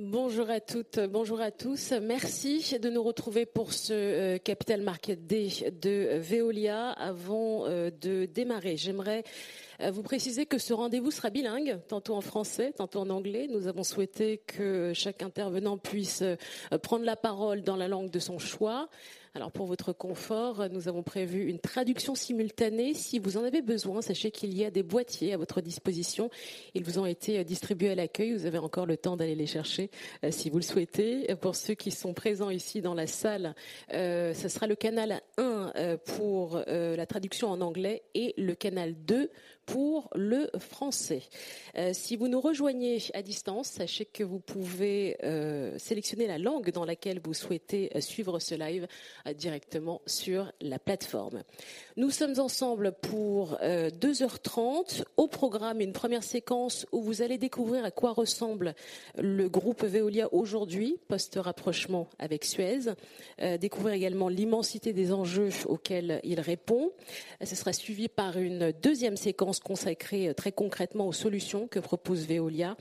Bonjour à toutes, bonjour à tous. Merci de nous retrouver pour ce Capital Market Day de Veolia. Avant de démarrer, j'aimerais vous préciser que ce rendez-vous sera bilingue, tantôt en français, tantôt en anglais. Nous avons souhaité que chaque intervenant puisse prendre la parole dans la langue de son choix. Alors, pour votre confort, nous avons prévu une traduction simultanée. Si vous en avez besoin, sachez qu'il y a des boîtiers à votre disposition. Ils vous ont été distribués à l'accueil. Vous avez encore le temps d'aller les chercher si vous le souhaitez. Pour ceux qui sont présents ici dans la salle, ce sera le canal 1 pour la traduction en anglais et le canal 2 pour le français. Si vous nous rejoignez à distance, sachez que vous pouvez sélectionner la langue dans laquelle vous souhaitez suivre ce live directement sur la plateforme. Nous sommes ensemble pour two hours 30 minutes. Au programme, a first sequence où vous allez découvrir à quoi ressemble le groupe Veolia aujourd'hui, post-rapprochement avec Suez. Découvrir également l'immensité des enjeux auxquels il répond. Ce sera suivi par a second sequence consacrée très concrètement aux solutions que propose Veolia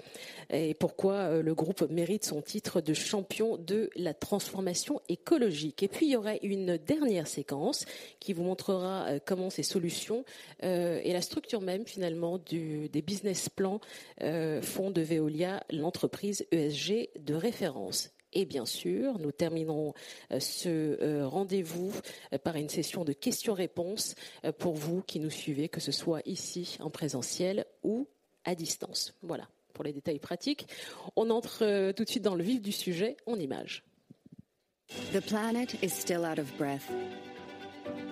et pourquoi le groupe mérite son titre de champion de la transformation écologique. Il y aura une dernière sequence qui vous montrera comment ces solutions et la structure même, finalement, du, des business plans, font de Veolia l'entreprise ESG de référence. Nous terminerons ce rendez-vous par une session de questions-réponses pour vous qui nous suivez, que ce soit ici, en présentiel ou à distance. Voilà pour les détails pratiques. On entre tout de suite dans le vif du sujet, en images. The planet is still out of breath.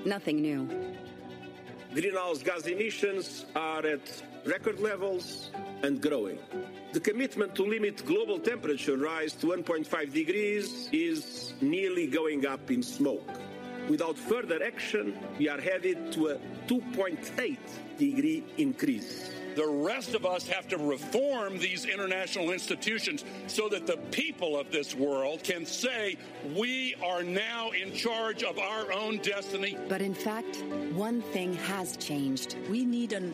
Nothing new. Greenhouse gas emissions are at record levels and growing. The commitment to limit global temperature rise to 1.5 degrees is nearly going up in smoke. Without further action, we are headed to a 2.8 degree increase. The rest of us have to reform these international institutions so that the people of this world can say we are now in charge of our own destiny. In fact, one thing has changed. We need an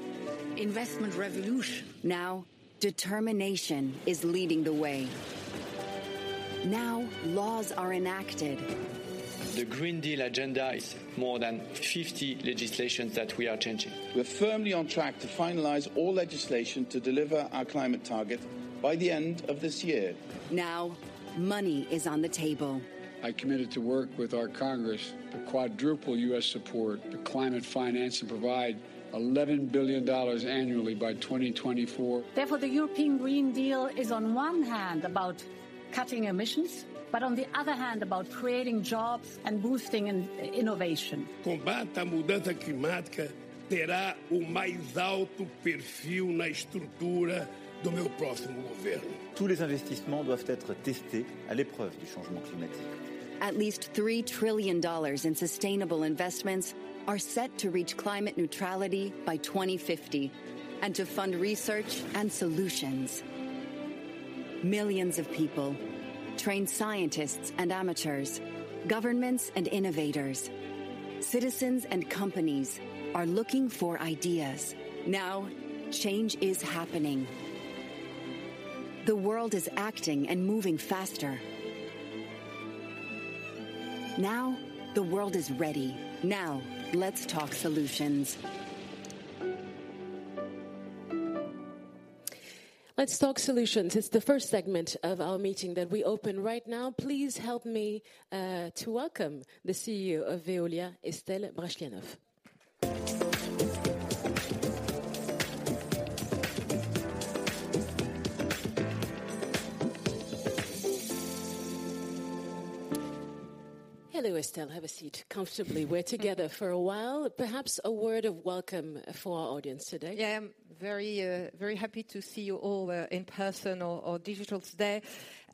investment revolution. Now, determination is leading the way. Now, laws are enacted. The Green Deal agenda is more than 50 legislations that we are changing. We're firmly on track to finalize all legislation to deliver our climate target by the end of this year. Money is on the table. I committed to work with our Congress to quadruple U.S. support to climate finance and provide $11 billion annually by 2024. Therefore, the European Green Deal is on one hand about cutting emissions, but on the other hand, about creating jobs and boosting innovation. Combat à mudança climática terá o mais alto perfil na estrutura do meu próximo governo. Tous les investissements doivent être testés à l'épreuve du changement climatique. At least $3 trillion in sustainable investments are set to reach climate neutrality by 2050 and to fund research and solutions. Millions of people, trained scientists and amateurs, governments and innovators, citizens and companies are looking for ideas. Change is happening. The world is acting and moving faster. The world is ready. Let's talk solutions. Let's talk solutions. It's the first segment of our meeting that we open right now. Please help me to welcome the CEO of Veolia, Estelle Brachlianoff. Hello, Estelle. Have a seat comfortably. We're together for a while. Perhaps a word of welcome for our audience today. I'm very happy to see you all in person or digital today.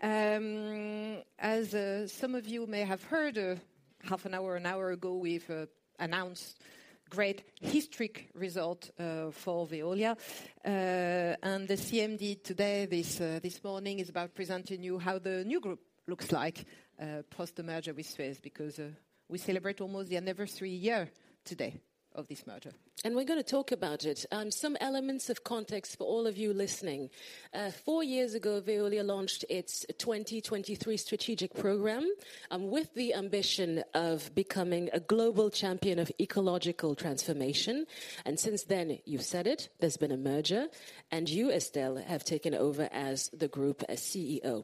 As some of you may have heard, half an hour, an hour ago, we've announced great historic result for Veolia. The CMD today, this morning, is about presenting you how the new group looks like, post the merger with Suez, because we celebrate almost the anniversary year today of this merger. We're going to talk about it. Some elements of context for all of you listening. Four years ago, Veolia launched its 2023 strategic program, with the ambition of becoming a global champion of ecological transformation. Since then, you've said it, there's been a merger, and you, Estelle, have taken over as the group CEO.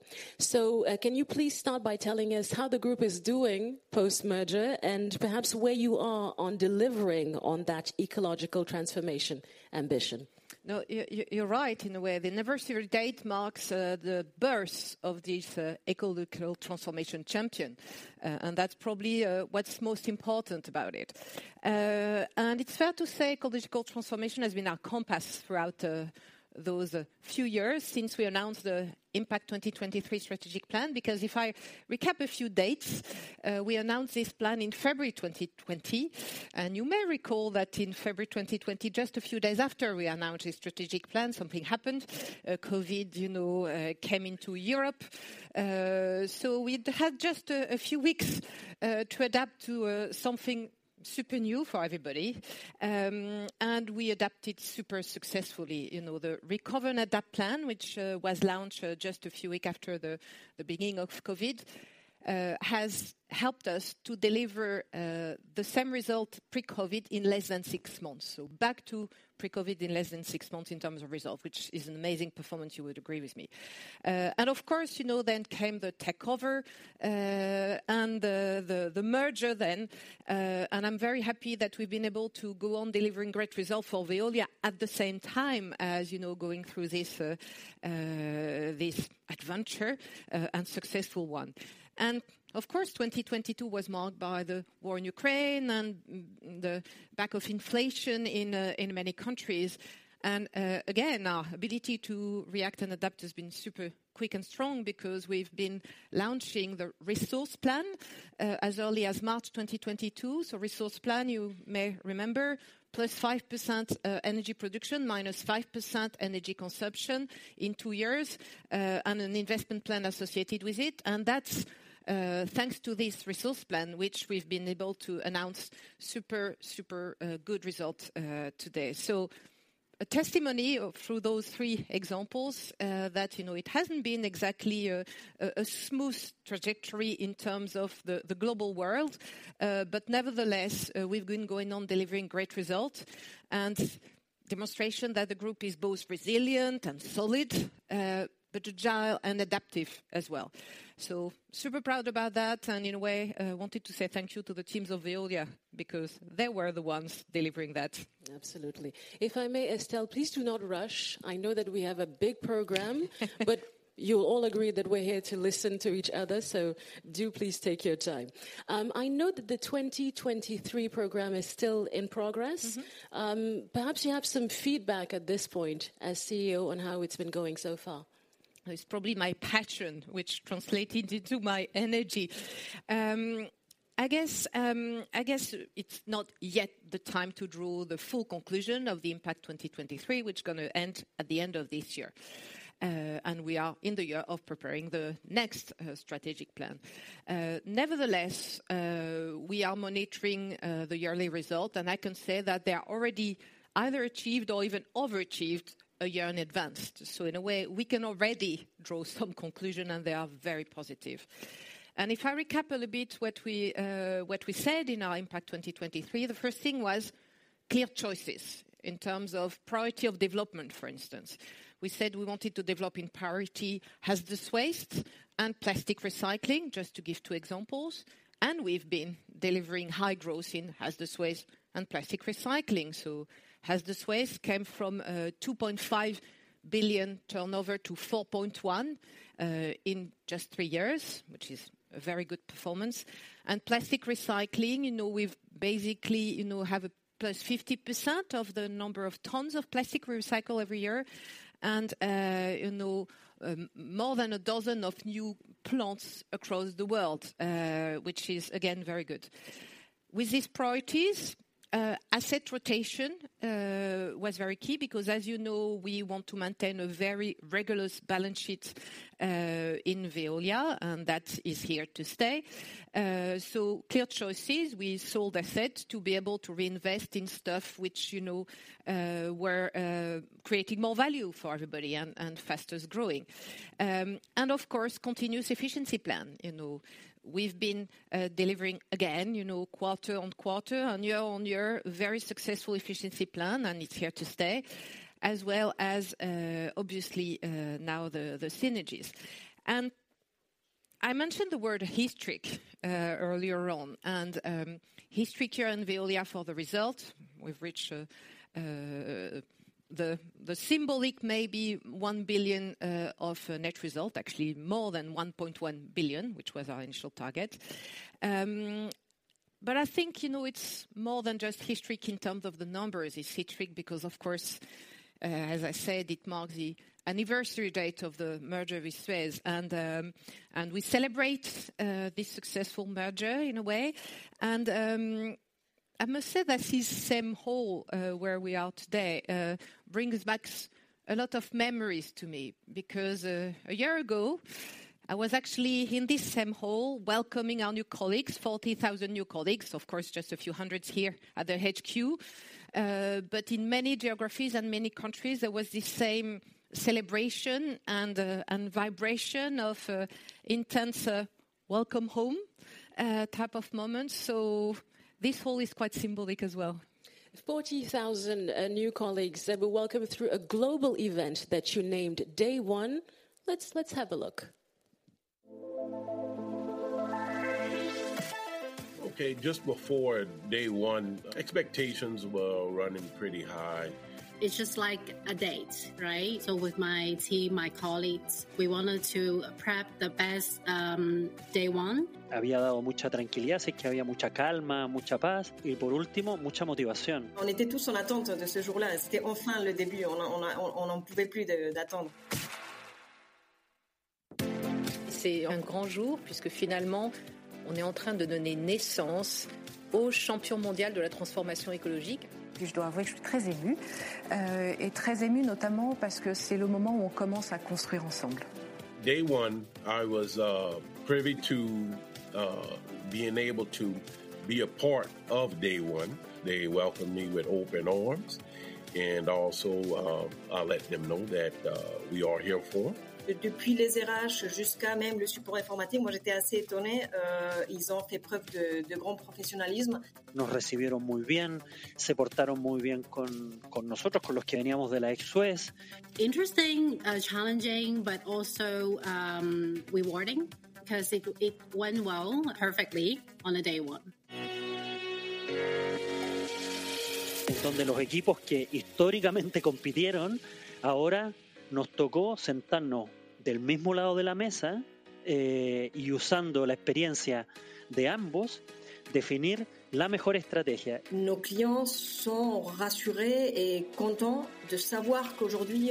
Can you please start by telling us how the group is doing post-merger and perhaps where you are on delivering on that ecological transformation ambition? No, you're right in a way. The anniversary date marks the birth of this ecological transformation champion, and that's probably what's most important about it. It's fair to say ecological transformation has been our compass throughout those few years since we announced the Impact 2023 strategic plan. If I recap a few dates, we announced this plan in February 2020. You may recall that in February 2020, just a few days after we announced this strategic plan, something happened. COVID, you know, came into Europe. We had just a few weeks to adapt to something super new for everybody. We adapted super successfully. You know, the Recover and Adapt plan, which was launched just a few weeks after the beginning of COVID, has helped us to deliver the same result pre-COVID in less than six months. Back to pre-COVID in less than six months in terms of results, which is an amazing performance, you would agree with me. Of course, you know, then came the takeover and the merger then. I'm very happy that we've been able to go on delivering great results for Veolia at the same time as, you know, going through this adventure and successful one. Of course, 2022 was marked by the war in Ukraine and the back of inflation in many countries. Again, our ability to react and adapt has been super-quick and strong because we've been launching the resource plan as early as March 2022. Resource plan, you may remember, +5% energy production, -5% energy consumption in 2 years and an investment plan associated with it. That's thanks to this resource plan which we've been able to announce super good results today. A testimony through those 3 examples that, you know, it hasn't been exactly a smooth trajectory in terms of the global world, but nevertheless, we've been going on delivering great results and demonstration that the group is both resilient and solid, but agile and adaptive as well. Super proud about that, and in a way I wanted to say thank you to the teams of Veolia, because they were the ones delivering that. Absolutely. If I may, Estelle, please do not rush. I know that we have a big program. You'll all agree that we're here to listen to each other, so do please take your time. I know that the 2023 program is still in progress. Mm-hmm. Perhaps you have some feedback at this point as CEO on how it's been going so far. It's probably my passion which translated into my energy. I guess it's not yet the time to draw the full conclusion of the Impact 2023, which gonna end at the end of this year. We are in the year of preparing the next strategic plan. Nevertheless, we are monitoring the yearly result, and I can say that they are already either achieved or even overachieved a year in advance. In a way, we can already draw some conclusion, and they are very positive. If I recap a little bit what we said in our Impact 2023, the first thing was clear choices in terms of priority of development, for instance. We said we wanted to develop in priority hazardous waste and plastic recycling, just to give two examples, and we've been delivering high growth in hazardous waste and plastic recycling. Hazardous waste came from 2.5 billion turnover to 4.1 billion in just 3 years, which is a very good performance. Plastic recycling, you know, we've basically, you know, have a +50% of the number of tons of plastic we recycle every year and, you know, more than a dozen of new plants across the world, which is again, very good. With these priorities, asset rotation was very key because as you know, we want to maintain a very rigorous balance sheet in Veolia, and that is here to stay. Clear choices, we sold asset to be able to reinvest in stuff which, you know, were creating more value for everybody and faster is growing. Of course, continuous efficiency plan. You know, we've been delivering again, you know, quarter-on-quarter, year-on-year, very successful efficiency plan, and it's here to stay, as well as, obviously, now the synergies. I mentioned the word historic earlier on, and historic here in Veolia for the result. We've reached the symbolic maybe 1 billion of net result, actually more than 1.1 billion, which was our initial target. But I think, you know, it's more than just historic in terms of the numbers. It's historic because of course, as I said, it marks the anniversary date of the merger with Suez, and we celebrate this successful merger in a way. I must say that this same hall, where we are today, brings back a lot of memories to me because a year ago, I was actually in this same hall welcoming our new colleagues, 40,000 new colleagues. Of course, just a few hundreds here at the HQ. But in many geographies and many countries, there was the same celebration and vibration of intense welcome home type of moment. This hall is quite symbolic as well. 40,000 new colleagues that were welcomed through a global event that you named Day One. Let's have a look. Okay. Just before Day One, expectations were running pretty high. It's just like a date, right? With my team, my colleagues, we wanted to prep the best Day One. Day One, I was privy to being able to be a part of Day One. They welcomed me with open arms and also, I let them know that we are here for them. Interesting, challenging, but also, rewarding because it went well, perfectly on a Day One. En donde los equipos que históricamente compitieron, ahora nos tocó sentarnos del mismo lado de la mesa, y usando la experiencia de ambos, definir la mejor estrategia. Nos clients sont rassurés et contents de savoir qu'aujourd'hui,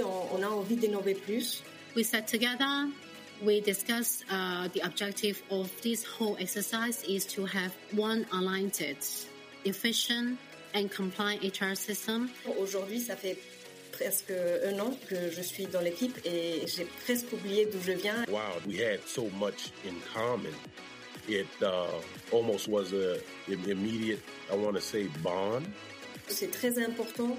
on a envie d'innover plus. We sat together, we discussed, the objective of this whole exercise is to have one aligned, efficient and compliant HR system. Aujourd'hui, ça fait presque un an que je suis dans l'équipe et j'ai presque oublié d'où je viens. Wow, we had so much in common. It almost was an immediate, I want to say, bond. C'est très important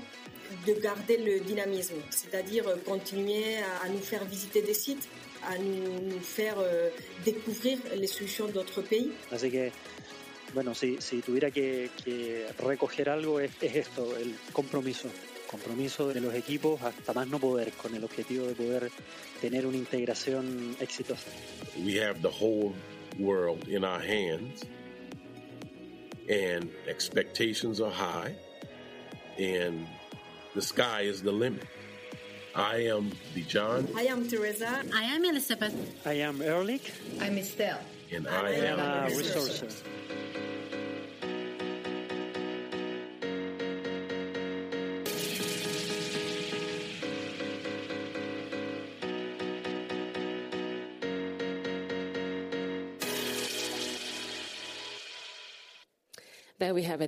de garder le dynamisme, c'est-à-dire continuer à nous faire visiter des sites, à nous faire découvrir les solutions d'autres pays. bueno, si tuviera que recoger algo, es esto, el compromiso. Compromiso de los equipos hasta más no poder, con el objetivo de poder tener una integración exitosa. We have the whole world in our hands, and expectations are high, and the sky is the limit. I am Dejon. I am Theresa. I am Elisabeth. I am Ehrlich. I'm Estelle. I am Resources. There we have it, this snapshot of the Day One event. Isabelle Calvez has joined us and I'm going to switch to French for a bit to get the feedback of HR on this integration process. Alors Isabelle,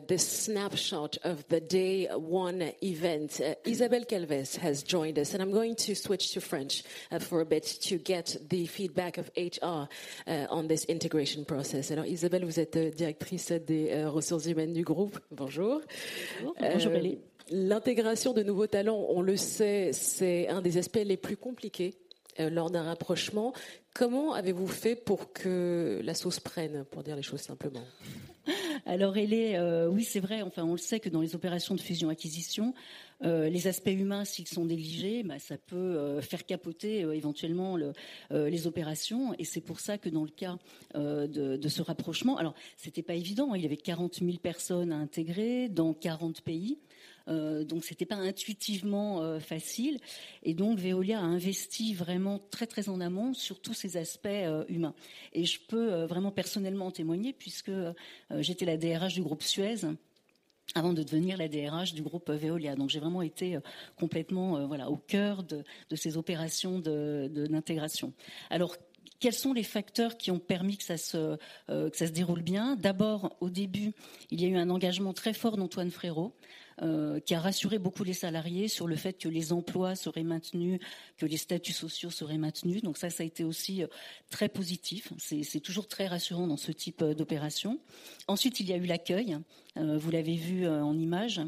vous êtes Directrice des Ressources Humaines du Groupe. Bonjour. Bonjour. L'intégration de nouveaux talents, on le sait, c'est un des aspects les plus compliqués lors d'un rapprochement. Comment avez-vous fait pour que la sauce prenne, pour dire les choses simplement? Élé, oui, c'est vrai. Enfin, on le sait que dans les opérations de fusion-acquisition, les aspects humains, s'ils sont négligés, ça peut faire capoter éventuellement les opérations. C'est pour ça que dans le cas de ce rapprochement, c'était pas évident. Il y avait 40,000 personnes à intégrer dans 40 pays, c'était pas intuitivement facile. Veolia a investi vraiment très très en amont sur tous ces aspects humains. Je peux vraiment personnellement en témoigner puisque j'étais la DRH du groupe Suez avant de devenir la DRH du groupe Veolia. J'ai vraiment été complètement, voilà, au cœur de ces opérations d'intégration. Quels sont les facteurs qui ont permis que ça se déroule bien? D'abord, au début, il y a eu un engagement très fort d'Antoine Frérot, qui a rassuré beaucoup les salariés sur le fait que les emplois seraient maintenus, que les statuts sociaux seraient maintenus. Donc ça a été aussi très positif. C'est toujours très rassurant dans ce type d'opération. Ensuite, il y a eu l'accueil, vous l'avez vu en image.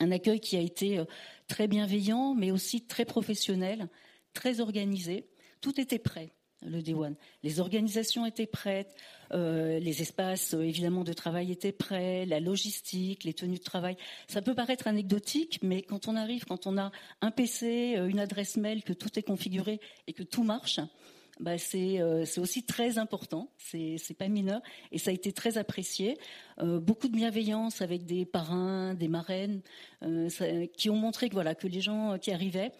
Un accueil qui a été très bienveillant, mais aussi très professionnel, très organisé. Tout était prêt le Day One. Les organisations étaient prêtes, les espaces, évidemment, de travail étaient prêts, la logistique, les tenues de travail. Ça peut paraître anecdotique, mais quand on arrive, quand on a un PC, une adresse mail, que tout est configuré et que tout marche, ben c'est aussi très important. C'est pas mineur et ça a été très apprécié. Beaucoup de bienveillance avec des parrains, des marraines, qui ont montré que les gens qui arrivaient,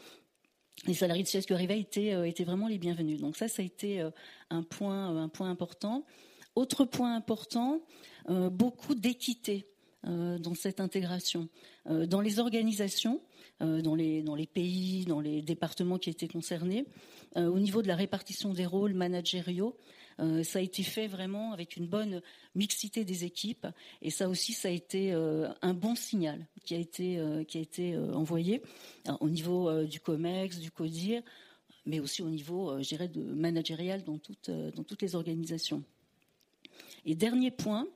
les salariés de Suez qui arrivaient étaient vraiment les bienvenus. Ça, ça a été un point important. Autre point important, beaucoup d'équité dans cette intégration. Dans les organisations, dans les pays, dans les départements qui étaient concernés, au niveau de la répartition des rôles managériaux, ça a été fait vraiment avec une bonne mixité des équipes. Ça aussi, ça a été un bon signal qui a été envoyé au niveau du Comex, du Codir, mais aussi au niveau, je dirais, managérial dans toutes les organisations. Dernier point,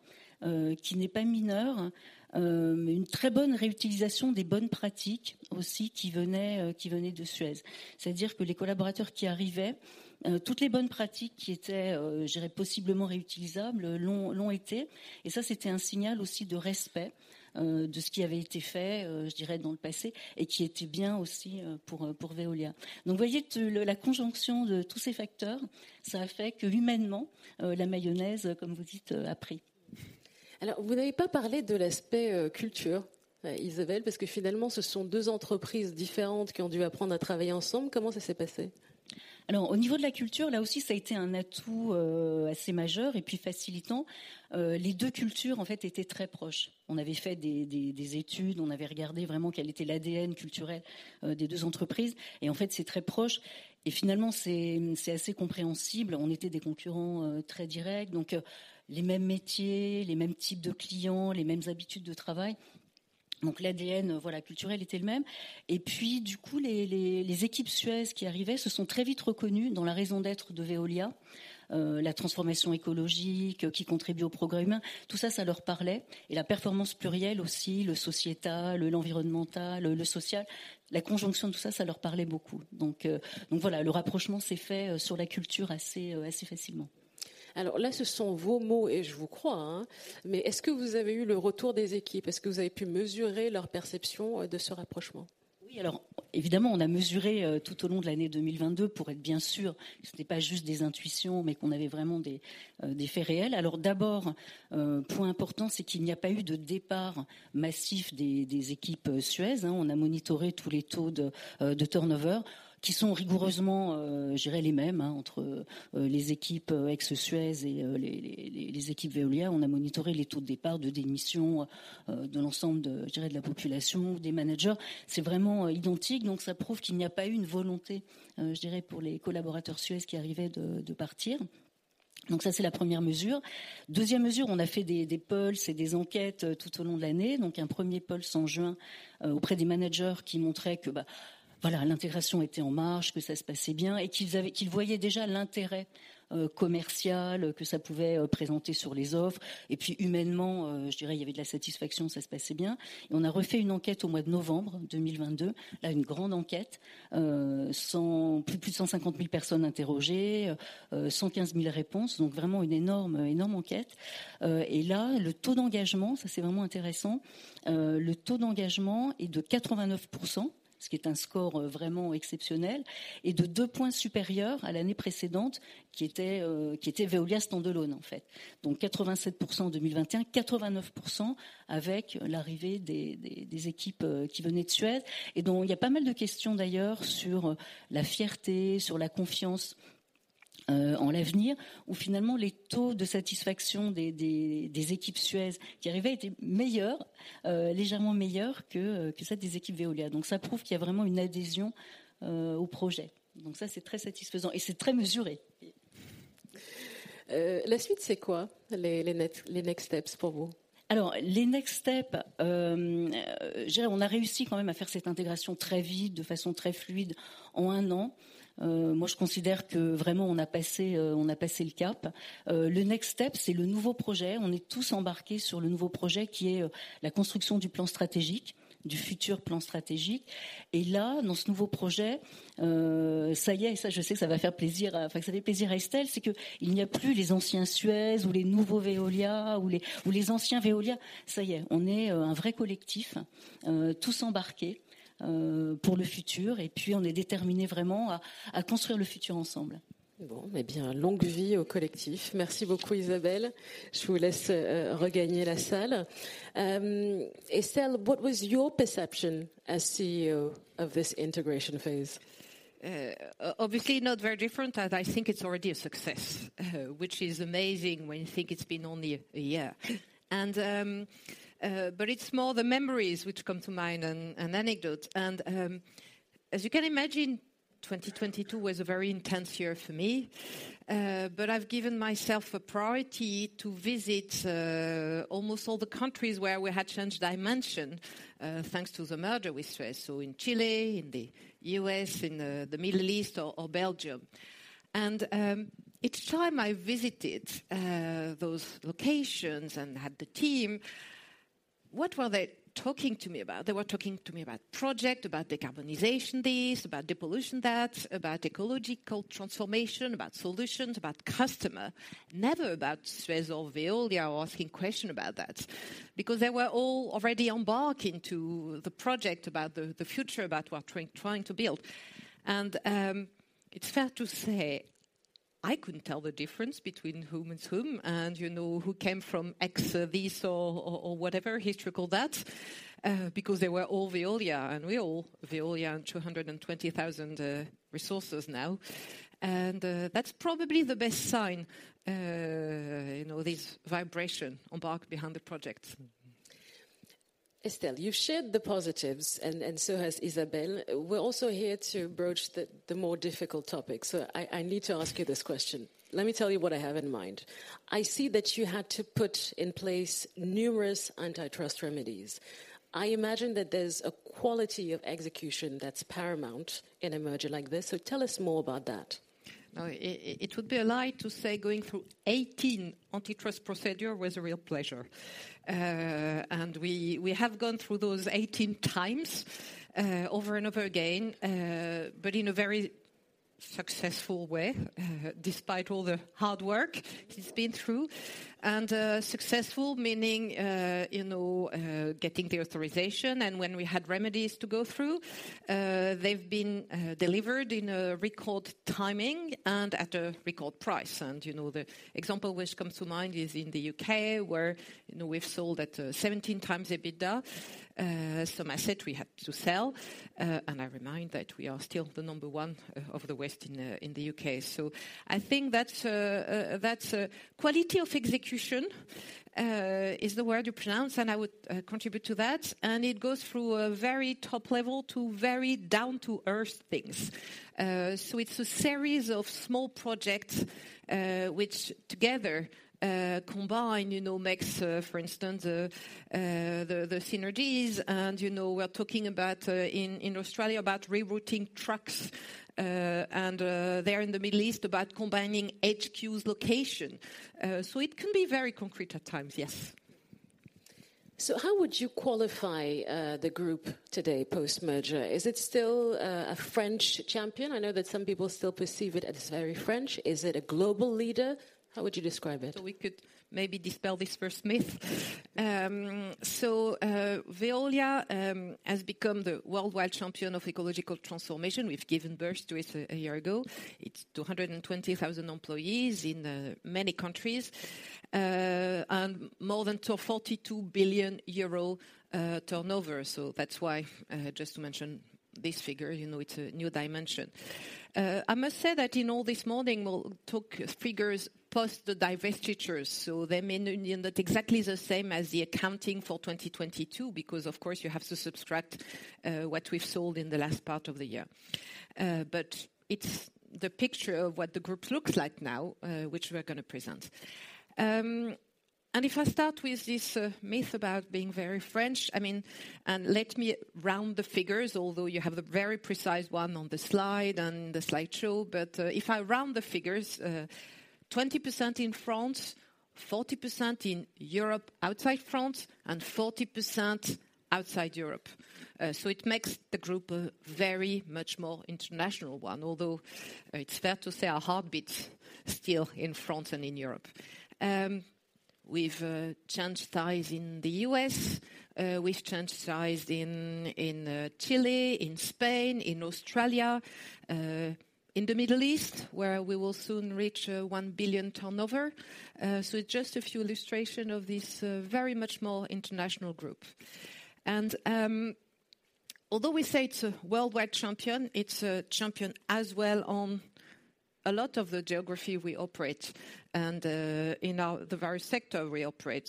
qui n'est pas mineur, une très bonne réutilisation des bonnes pratiques aussi qui venaient de Suez. C'est-à-dire que les collaborateurs qui arrivaient, toutes les bonnes pratiques qui étaient, je dirais, possiblement réutilisables l'ont été. Ça, c'était un signal aussi de respect de ce qui avait été fait, je dirais, dans le passé et qui était bien aussi pour Veolia. Vous voyez que la conjonction de tous ces facteurs, ça a fait qu'humainement, la mayonnaise, comme vous dites, a pris. Vous n'avez pas parlé de l'aspect culture, Isabelle, parce que finalement, ce sont deux entreprises différentes qui ont dû apprendre à travailler ensemble. Comment ça s'est passé? Au niveau de la culture, là aussi, ça a été un atout assez majeur et puis facilitant. Les deux cultures, en fait, étaient très proches. On avait fait des études, on avait regardé vraiment quel était l'ADN culturel des deux entreprises. En fait, c'est très proche. Finalement, c'est assez compréhensible. On était des concurrents très directs, donc les mêmes métiers, les mêmes types de clients, les mêmes habitudes de travail. Donc l'ADN, voilà, culturel était le même. Du coup, les équipes Suez qui arrivaient se sont très vite reconnues dans la raison d'être de Veolia, la transformation écologique qui contribue au progrès humain. Tout ça leur parlait. La performance plurielle aussi, le sociétal, l'environnemental, le social, la conjonction de tout ça leur parlait beaucoup. Voilà, le rapprochement s'est fait sur la culture assez facilement. Alors là, ce sont vos mots et je vous crois hein. Mais est-ce que vous avez eu le retour des équipes? Est-ce que vous avez pu mesurer leur perception de ce rapprochelement? Oui, évidemment, on a mesuré tout au long de l'année 2022 pour être bien sûr que ce n'était pas juste des intuitions, mais qu'on avait vraiment des faits réels. D'abord, point important, c'est qu'il n'y a pas eu de départ massif des équipes Suez, hein. On a monitoré tous les taux de turnover qui sont rigoureusement, je dirais, les mêmes, hein, entre les équipes ex-Suez et les équipes Veolia. On a monitoré les taux de départ, de démission, de l'ensemble de, je dirais, de la population, des managers. C'est vraiment identique. Ça prouve qu'il n'y a pas eu une volonté, je dirais, pour les collaborateurs Suez qui arrivaient de partir. Ça, c'est la première mesure. Deuxième mesure, on a fait des pulses et des enquêtes tout au long de l'année. Un premier pulse en June auprès des managers qui montrait que, voilà, l'intégration était en marche, que ça se passait bien et qu'ils voyaient déjà l'intérêt commercial que ça pouvait présenter sur les offres. Humainement, je dirais, il y avait de la satisfaction, ça se passait bien. On a refait une enquête au mois de November 2022. Là, une grande enquête, plus de 150,000 personnes interrogées, 115,000 réponses. Vraiment une énorme enquête. Là, le taux d'engagement, ça, c'est vraiment intéressant, le taux d'engagement est de 89%, ce qui est un score vraiment exceptionnel, et de 2 points supérieurs à l'année précédente, qui était Veolia standalone, en fait. 87% en 2021, 89% avec l'arrivée des équipes qui venaient de Suez. Y a pas mal de questions d'ailleurs sur la fierté, sur la confiance en l'avenir, où finalement, les taux de satisfaction des équipes Suez qui arrivaient étaient meilleurs, légèrement meilleurs que ceux des équipes Veolia. Ça prouve qu'il y a vraiment une adhésion au projet. Ça, c'est très satisfaisant et c'est très mesuré. La suite, c'est quoi les next steps pour vous? Les next steps, je dirais, on a réussi quand même à faire cette intégration très vite, de façon très fluide en un an. Moi, je considère que vraiment, on a passé, on a passé le cap. Le next step, c'est le nouveau projet. On est tous embarqués sur le nouveau projet qui est la construction du plan stratégique, du futur plan stratégique. Dans ce nouveau projet, ça y est, et ça, je sais que ça fait plaisir à Estelle, c'est qu'il n'y a plus les anciens Suez ou les nouveaux Veolia ou les anciens Veolia. Ça y est, on est un vrai collectif, tous embarqués pour le futur. On est déterminés vraiment à construire le futur ensemble. Bon bien, longue vie au collectif. Merci beaucoup, Isabelle Calvez. Je vous laisse regagner la salle. Estelle Brachlianoff, what was your perception as CEO of this integration phase? Obviously, not very different as I think it's already a success, which is amazing when you think it's been only 1 year. But it's more the memories which come to mind and anecdotes. As you can imagine, 2022 was a very intense year for me, but I've given myself a priority to visit almost all the countries where we had changed dimension thanks to the merger with Suez. In Chile, in the U.S., in the Middle East or Belgium. Each time I visited those locations and had the team, what were they talking to me about? They were talking to me about project, about decarbonization this, about depollution that, about ecological transformation, about solutions, about customer. Never about Suez or Veolia or asking question about that because they were all already embarking to the project about the future, about what we're trying to build. It's fair to say I couldn't tell the difference between whom is whom and, you know, who came from ex this or whatever historical that because they were all Veolia, and we're all Veolia and 220,000 resources now. That's probably the best sign, you know, this vibration embarked behind the project. Estelle, you've shared the positives and so has Isabelle. We're also here to broach the more difficult topics. I need to ask you this question. Let me tell you what I have in mind. I see that you had to put in place numerous antitrust remedies. I imagine that there's a quality of execution that's paramount in a merger like this. Tell us more about that. No, it would be a lie to say going through 18 antitrust procedure was a real pleasure. We have gone through those 18 times, over and over again, but in a very successful way, despite all the hard work it's been through. Successful meaning, you know, getting the authorization, and when we had remedies to go through, they've been delivered in a record timing and at a record price. You know, the example which comes to mind is in the UK where, you know, we've sold at 17 times EBITDA, some asset we had to sell. I remind that we are still the number one of the West in the UK. I think that's that's quality of execution is the word you pronounce, and I would contribute to that. It goes through a very top level to very down-to-earth things. It's a series of small projects which together combine, you know, makes for instance the synergies. You know, we're talking about in Australia about rerouting trucks and there in the Middle East about combining HQ's location. It can be very concrete at times, yes. How would you qualify the group today post-merger? Is it still a French champion? I know that some people still perceive it as very French. Is it a global leader? How would you describe it? We could maybe dispel this first myth. Veolia has become the worldwide champion of ecological transformation. We've given birth to it a year ago. It's 220,000 employees in many countries and more than 24 to 2 billion turnover. That's why, just to mention this figure, you know, it's a new dimension. I must say that in all this morning, we'll talk figures post the divestitures, so they may not exactly the same as the accounting for 2022, because of course, you have to subtract what we've sold in the last part of the year. It's the picture of what the group looks like now, which we're gonna present. If I start with this myth about being very French, I mean, let me round the figures, although you have a very precise one on the slide and the slideshow. If I round the figures, 20% in France, 40% in Europe, outside France, and 40% outside Europe. It makes the group a very much more international one, although it's fair to say our heartbeat's still in France and in Europe. We've changed size in the U.S., we've changed size in Chile, in Spain, in Australia, in the Middle East, where we will soon reach 1 billion turnover. Just a few illustration of this very much more international group. Although we say it's a worldwide champion, it's a champion as well on a lot of the geography we operate and in the various sector we operate.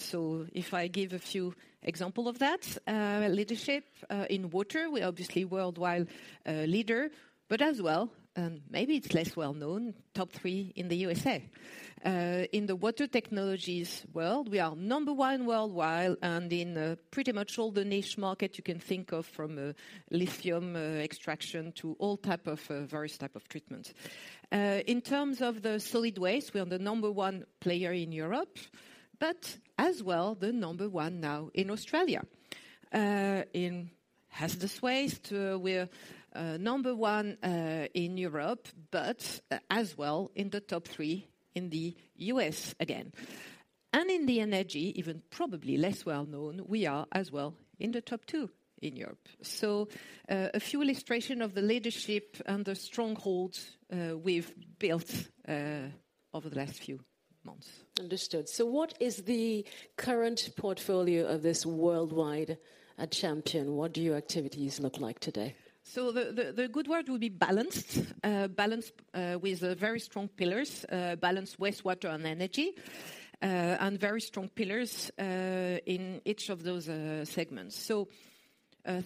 If I give a few example of that leadership, in water, we're obviously worldwide leader, but as well, and maybe it's less well known, top 3 in the USA. In the water technologies world, we are number 1 worldwide and in pretty much all the niche market you can think of from lithium extraction to all type of various type of treatment. In terms of the solid waste, we are the number 1 player in Europe, but as well, the number 1 now in Australia. In Hazardous Waste, we're number 1 in Europe, but as well in the top 3 in the U.S. again. In the energy, even probably less well known, we are as well in the top 2 in Europe. A few illustration of the leadership and the strongholds we've built over the last few months. Understood. What is the current portfolio of this worldwide champion? What do your activities look like today? The good word would be balanced. Balanced with very strong pillars, balanced wastewater and energy, and very strong pillars in each of those segments.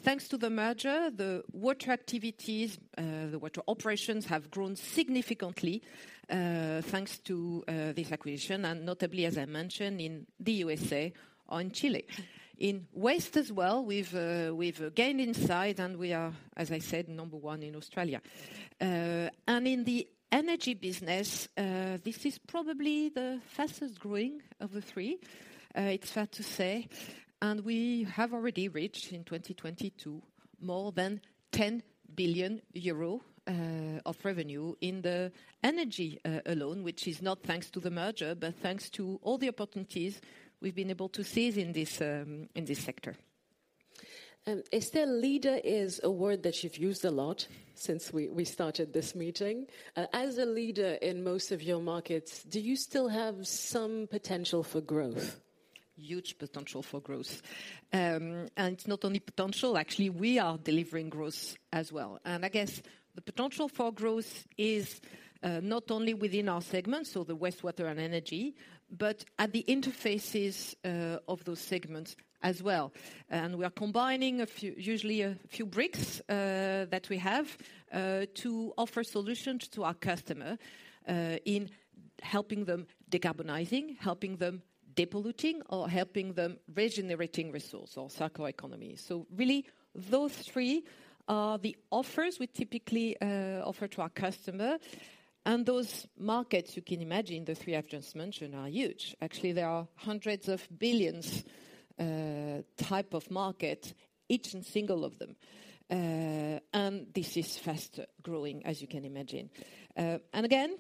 Thanks to the merger, the water activities, the water operations have grown significantly thanks to this acquisition and notably, as I mentioned, in the USA or in Chile. In waste as well, we've gained in size and we are, as I said, number 1 in Australia. And in the energy business, this is probably the fastest growing of the 3, it's fair to say. We have already reached in 2022 more than 10 billion euro of revenue in the energy alone, which is not thanks to the merger, but thanks to all the opportunities we've been able to seize in this sector. Estelle, leader is a word that you've used a lot since we started this meeting. As a leader in most of your markets, do you still have some potential for growth? Huge potential for growth. It's not only potential, actually, we are delivering growth as well. I guess the potential for growth is not only within our segments, so the wastewater and energy, but at the interfaces of those segments as well. We are combining usually a few bricks that we have to offer solutions to our customer in helping them decarbonizing, helping them depolluting, or helping them regenerating resource or circle economy. Really those three are the offers we typically offer to our customer. Those markets, you can imagine, the three I've just mentioned, are huge. Actually, they are hundreds of billions EUR type of market, each and single of them. This is fast growing, as you can imagine. Again,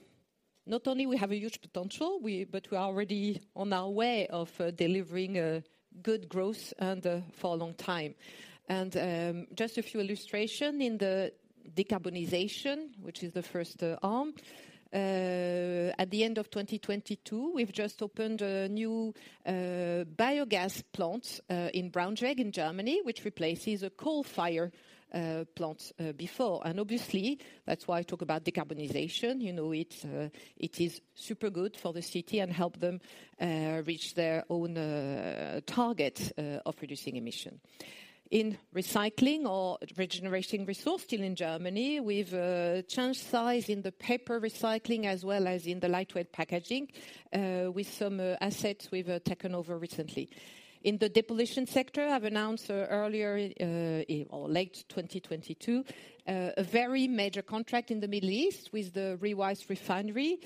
not only we have a huge potential, but we are already on our way of delivering a good growth for a long time. Just a few illustration in the decarbonization, which is the first arm. At the end of 2022, we've just opened a new biogas plant in Braunschweig in Germany, which replaces a coal fire plant before. Obviously, that's why I talk about decarbonization. You know, it's it is super good for the city and help them reach their own target of reducing emission. In recycling or regenerating resource, still in Germany, we've changed size in the paper recycling as well as in the lightweight packaging with some assets we've taken over recently. In the depollution sector, I've announced earlier, or late 2022, a very major contract in the Middle East with the Ruwais refinery,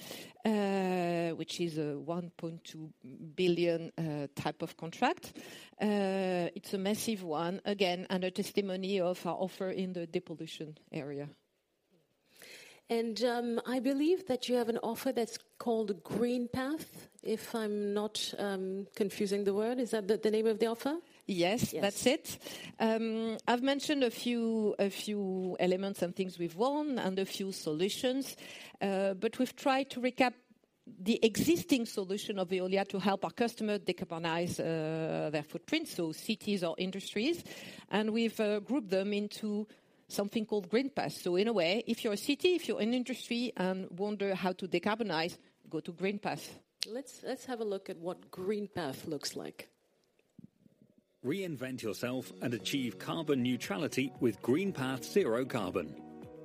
which is a 1.2 billion type of contract. It's a massive one, again, and a testimony of our offer in the depollution area. I believe that you have an offer that's called GreenPath, if I'm not confusing the word. Is that the name of the offer? Yes. Yes. That's it. I've mentioned a few, a few elements and things we've won and a few solutions. We've tried to recap the existing solution of Veolia to help our customer decarbonize their footprints, so cities or industries. We've grouped them into something called GreenPath. In a way, if you're a city, if you're an industry and wonder how to decarbonize, go to GreenPath. Let's have a look at what GreenPath looks like. Reinvent yourself and achieve carbon neutrality with GreenPath Zero Carbon.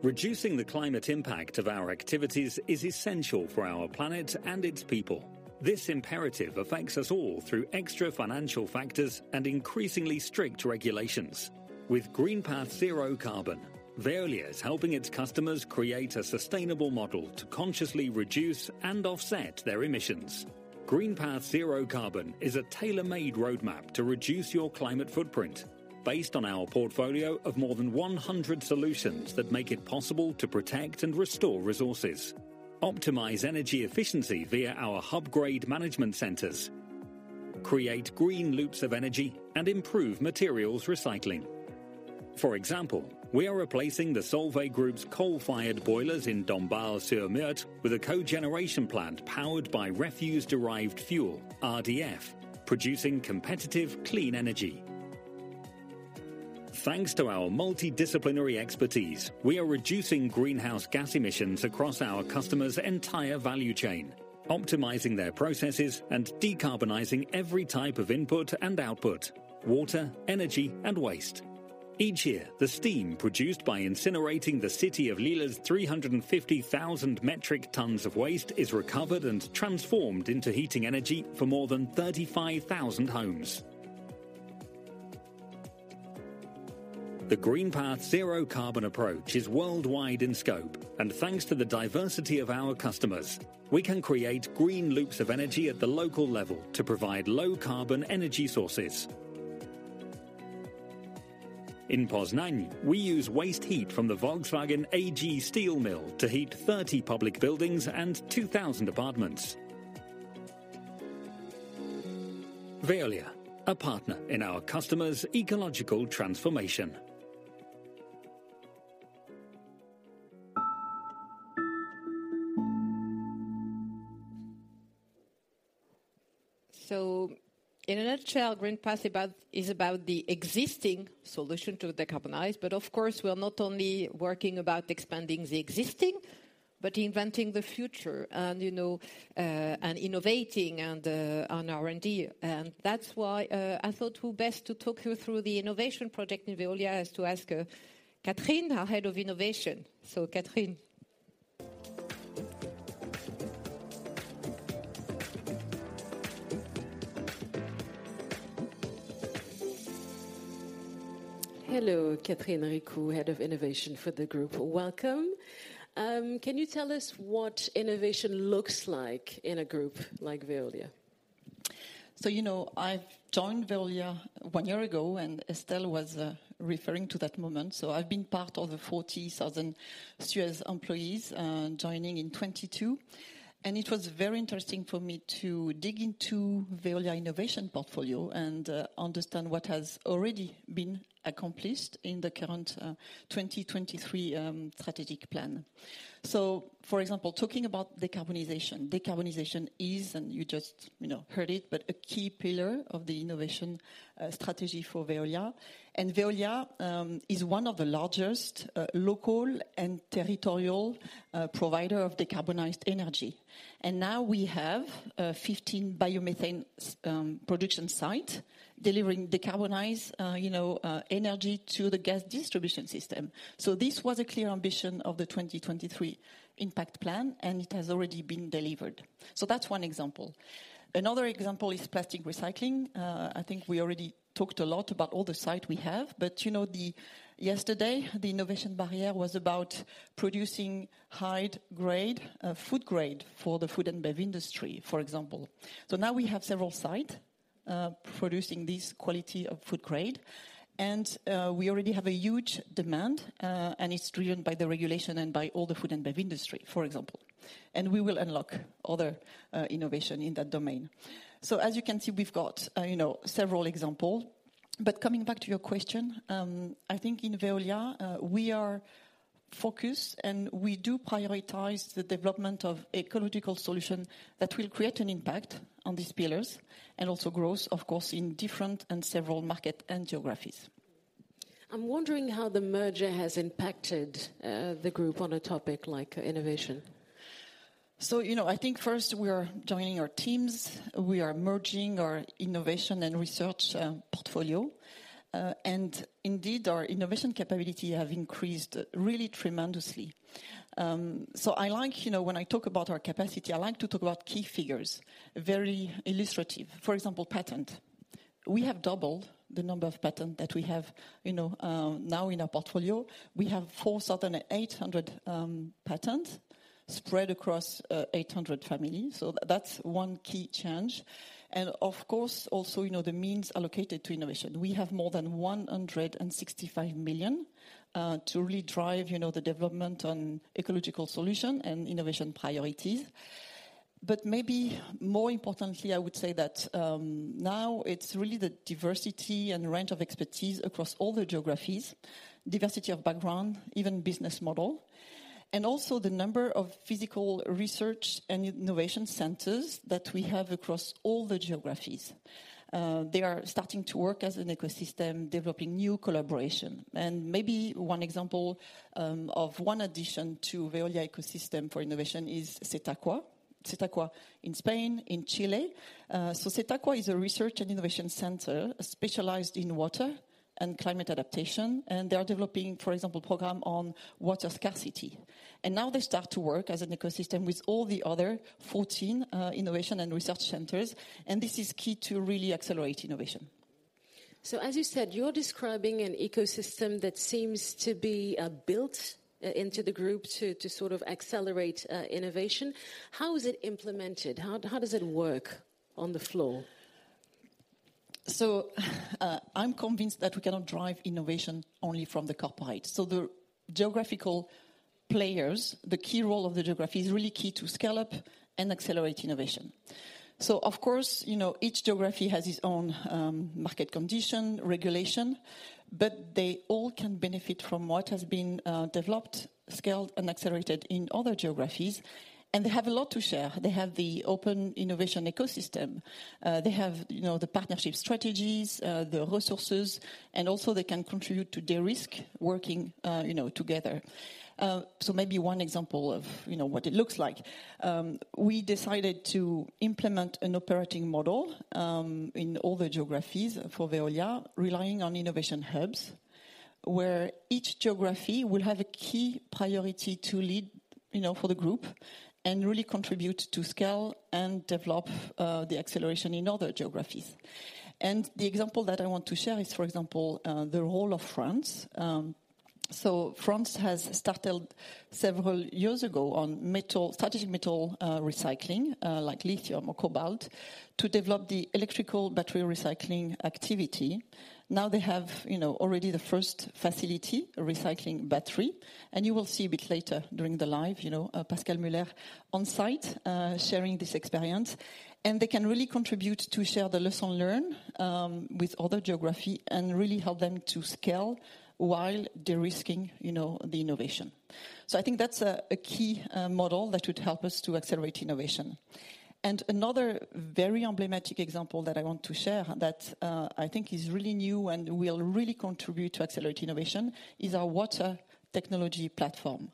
Reducing the climate impact of our activities is essential for our planet and its people. This imperative affects us all through extra financial factors and increasingly strict regulations. With GreenPath Zero Carbon, Veolia is helping its customers create a sustainable model to consciously reduce and offset their emissions. GreenPath Zero Carbon is a tailor-made roadmap to reduce your climate footprint based on our portfolio of more than 100 solutions that make it possible to protect and restore resources, optimize energy efficiency via our Hubgrade management centers, create green loops of energy, and improve materials recycling. For example, we are replacing the Solvay Group's coal-fired boilers in Dombasle-sur-Meurthe with a cogeneration plant powered by refuse-derived fuel, RDF, producing competitive clean energy. Thanks to our multidisciplinary expertise, we are reducing greenhouse gas emissions across our customers' entire value chain, optimizing their processes, and decarbonizing every type of input and output: water, energy, and waste. Each year, the steam produced by incinerating the city of Lille's 350,000 metric tons of waste is recovered and transformed into heating energy for more than 35,000 homes. The GreenPath Zero Carbon approach is worldwide in scope, and thanks to the diversity of our customers, we can create green loops of energy at the local level to provide low carbon energy sources. In Poznan, we use waste heat from the Volkswagen AG steel mill to heat 30 public buildings and 2,000 apartments. Veolia, a partner in our customers' ecological transformation. In a nutshell, GreenPath is about the existing solution to decarbonize, but of course, we're not only working about expanding the existing, but inventing the future and, you know, and innovating and on R&D. That's why I thought who best to talk you through the innovation project in Veolia is to ask Catherine, our Head of Innovation. Catherine. Hello, Catherine Ricou, Head of Innovation for the group. Welcome. Can you tell us what innovation looks like in a group like Veolia? You know, I've joined Veolia one year ago, and Estelle was referring to that moment. I've been part of the 40,000 Suez employees joining in 2022. It was very interesting for me to dig into Veolia innovation portfolio and understand what has already been accomplished in the current 2023 strategic plan. For example, talking about decarbonization. Decarbonization is, you just, you know, heard it, but a key pillar of the innovation strategy for Veolia. Veolia is one of the largest local and territorial provider of decarbonized energy. Now we have 15 biomethane production site delivering decarbonize, you know, energy to the gas distribution system. This was a clear ambition of the 2023 impact plan, and it has already been delivered. That's one example. Another example is plastic recycling. I think we already talked a lot about all the site we have, but you know, yesterday, the innovation barrier was about producing high grade, food grade for the food and bev industry, for example. Now we have several site producing this quality of food grade. We already have a huge demand, and it's driven by the regulation and by all the food and bev industry, for example. We will unlock other innovation in that domain. As you can see, we've got, you know, several example. Coming back to your question, I think in Veolia, we are focused, and we do prioritize the development of ecological solution that will create an impact on these pillars and also growth, of course, in different and several market and geographies. I'm wondering how the merger has impacted the group on a topic like innovation. You know, I think first we are joining our teams. We are merging our innovation and research portfolio. Indeed, our innovation capability have increased really tremendously. I like, you know, when I talk about our capacity, I like to talk about key figures, very illustrative. For example, patent. We have doubled the number of patent that we have, you know, now in our portfolio. We have 4,800 patents spread across 800 families. That's one key change. Of course, also, you know, the means allocated to innovation. We have more than 165 million to really drive, you know, the development on ecological solution and innovation priorities. Maybe more importantly, I would say that now it's really the diversity and range of expertise across all the geographies, diversity of background, even business model, and also the number of physical research and innovation centers that we have across all the geographies. They are starting to work as an ecosystem, developing new collaboration. Maybe one example of one addition to Veolia ecosystem for innovation is Stacqua. Stacqua in Spain, in Chile. Stacqua is a research and innovation center specialized in water and climate adaptation, and they are developing, for example, program on water scarcity. Now they start to work as an ecosystem with all the other 14 innovation and research centers, and this is key to really accelerate innovation. As you said, you're describing an ecosystem that seems to be built into the group to sort of accelerate innovation. How is it implemented? How does it work on the floor? I'm convinced that we cannot drive innovation only from the corporate. The geographical players, the key role of the geography is really key to scale up and accelerate innovation. Of course, you know, each geography has its own market condition, regulation, but they all can benefit from what has been developed, scaled, and accelerated in other geographies. They have a lot to share. They have the open innovation ecosystem. They have, you know, the partnership strategies, the resources, and also they can contribute to their risk working, you know, together. Maybe one example of, you know, what it looks like, we decided to implement an operating model in all the geographies for Veolia, relying on innovation hubs, where each geography will have a key priority to lead, you know, for the group and really contribute to scale and develop the acceleration in other geographies. The example that I want to share is, for example, the role of France. France has started several years ago on metal, strategic metal, recycling, like lithium or cobalt, to develop the electrical battery recycling activity. Now they have, you know, already the first facility recycling battery, and you will see a bit later during the live, you know, Pascal Muller on site, sharing this experience. They can really contribute to share the lesson learned with other geography and really help them to scale while de-risking, you know, the innovation. I think that's a key model that would help us to accelerate innovation. Another very emblematic example that I want to share that I think is really new and will really contribute to accelerate innovation is our water technology platform.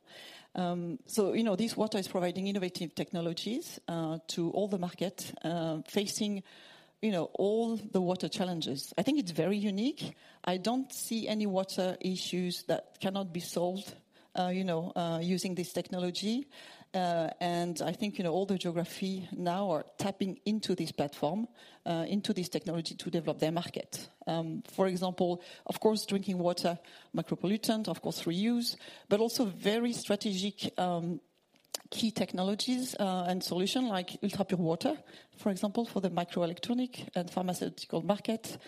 You know, this water is providing innovative technologies to all the market facing, you know, all the water challenges. I think it's very unique. I don't see any water issues that cannot be solved, you know, using this technology. I think, you know, all the geography now are tapping into this platform, into this technology to develop their market. For example, of course, drinking water micropollutant, of course, reuse, but also very strategic, key technologies and solution like ultrapure water, for example, for the microelectronic and pharmaceutical market,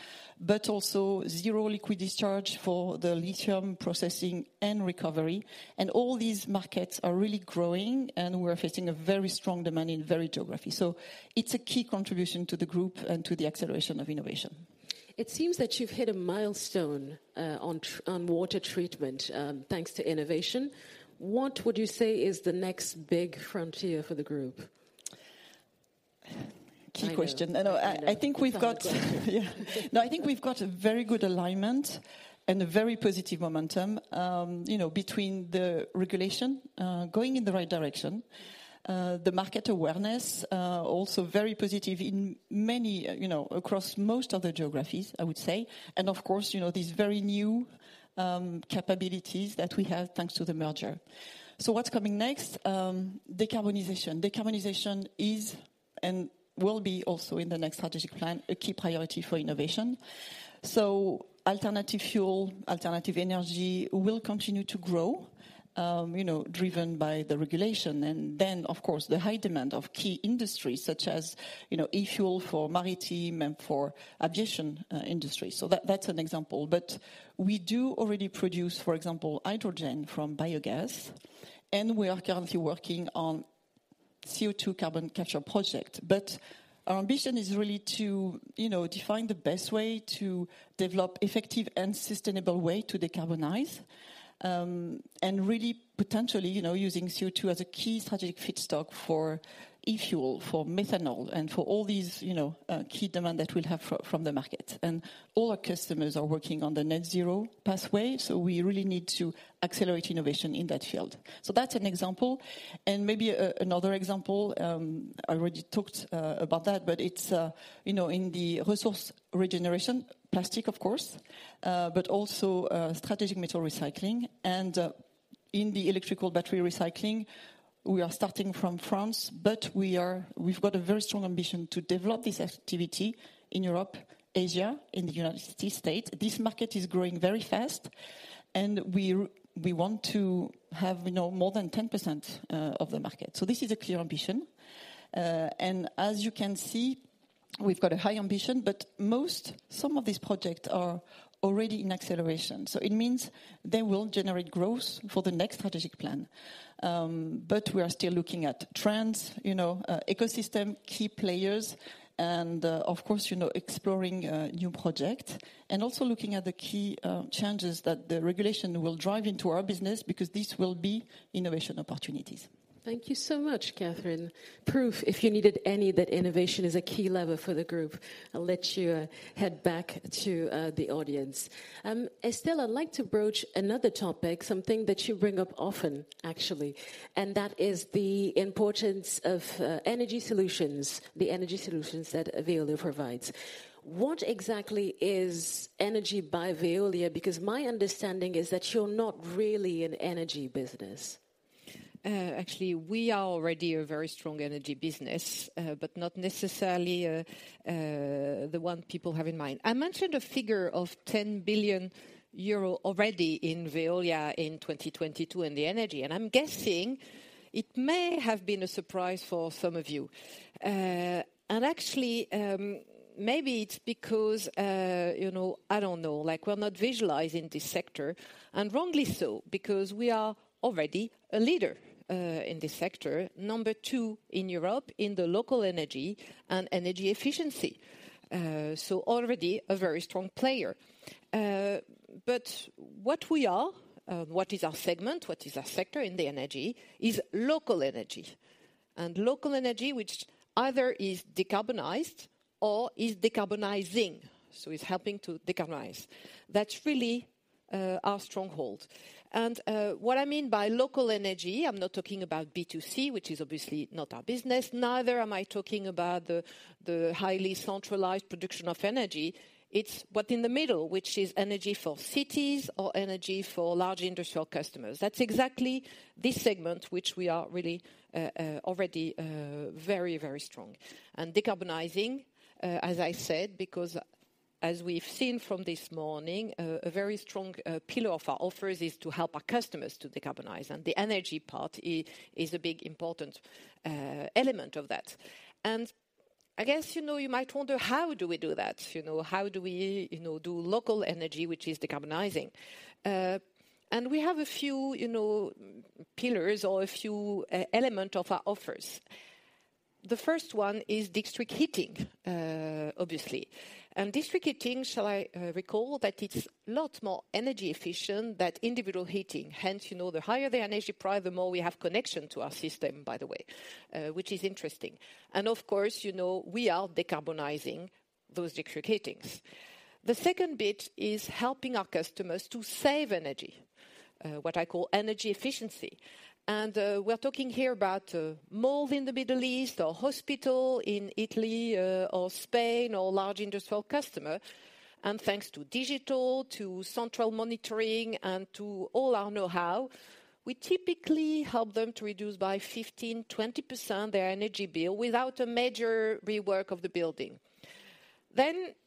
but also zero liquid discharge for the lithium processing and recovery. All these markets are really growing, and we're facing a very strong demand in every geography. It's a key contribution to the Group and to the acceleration of innovation. It seems that you've hit a milestone, on water treatment, thanks to innovation. What would you say is the next big frontier for the group? Key question. I know. No, I think. It's a hard question. Yeah. No, I think we've got a very good alignment and a very positive momentum, you know, between the regulation, going in the right direction, the market awareness, also very positive in many, you know, across most of the geographies, I would say. Of course, you know, these very new capabilities that we have thanks to the merger. What's coming next? Decarbonization. Decarbonization is and will be also in the next strategic plan, a key priority for innovation. Alternative fuel, alternative energy will continue to grow, you know, driven by the regulation and then of course, the high demand of key industries such as, you know, e-fuel for maritime and for aviation industry. That's an example. We do already produce, for example, hydrogen from biogas, and we are currently working on CO₂ carbon capture project. Our ambition is really to, you know, define the best way to develop effective and sustainable way to decarbonize, and really potentially, you know, using CO₂ as a key strategic feedstock for e-fuel, for methanol, and for all these, you know, key demand that we'll have from the market. All our customers are working on the net zero pathway, so we really need to accelerate innovation in that field. That's an example. Maybe another example, I already talked about that, but it's, you know, in the resource regeneration plastic, of course, but also strategic metal recycling. In the electrical battery recycling, we are starting from France, but we've got a very strong ambition to develop this activity in Europe, Asia, in the United States. This market is growing very fast, and we want to have, you know, more than 10% of the market. This is a clear ambition. As you can see, we've got a high ambition, but some of these projects are already in acceleration, so it means they will generate growth for the next strategic plan. But we are still looking at trends, you know, ecosystem, key players and, of course, you know, exploring new project and also looking at the key changes that the regulation will drive into our business because this will be innovation opportunities. Thank you so much, Catherine. Proof, if you needed any, that innovation is a key lever for the group. I'll let you head back to the audience. Estelle, I'd like to broach another topic, something that you bring up often, actually, and that is the importance of energy solutions, the energy solutions that Veolia provides. What exactly is energy by Veolia? Because my understanding is that you're not really an energy business. Actually, we are already a very strong energy business, but not necessarily the one people have in mind. I mentioned a figure of 10 billion euro already in Veolia in 2022 in the energy, and I'm guessing it may have been a surprise for some of you. Actually, maybe it's because, you know, I don't know, like we're not visualizing this sector, and wrongly so, because we are already a leader in this sector, number two in Europe in the local energy and energy efficiency. Already a very strong player. What we are, what is our segment, what is our sector in the energy is local energy. Local energy, which either is decarbonized or is decarbonizing, so it's helping to decarbonize. That's really our stronghold. What I mean by local energy, I'm not talking about B2C, which is obviously not our business. Neither am I talking about the highly centralized production of energy. It's what in the middle, which is energy for cities or energy for large industrial customers. That's exactly this segment which we are really already very strong. Decarbonizing, as I said, because as we've seen from this morning, a very strong pillar of our offers is to help our customers to decarbonize and the energy part is a big important element of that. I guess, you know, you might wonder, how do we do that? You know, how do we, you know, do local energy, which is decarbonizing? We have a few, you know, pillars or a few element of our offers. The first one is district heating, obviously. District heating, shall I recall that it's lot more energy efficient than individual heating. Hence, you know, the higher the energy price, the more we have connection to our system, by the way, which is interesting. Of course, you know, we are decarbonizing those district heatings. The second bit is helping our customers to save energy, what I call energy efficiency. We're talking here about malls in the Middle East or hospital in Italy or Spain or large industrial customer. Thanks to digital, to central monitoring and to all our know-how, we typically help them to reduce by 15%-20% their energy bill without a major rework of the building.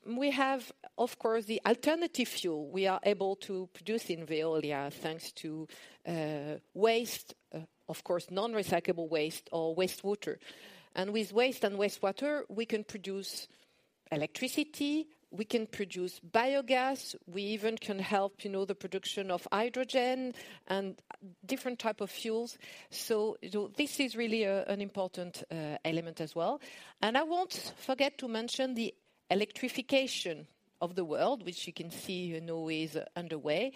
We have, of course, the alternative fuel we are able to produce in Veolia, thanks to waste, of course, non-recyclable waste or wastewater. With waste and wastewater, we can produce electricity, we can produce biogas, we even can help, you know, the production of hydrogen and different type of fuels. This is really an important element as well. I won't forget to mention the electrification of the world, which you can see, you know, is underway.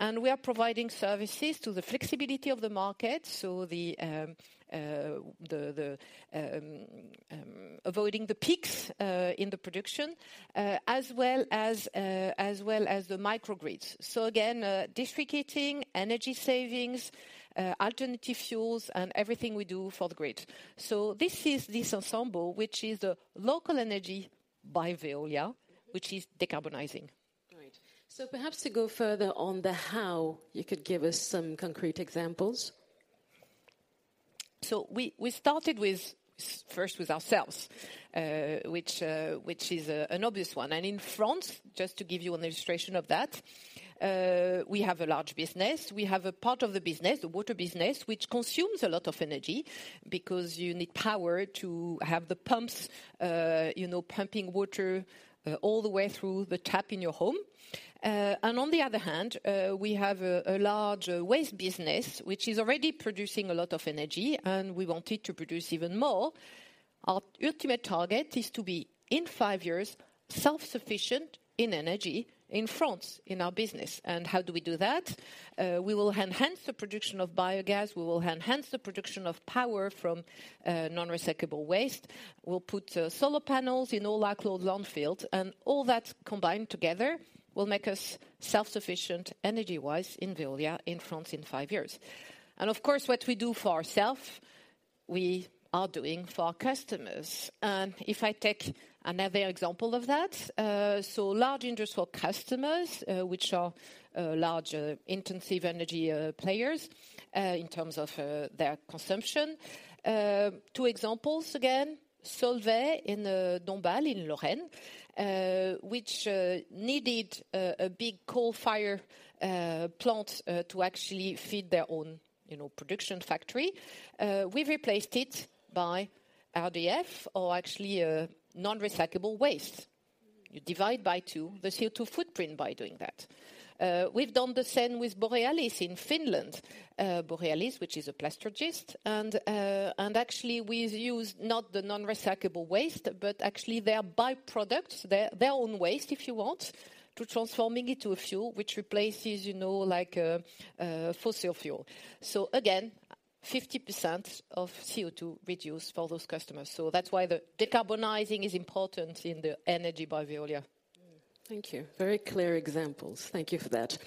We are providing services to the flexibility of the market. The avoiding the peaks in the production, as well as the microgrids. Again, district heating, energy savings, alternative fuels and everything we do for the grid. This is this ensemble, which is a local energy by Veolia, which is decarbonizing. Right. Perhaps to go further on the how, you could give us some concrete examples. We started with first with ourselves, which is an obvious one. In France, just to give you an illustration of that, we have a large business. We have a part of the business, the water business, which consumes a lot of energy because you need power to have the pumps, you know, pumping water all the way through the tap in your home. On the other hand, we have a large waste business, which is already producing a lot of energy, and we want it to produce even more. Our ultimate target is to be, in 5 years, self-sufficient in energy in France, in our business. How do we do that? We will enhance the production of biogas. We will enhance the production of power from non-recyclable waste. We'll put solar panels in all our closed landfills. All that combined together will make us self-sufficient energy-wise in Veolia in France in five years. Of course, what we do for ourself, we are doing for our customers. If I take another example of that, so large industrial customers, which are large intensive energy players, in terms of their consumption. Two examples again, Solvay in the Dombasle, in Lorraine, which needed a big coal fire plant to actually feed their own, you know, production factory. We've replaced it by RDF or actually non-recyclable waste. You divide by two the CO₂ footprint by doing that. We've done the same with Borealis in Finland. Borealis, which is a plasturgist, and actually we've used not the non-recyclable waste, but actually their by-products, their own waste, if you want, to transforming into a fuel which replaces, you know, like fossil fuel. Again, 50% of CO₂ reduced for those customers. That's why the decarbonizing is important in the energy by Veolia. Thank you. Very clear examples. Thank you for that.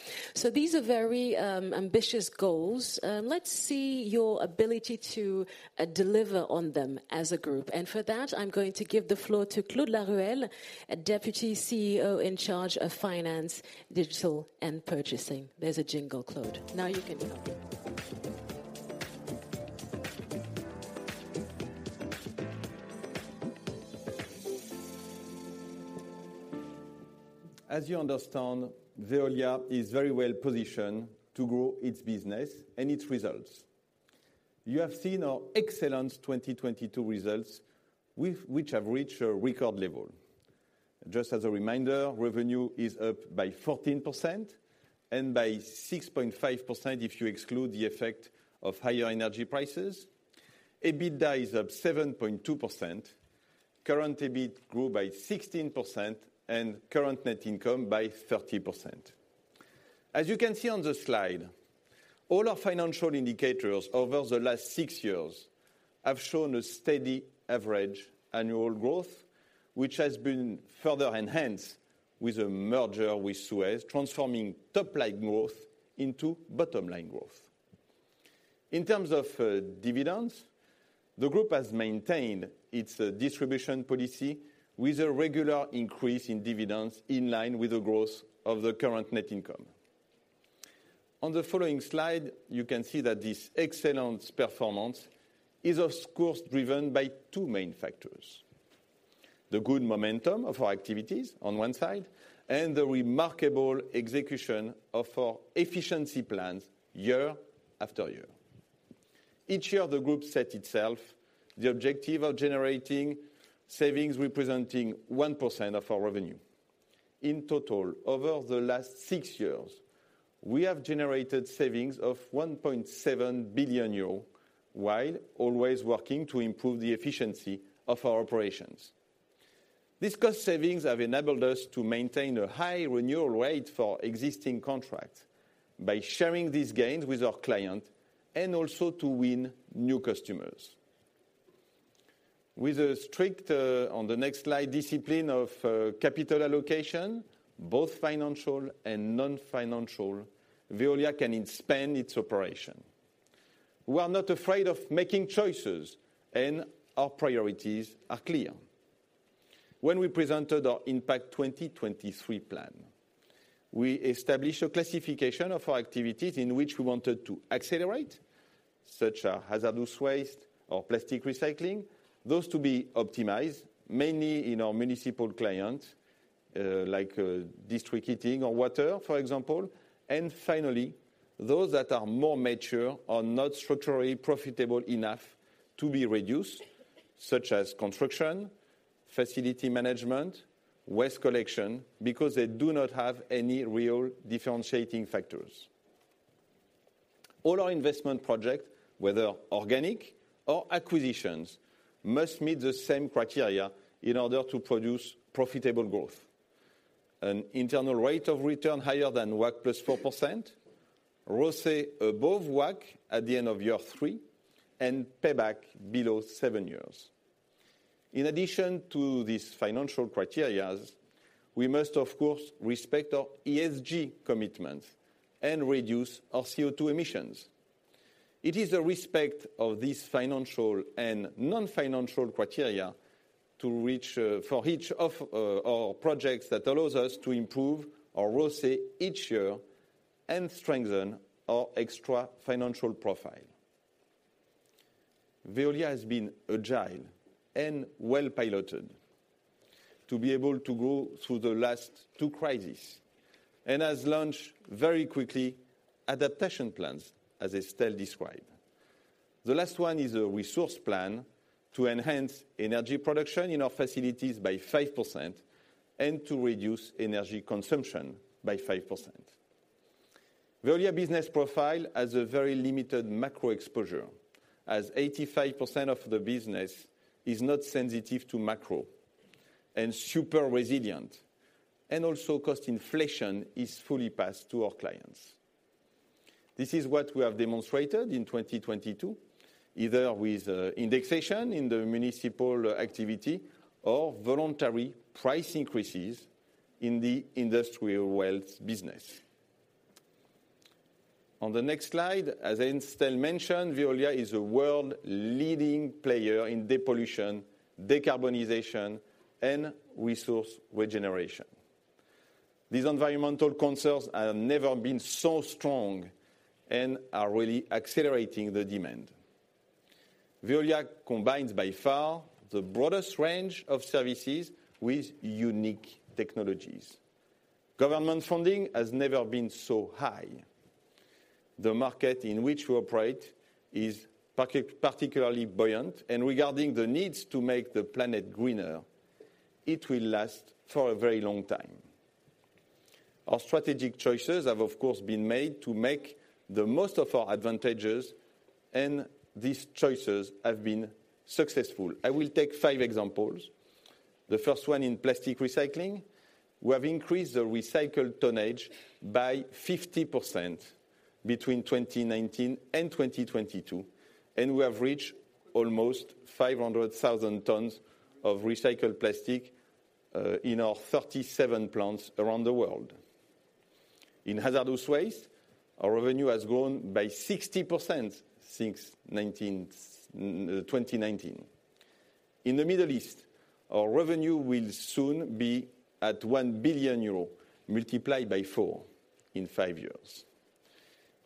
These are very ambitious goals. Let's see your ability to deliver on them as a group. For that, I'm going to give the floor to Claude Laruelle, Deputy CEO in charge of Finance, Digital, and Purchasing. There's a jingle, Claude. Now you can come. As you understand, Veolia is very well positioned to grow its business and its results. You have seen our excellent 2022 results which have reached a record level. Just as a reminder, revenue is up by 14% and by 6.5% if you exclude the effect of higher energy prices. EBITDA is up 7.2%. Current EBIT grew by 16% and current net income by 30%. As you can see on the slide, all our financial indicators over the last 6 years have shown a steady average annual growth, which has been further enhanced with a merger with SUEZ, transforming top-line growth into bottom-line growth. In terms of dividends, the group has maintained its distribution policy with a regular increase in dividends in line with the growth of the current net income. On the following slide, you can see that this excellent performance is of course driven by two main factors. The good momentum of our activities on one side and the remarkable execution of our efficiency plans year after year. Each year, the group set itself the objective of generating savings representing 1% of our revenue. In total, over the last six years, we have generated savings of 1.7 billion euros while always working to improve the efficiency of our operations. These cost savings have enabled us to maintain a high renewal rate for existing contracts by sharing these gains with our client and also to win new customers. With a strict, on the next slide, discipline of capital allocation, both financial and non-financial, Veolia can expand its operation. We are not afraid of making choices and our priorities are clear. When we presented our Impact 2023 plan, we established a classification of our activities in which we wanted to accelerate, such as hazardous waste or plastic recycling. Those to be optimized, mainly in our municipal clients, district heating or water, for example. Finally, those that are more mature are not structurally profitable enough to be reduced, such as construction, facility management, waste collection, because they do not have any real differentiating factors. All our investment project, whether organic or acquisitions, must meet the same criteria in order to produce profitable growth. An internal rate of return higher than WACC plus 4%, ROCE above WACC at the end of year 3, and payback below 7 years. In addition to these financial criteria, we must of course respect our ESG commitments and reduce our CO₂ emissions. It is a respect of these financial and non-financial criteria to reach, for each of our projects that allows us to improve our ROCE each year and strengthen our extra financial profile. Veolia has been agile and well piloted to be able to go through the last two crises and has launched very quickly adaptation plans, as Estelle described. The last one is a resource plan to enhance energy production in our facilities by 5% and to reduce energy consumption by 5%. Veolia business profile has a very limited macro exposure, as 85% of the business is not sensitive to macro and super resilient, and also cost inflation is fully passed to our clients. This is what we have demonstrated in 2022, either with indexation in the municipal activity or voluntary price increases in the industrial waste business. On the next slide, as Estelle mentioned, Veolia is a world leading player in depollution, decarbonization, and resource regeneration. These environmental concerns have never been so strong and are really accelerating the demand. Veolia combines by far the broadest range of services with unique technologies. Government funding has never been so high. The market in which we operate is particularly buoyant and regarding the needs to make the planet greener, it will last for a very long time. Our strategic choices have of course been made to make the most of our advantages and these choices have been successful. I will take 5 examples. The first one in plastic recycling, we have increased the recycled tonnage by 50% between 2019 and 2022, and we have reached almost 500,000 tons of recycled plastic in our 37 plants around the world. In Hazardous Waste, our revenue has grown by 60% since 2019. In the Middle East, our revenue will soon be at 1 billion euro multiplied by 4 in 5 years.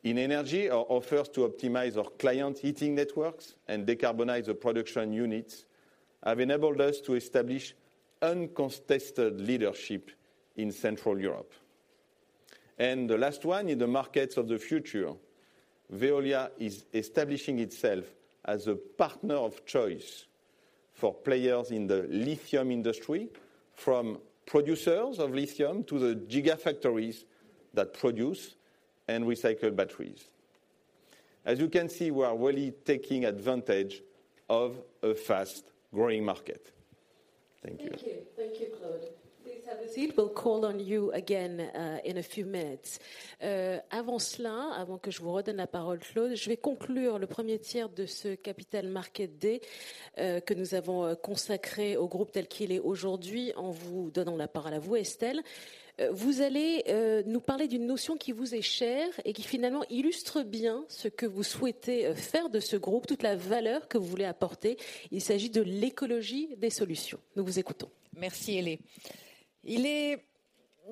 In energy, our offers to optimize our client heating networks and decarbonize the production units have enabled us to establish uncontested leadership in Central Europe. The last one, in the markets of the future, Veolia is establishing itself as a partner of choice for players in the lithium industry, from producers of lithium to the gigafactories that produce and recycle batteries. As you can see, we are really taking advantage of a fast-growing market. Thank you. Thank you. Thank you, Claude. Please have a seat. We'll call on you again in a few minutes. avant cela, avant que je vous redonne la parole, Claude, je vais conclure le premier tiers de ce Capital Market Day, que nous avons consacré au groupe tel qu'il est aujourd'hui en vous donnant la parole à vous, Estelle. vous allez nous parler d'une notion qui vous est chère et qui, finalement, illustre bien ce que vous souhaitez faire de ce groupe, toute la valeur que vous voulez apporter. Il s'agit de l'écologie des solutions. Nous vous écoutons. Merci Hélène. Il est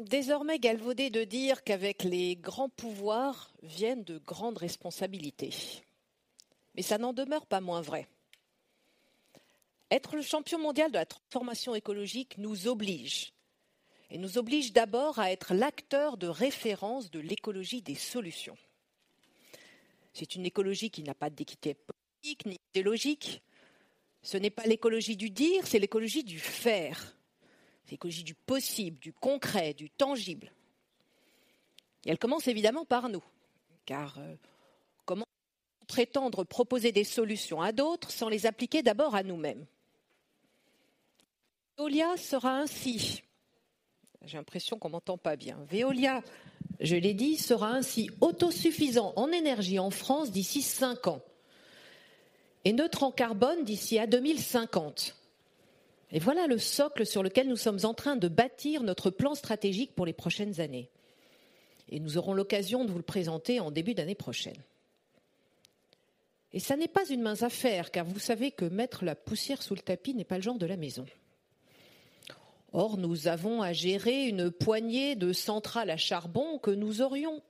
désormais galvaudé de dire qu'avec les grands pouvoirs viennent de grandes responsabilités, mais ça n'en demeure pas moins vrai. Être le champion mondial de la transformation écologique nous oblige et nous oblige d'abord à être l'acteur de référence de l'écologie des solutions. C'est une écologie qui n'a pas d'équité politique ni idéologique. Ce n'est pas l'écologie du dire, c'est l'écologie du faire. C'est l'écologie du possible, du concret, du tangible. Elle commence évidemment par nous, car comment prétendre proposer des solutions à d'autres sans les appliquer d'abord à nous-mêmes. Veolia, je l'ai dit, sera ainsi autosuffisant en énergie en France d'ici 5 ans et neutre en carbone d'ici à 2050. Voilà le socle sur lequel nous sommes en train de bâtir notre plan stratégique pour les prochaines années. Nous aurons l'occasion de vous le présenter en début d'année prochaine. Ça n'est pas une mince affaire, car vous savez que mettre la poussière sous le tapis n'est pas le genre de la maison. Nous avons à gérer une poignée de centrales à charbon que nous aurions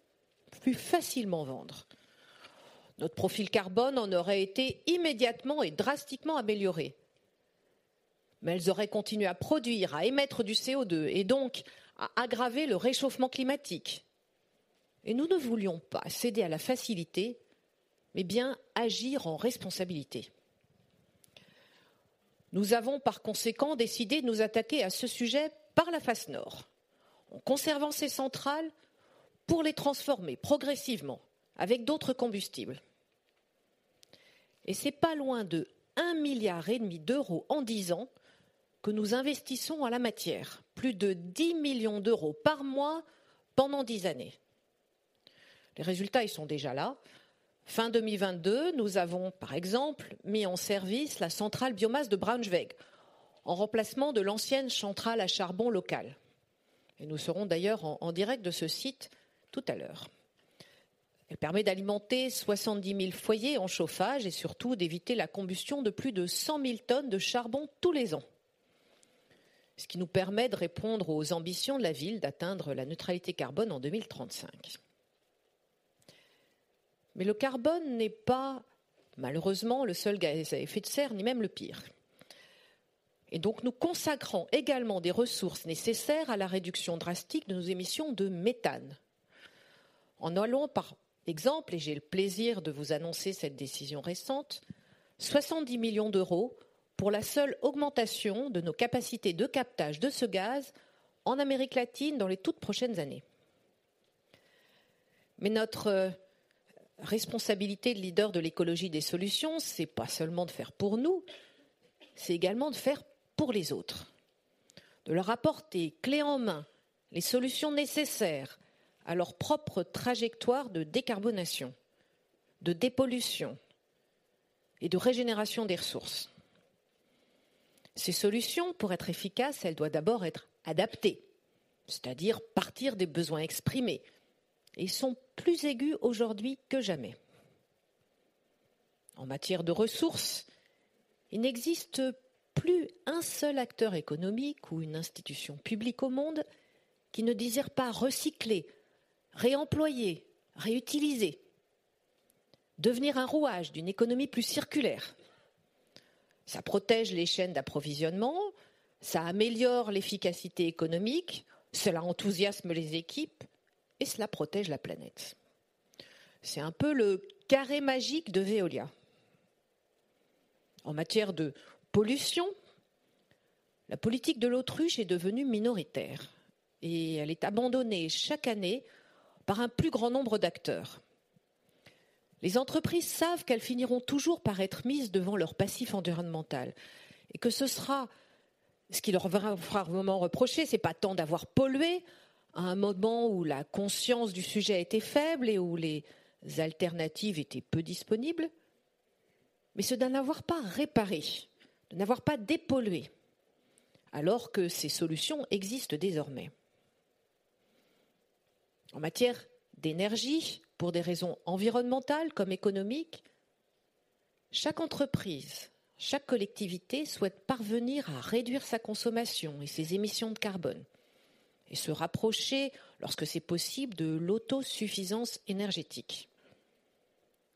pu facilement vendre. Notre profil carbone en aurait été immédiatement et drastiquement amélioré, mais elles auraient continué à produire, à émettre du CO₂ et donc à aggraver le réchauffement climatique. Nous ne voulions pas céder à la facilité, mais bien agir en responsabilité. Nous avons par conséquent décidé de nous attaquer à ce sujet par la face nord, en conservant ces centrales pour les transformer progressivement avec d'autres combustibles. C'est pas loin de 1.5 billion en 10 ans que nous investissons en la matière. Plus de 10 million par mois pendant 10 années. Les résultats, ils sont déjà là. Fin 2022, nous avons, par exemple, mis en service la centrale biomasse de Braunschweig en remplacement de l'ancienne centrale à charbon locale. Nous serons d'ailleurs en direct de ce site tout à l'heure. Elle permet d'alimenter 70,000 foyers en chauffage et surtout d'éviter la combustion de plus de 100,000 tons de charbon tous les ans. Ce qui nous permet de répondre aux ambitions de la ville d'atteindre la neutralité carbone en 2035. Le carbone n'est pas, malheureusement, le seul gaz à effet de serre, ni même le pire. Donc, nous consacrons également des ressources nécessaires à la réduction drastique de nos émissions de méthane. En allant par exemple, et j'ai le plaisir de vous annoncer cette décision récente, 70 millions EUR pour la seule augmentation de nos capacités de captage de ce gaz en Amérique latine dans les toutes prochaines années. Notre responsabilité de leader de l'écologie des solutions, c'est pas seulement de faire pour nous, c'est également de faire pour les autres, de leur apporter clé en main les solutions nécessaires à leur propre trajectoire de décarbonation, de dépollution et de régénération des ressources. Ces solutions, pour être efficaces, elles doivent d'abord être adaptées, c'est-à-dire partir des besoins exprimés. Ils sont plus aigus aujourd'hui que jamais. En matière de ressources, il n'existe plus un seul acteur économique ou une institution publique au monde qui ne désire pas recycler, réemployer, réutiliser, devenir un rouage d'une économie plus circulaire. Ça protège les chaînes d'approvisionnement, ça améliore l'efficacité économique, cela enthousiasme les équipes et cela protège la planète. C'est un peu le carré magique de Veolia. En matière de pollution, la politique de l'autruche est devenue minoritaire et elle est abandonnée chaque année par un plus grand nombre d'acteurs. Les entreprises savent qu'elles finiront toujours par être mises devant leur passif environnemental et que ce qui leur vraiment reproché, c'est pas tant d'avoir pollué à un moment où la conscience du sujet était faible et où les alternatives étaient peu disponibles, mais c'est de n'avoir pas réparé, de n'avoir pas dépollué alors que ces solutions existent désormais. En matière d'énergie, pour des raisons environnementales comme économiques, chaque entreprise, chaque collectivité souhaite parvenir à réduire sa consommation et ses émissions de carbone et se rapprocher, lorsque c'est possible, de l'autosuffisance énergétique.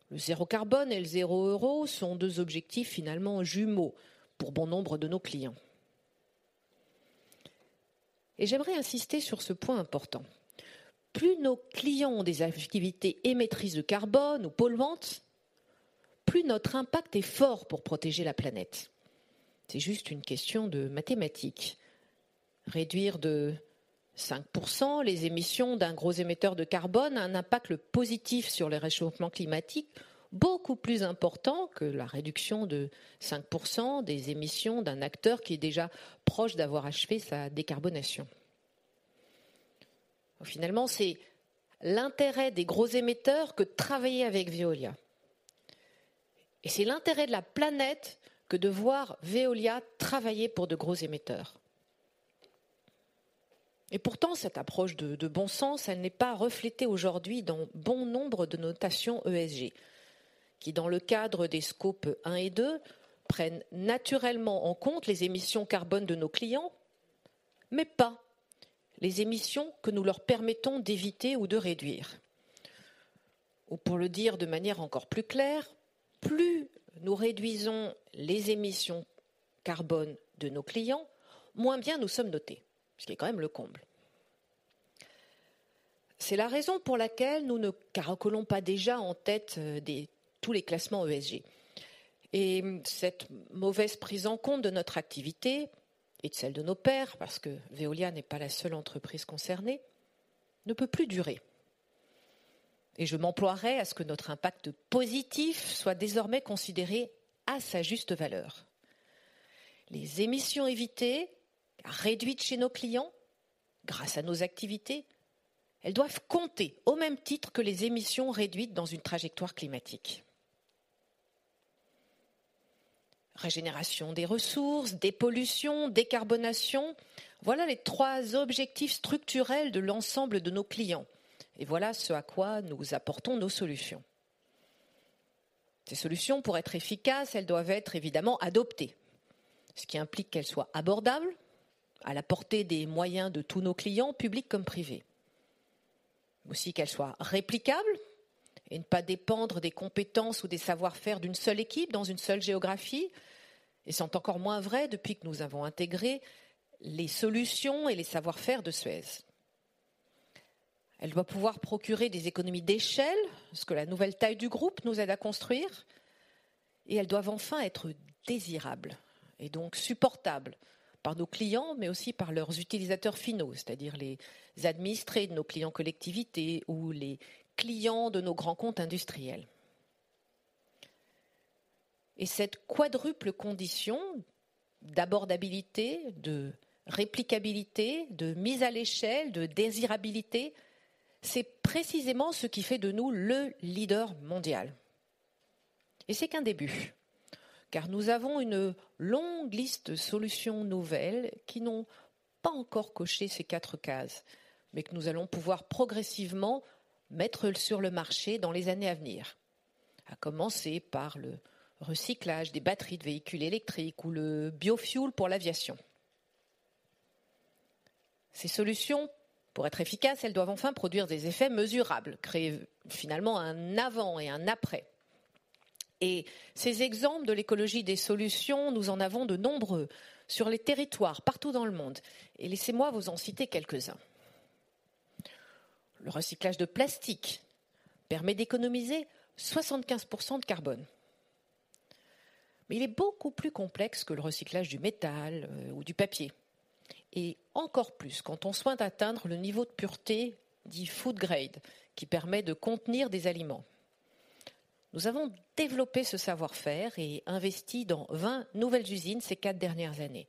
Le zéro carbone et le zéro euro sont 2 objectifs finalement jumeaux pour bon nombre de nos clients. J'aimerais insister sur ce point important. Plus nos clients ont des activités émettrices de carbone ou polluantes, plus notre impact est fort pour protéger la planète. C'est juste une question de mathématiques. Réduire de 5% les émissions d'un gros émetteur de carbone a un impact positif sur le réchauffement climatique beaucoup plus important que la réduction de 5% des émissions d'un acteur qui est déjà proche d'avoir achevé sa décarbonation. Finalement, c'est l'intérêt des gros émetteurs que de travailler avec Veolia. C'est l'intérêt de la planète que de voir Veolia travailler pour de gros émetteurs. Pourtant, cette approche de bon sens, elle n'est pas reflétée aujourd'hui dans bon nombre de notations ESG, qui, dans le cadre des scopes 1 et 2, prennent naturellement en compte les émissions carbone de nos clients, mais pas les émissions que nous leur permettons d'éviter ou de réduire. Pour le dire de manière encore plus claire, plus nous réduisons les émissions carbone de nos clients, moins bien nous sommes notés, ce qui est quand même le comble. C'est la raison pour laquelle nous ne caracolons pas déjà en tête tous les classements ESG. Cette mauvaise prise en compte de notre activité et de celle de nos pairs, parce que Veolia n'est pas la seule entreprise concernée, ne peut plus durer. Je m'emploierai à ce que notre impact positif soit désormais considéré à sa juste valeur. Les émissions évitées, réduites chez nos clients grâce à nos activités, elles doivent compter au même titre que les émissions réduites dans une trajectoire climatique. Régénération des ressources, dépollution, décarbonation, voilà les trois objectifs structurels de l'ensemble de nos clients. Voilà ce à quoi nous apportons nos solutions. Ces solutions, pour être efficaces, elles doivent être évidemment adoptées, ce qui implique qu'elles soient abordables, à la portée des moyens de tous nos clients, publics comme privés. Aussi qu'elles soient réplicables et ne pas dépendre des compétences ou des savoir-faire d'une seule équipe dans une seule géographie. C'est encore moins vrai depuis que nous avons intégré les solutions et les savoir-faire de Suez. Elle doit pouvoir procurer des économies d'échelle, ce que la nouvelle taille du groupe nous aide à construire, et elles doivent enfin être désirables et donc supportables par nos clients, mais aussi par leurs utilisateurs finaux, c'est-à-dire les administrés de nos clients collectivités ou les clients de nos grands comptes industriels. Cette quadruple condition d'abordabilité, de réplicabilité, de mise à l'échelle, de désirabilité, c'est précisément ce qui fait de nous le leader mondial. Ce n'est qu'un début, car nous avons une longue liste de solutions nouvelles qui n'ont pas encore coché ces quatre cases, mais que nous allons pouvoir progressivement mettre sur le marché dans les années à venir, à commencer par le recyclage des batteries de véhicules électriques ou le biofuel pour l'aviation. Ces solutions, pour être efficaces, elles doivent enfin produire des effets mesurables, créer finalement un avant et un après. Ces exemples de l'écologie des solutions, nous en avons de nombreux sur les territoires partout dans le monde. Laissez-moi vous en citer quelques-uns. Le recyclage de plastique permet d'économiser 75% de carbone. Il est beaucoup plus complexe que le recyclage du métal ou du papier. Encore plus quand on souhaite atteindre le niveau de pureté dit food grade qui permet de contenir des aliments. Nous avons développé ce savoir-faire et investi dans 20 nouvelles usines ces 4 dernières années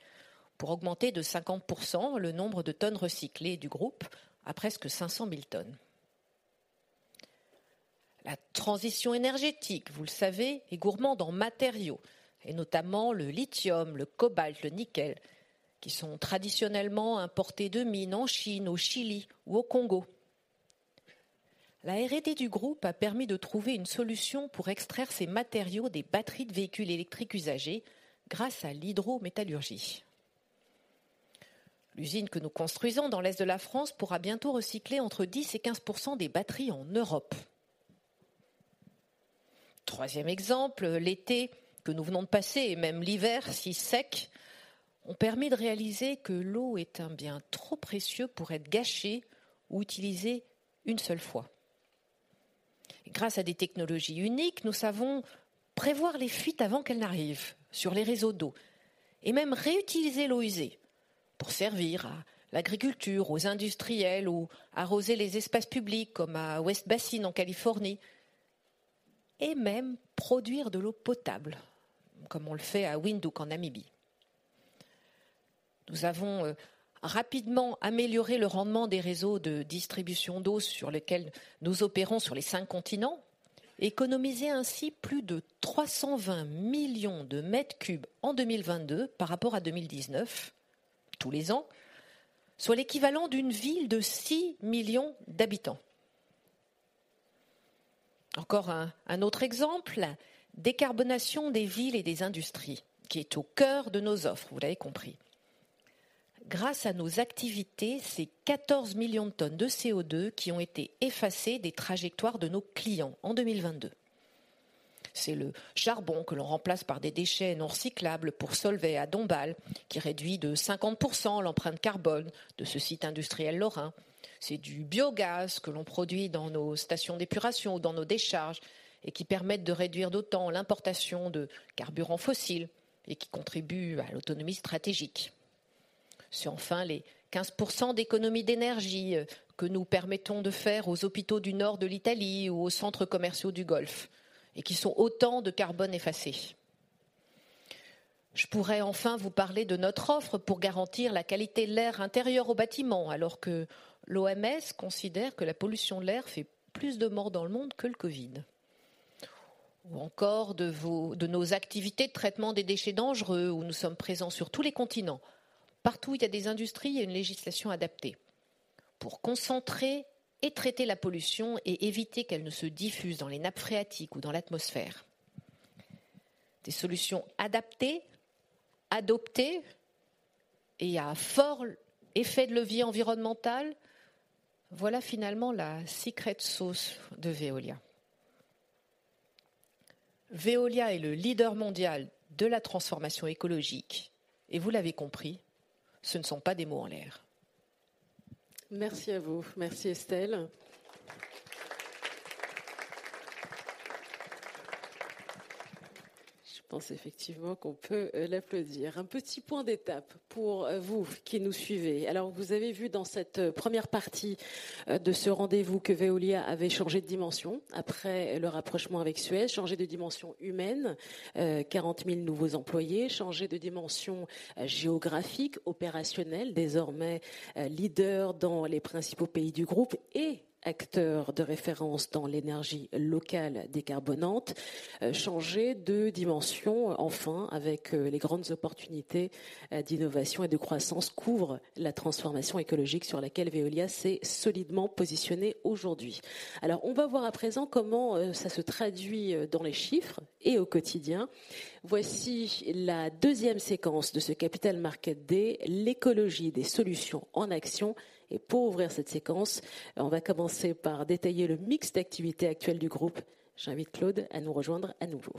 pour augmenter de 50% le nombre de tonnes recyclées du groupe à presque 500,000 tons. La transition énergétique, vous le savez, est gourmande en matériaux et notamment le lithium, le cobalt, le nickel, qui sont traditionnellement importés de mines en Chine, au Chili ou au Congo. La R&D du groupe a permis de trouver une solution pour extraire ces matériaux des batteries de véhicules électriques usagées grâce à l'hydrométallurgie. L'usine que nous construisons dans l'est de la France pourra bientôt recycler entre 10 et 15% des batteries en Europe. Troisième exemple, l'été que nous venons de passer et même l'hiver, si sec, ont permis de réaliser que l'eau est un bien trop précieux pour être gâché ou utilisé une seule fois. Grâce à des technologies uniques, nous savons prévoir les fuites avant qu'elles n'arrivent sur les réseaux d'eau et même réutiliser l'eau usée pour servir à l'agriculture, aux industriels ou arroser les espaces publics comme à West Basin, en Californie, et même produire de l'eau potable, comme on le fait à Windhoek, en Namibie. Nous avons rapidement amélioré le rendement des réseaux de distribution d'eau sur lesquels nous opérons sur les cinq continents et économisé ainsi plus de 320 million de mètres cubes en 2022 par rapport à 2019, tous les ans, soit l'équivalent d'une ville de 6 million d'habitants. Encore un autre exemple: décarbonation des villes et des industries, qui est au cœur de nos offres, vous l'avez compris. Grâce à nos activités, c'est 14 million de tonnes de CO₂ qui ont été effacées des trajectoires de nos clients en 2022. C'est le charbon que l'on remplace par des déchets non recyclables pour Solvay à Dombasle, qui réduit de 50% l'empreinte carbone de ce site industriel lorrain. C'est du biogaz que l'on produit dans nos stations d'épuration ou dans nos décharges et qui permettent de réduire d'autant l'importation de carburants fossiles et qui contribuent à l'autonomie stratégique. C'est enfin les 15% d'économies d'énergie que nous permettons de faire aux hôpitaux du nord de l'Italie ou aux centres commerciaux du Golfe et qui sont autant de carbone effacé. Je pourrais enfin vous parler de notre offre pour garantir la qualité de l'air intérieur aux bâtiments, alors que l'OMS considère que la pollution de l'air fait plus de morts dans le monde que le COVID. Encore de nos activités de traitement des déchets dangereux où nous sommes présents sur tous les continents. Partout où il y a des industries, il y a une législation adaptée pour concentrer et traiter la pollution et éviter qu'elle ne se diffuse dans les nappes phréatiques ou dans l'atmosphère. Des solutions adaptées, adoptées et à fort effet de levier environnemental, voilà finalement la secret sauce de Veolia. Veolia est le leader mondial de la transformation écologique. Vous l'avez compris, ce ne sont pas des mots en l'air. Merci à vous. Merci Estelle. Je pense effectivement qu'on peut l'applaudir. Un petit point d'étape pour vous qui nous suivez. Vous avez vu dans cette première partie de ce rendez-vous que Veolia avait changé de dimension après le rapprochement avec Suez, changé de dimension humaine, 40,000 nouveaux employés, changé de dimension géographique, opérationnelle, désormais leader dans les principaux pays du groupe et acteur de référence dans l'énergie locale décarbonante, changé de dimension, enfin, avec les grandes opportunités d'innovation et de croissance qu'ouvre la transformation écologique sur laquelle Veolia s'est solidement positionnée aujourd'hui. On va voir à présent comment ça se traduit dans les chiffres et au quotidien. Voici la 2nd séquence de ce Capital Market Day: L'écologie des solutions en action. Pour ouvrir cette séquence, on va commencer par détailler le mix d'activités actuelles du groupe. J'invite Claude à nous rejoindre à nouveau.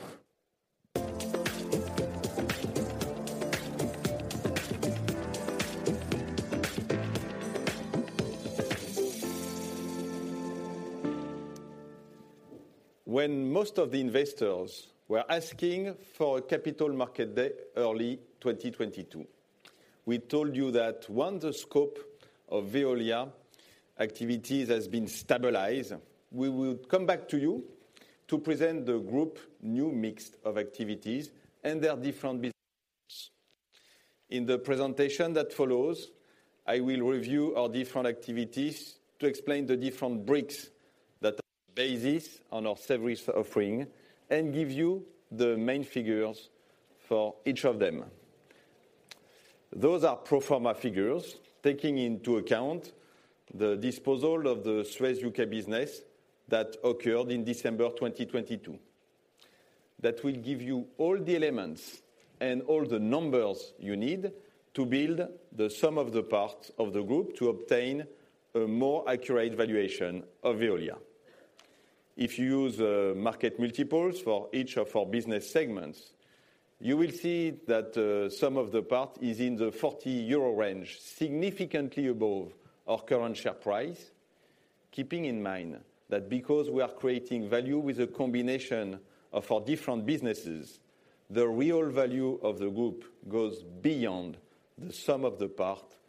When most of the investors were asking for a Capital Market Day early 2022, we told you that once the scope of Veolia activities has been stabilized, we would come back to you to present the Group new mix of activities and their different businesses. In the presentation that follows, I will review our different activities to explain the different bricks that are the basis on our service offering and give you the main figures for each of them. Those are pro forma figures taking into account the disposal of the Suez UK business that occurred in December 2022. That will give you all the elements and all the numbers you need to build the sum of the parts of the Group to obtain a more accurate valuation of Veolia. If you use market multiples for each of our business segments, you will see that the sum of the parts is in the 40 euro range, significantly above our current share price. Keeping in mind that because we are creating value with a combination of our different businesses, the real value of the group goes beyond the sum of the parts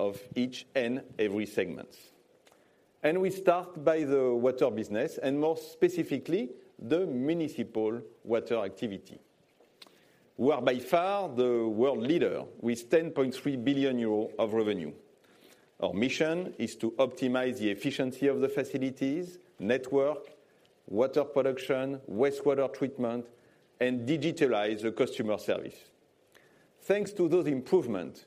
of each and every segment. We start by the water business and more specifically, the municipal water activity. We are by far the world leader with 10.3 billion euro of revenue. Our mission is to optimize the efficiency of the facilities, network, water production, wastewater treatment, and digitalize the customer service. Thanks to those improvements,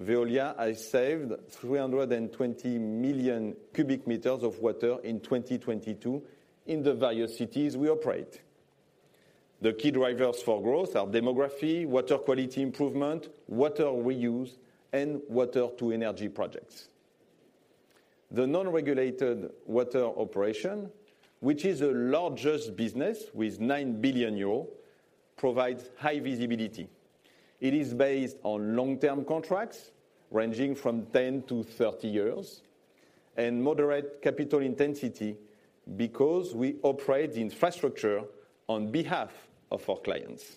Veolia has saved 320 million cubic meters of water in 2022 in the various cities we operate. The key drivers for growth are demography, water quality improvement, water reuse, and water-to-energy projects. The non-regulated water operation, which is the largest business with 9 billion euros, provides high visibility. It is based on long-term contracts ranging from 10-30 years and moderate capital intensity because we operate the infrastructure on behalf of our clients.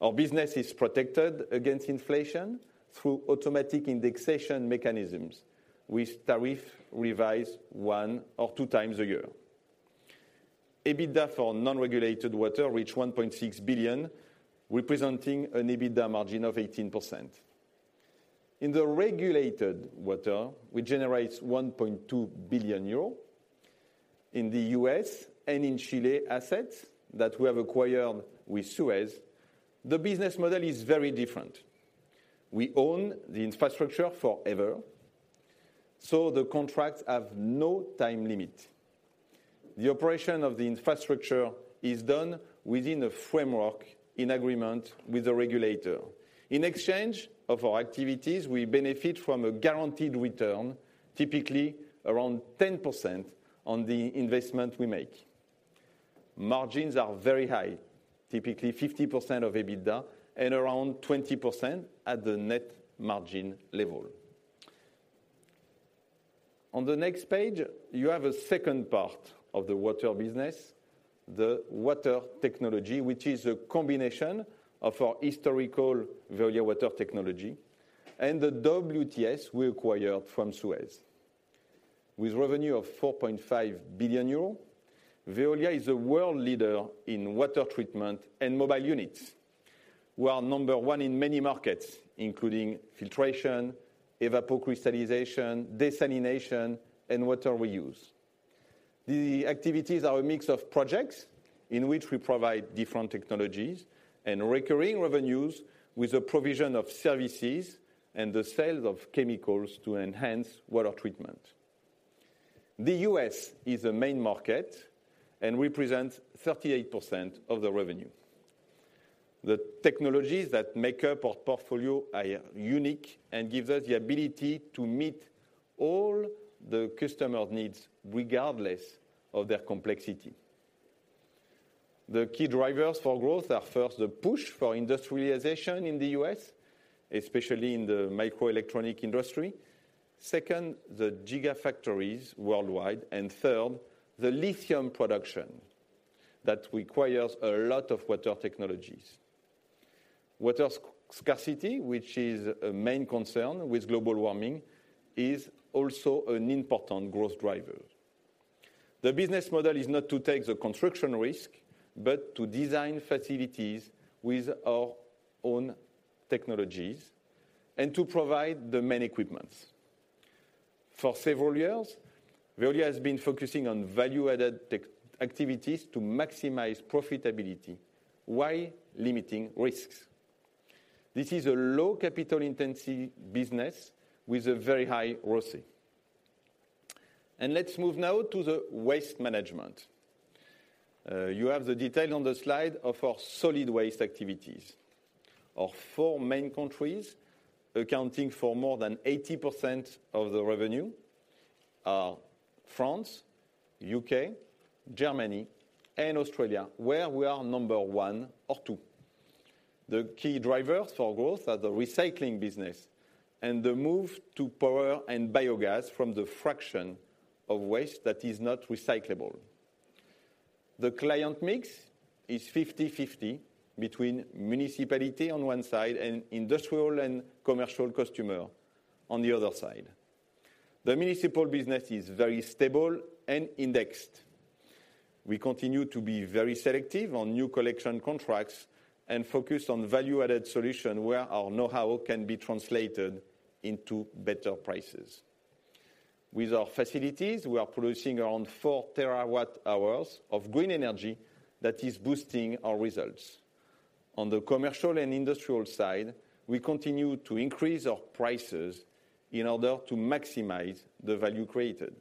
Our business is protected against inflation through automatic indexation mechanisms with tariff revised one or two times a year. EBITDA for non-regulated water reach 1.6 billion, representing an EBITDA margin of 18%. In the regulated water, we generate EUR 1.2 billion in the U.S. and in Chile assets that we have acquired with Suez. The business model is very different. We own the infrastructure forever. The contracts have no time limit. The operation of the infrastructure is done within a framework in agreement with the regulator. In exchange of our activities, we benefit from a guaranteed return, typically around 10% on the investment we make. Margins are very high, typically 50% of EBITDA and around 20% at the net margin level. On the next page, you have a second part of the water business, the water technology, which is a combination of our historical Veolia Water Technologies and the WTS we acquired from Suez. With revenue of 4.5 billion euros, Veolia is a world leader in water treatment and mobile units. We are number one in many markets, including filtration, evapo-crystallization, desalination, and water reuse. The activities are a mix of projects in which we provide different technologies and recurring revenues with the provision of services and the sales of chemicals to enhance water treatment. The U.S. is a main market and represents 38% of the revenue. The technologies that make up our portfolio are unique and gives us the ability to meet all the customer needs regardless of their complexity. The key drivers for growth are, first, the push for industrialization in the U.S., especially in the microelectronic industry. Second, the gigafactories worldwide. Third, the lithium production that requires a lot of water technologies. Water scarcity, which is a main concern with global warming, is also an important growth driver. The business model is not to take the construction risk, but to design facilities with our own technologies and to provide the main equipments. For several years, Veolia has been focusing on value-added tech activities to maximize profitability while limiting risks. This is a low capital intensity business with a very high ROIC. Let's move now to the waste management. You have the detail on the slide of our solid waste activities. Our four main countries accounting for more than 80% of the revenue are France, UK, Germany, and Australia, where we are number one or two. The key drivers for growth are the recycling business and the move to power and biogas from the fraction of waste that is not recyclable. The client mix is 50/50 between municipality on one side and industrial and commercial customer on the other side. The municipal business is very stable and indexed. We continue to be very selective on new collection contracts and focused on value-added solution where our know-how can be translated into better prices. With our facilities, we are producing around four terawatt-hours of green energy that is boosting our results. On the commercial and industrial side, we continue to increase our prices in order to maximize the value created.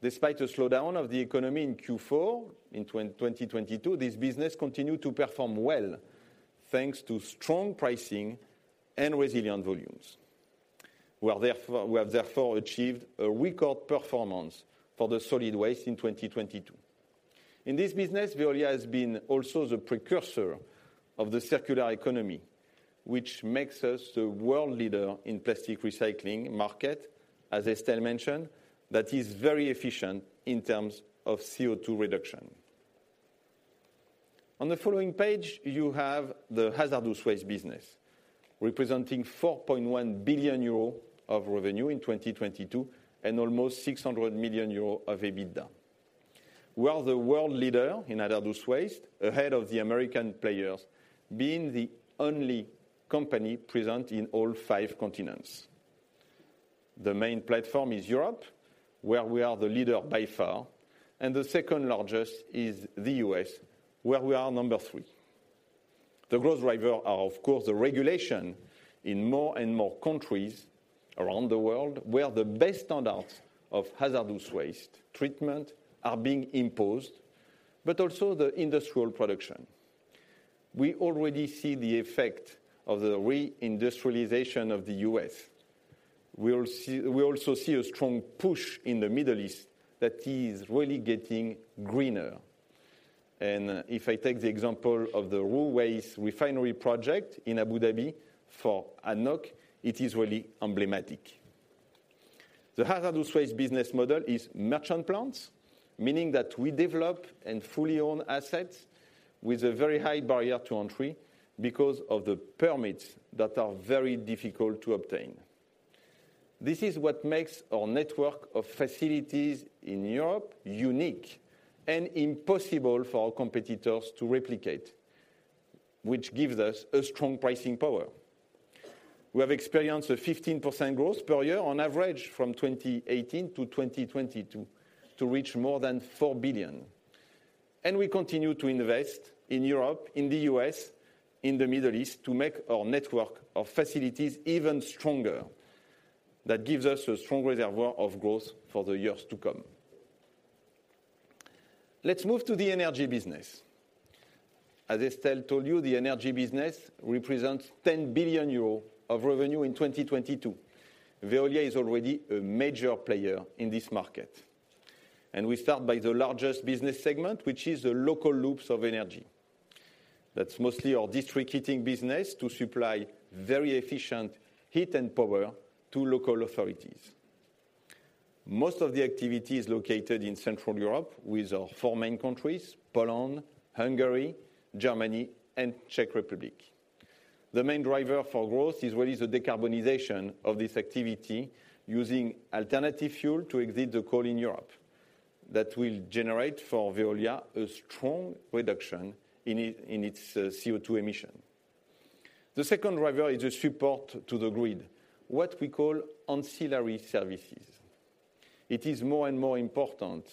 Despite a slowdown of the economy in Q4 in 2022, this business continued to perform well, thanks to strong pricing and resilient volumes. We have therefore achieved a record performance for the solid waste in 2022. In this business, Veolia has been also the precursor of the circular economy, which makes us the world leader in plastic recycling market, as Estelle mentioned, that is very efficient in terms of CO2 reduction. On the following page, you have the Hazardous and Liquid Waste business, representing 4.1 billion euro of revenue in 2022 and almost 600 million euro of EBITDA. We are the world leader in Hazardous and Liquid Waste, ahead of the American players, being the only company present in all five continents. The main platform is Europe, where we are the leader by far, and the second-largest is the U.S., where we are number 3. The growth driver are, of course, the regulation in more and more countries around the world where the best standards of hazardous waste treatment are being imposed, but also the industrial production. We already see the effect of the re-industrialization of the U.S. We also see a strong push in the Middle East that is really getting greener. If I take the example of the Ruwais refinery project in Abu Dhabi for ADNOC, it is really emblematic. The hazardous waste business model is merchant plants, meaning that we develop and fully own assets with a very high barrier to entry because of the permits that are very difficult to obtain. This is what makes our network of facilities in Europe unique and impossible for our competitors to replicate, which gives us a strong pricing power. We have experienced a 15% growth per year on average from 2018 to 2022 to reach more than 4 billion. We continue to invest in Europe, in the U.S., in the Middle East, to make our network of facilities even stronger. That gives us a strong reservoir of growth for the years to come. Let's move to the energy business. As Estelle told you, the energy business represents 10 billion euros of revenue in 2022. Veolia is already a major player in this market. We start by the largest business segment, which is the local loops of energy. That's mostly our district heating business to supply very efficient heat and power to local authorities. Most of the activity is located in Central Europe with our 4 main countries, Poland, Hungary, Germany and Czech Republic. The main driver for growth is really the decarbonization of this activity using alternative fuel to exit the coal in Europe. That will generate for Veolia a strong reduction in its CO2 emission. The second driver is the support to the grid, what we call ancillary services. It is more and more important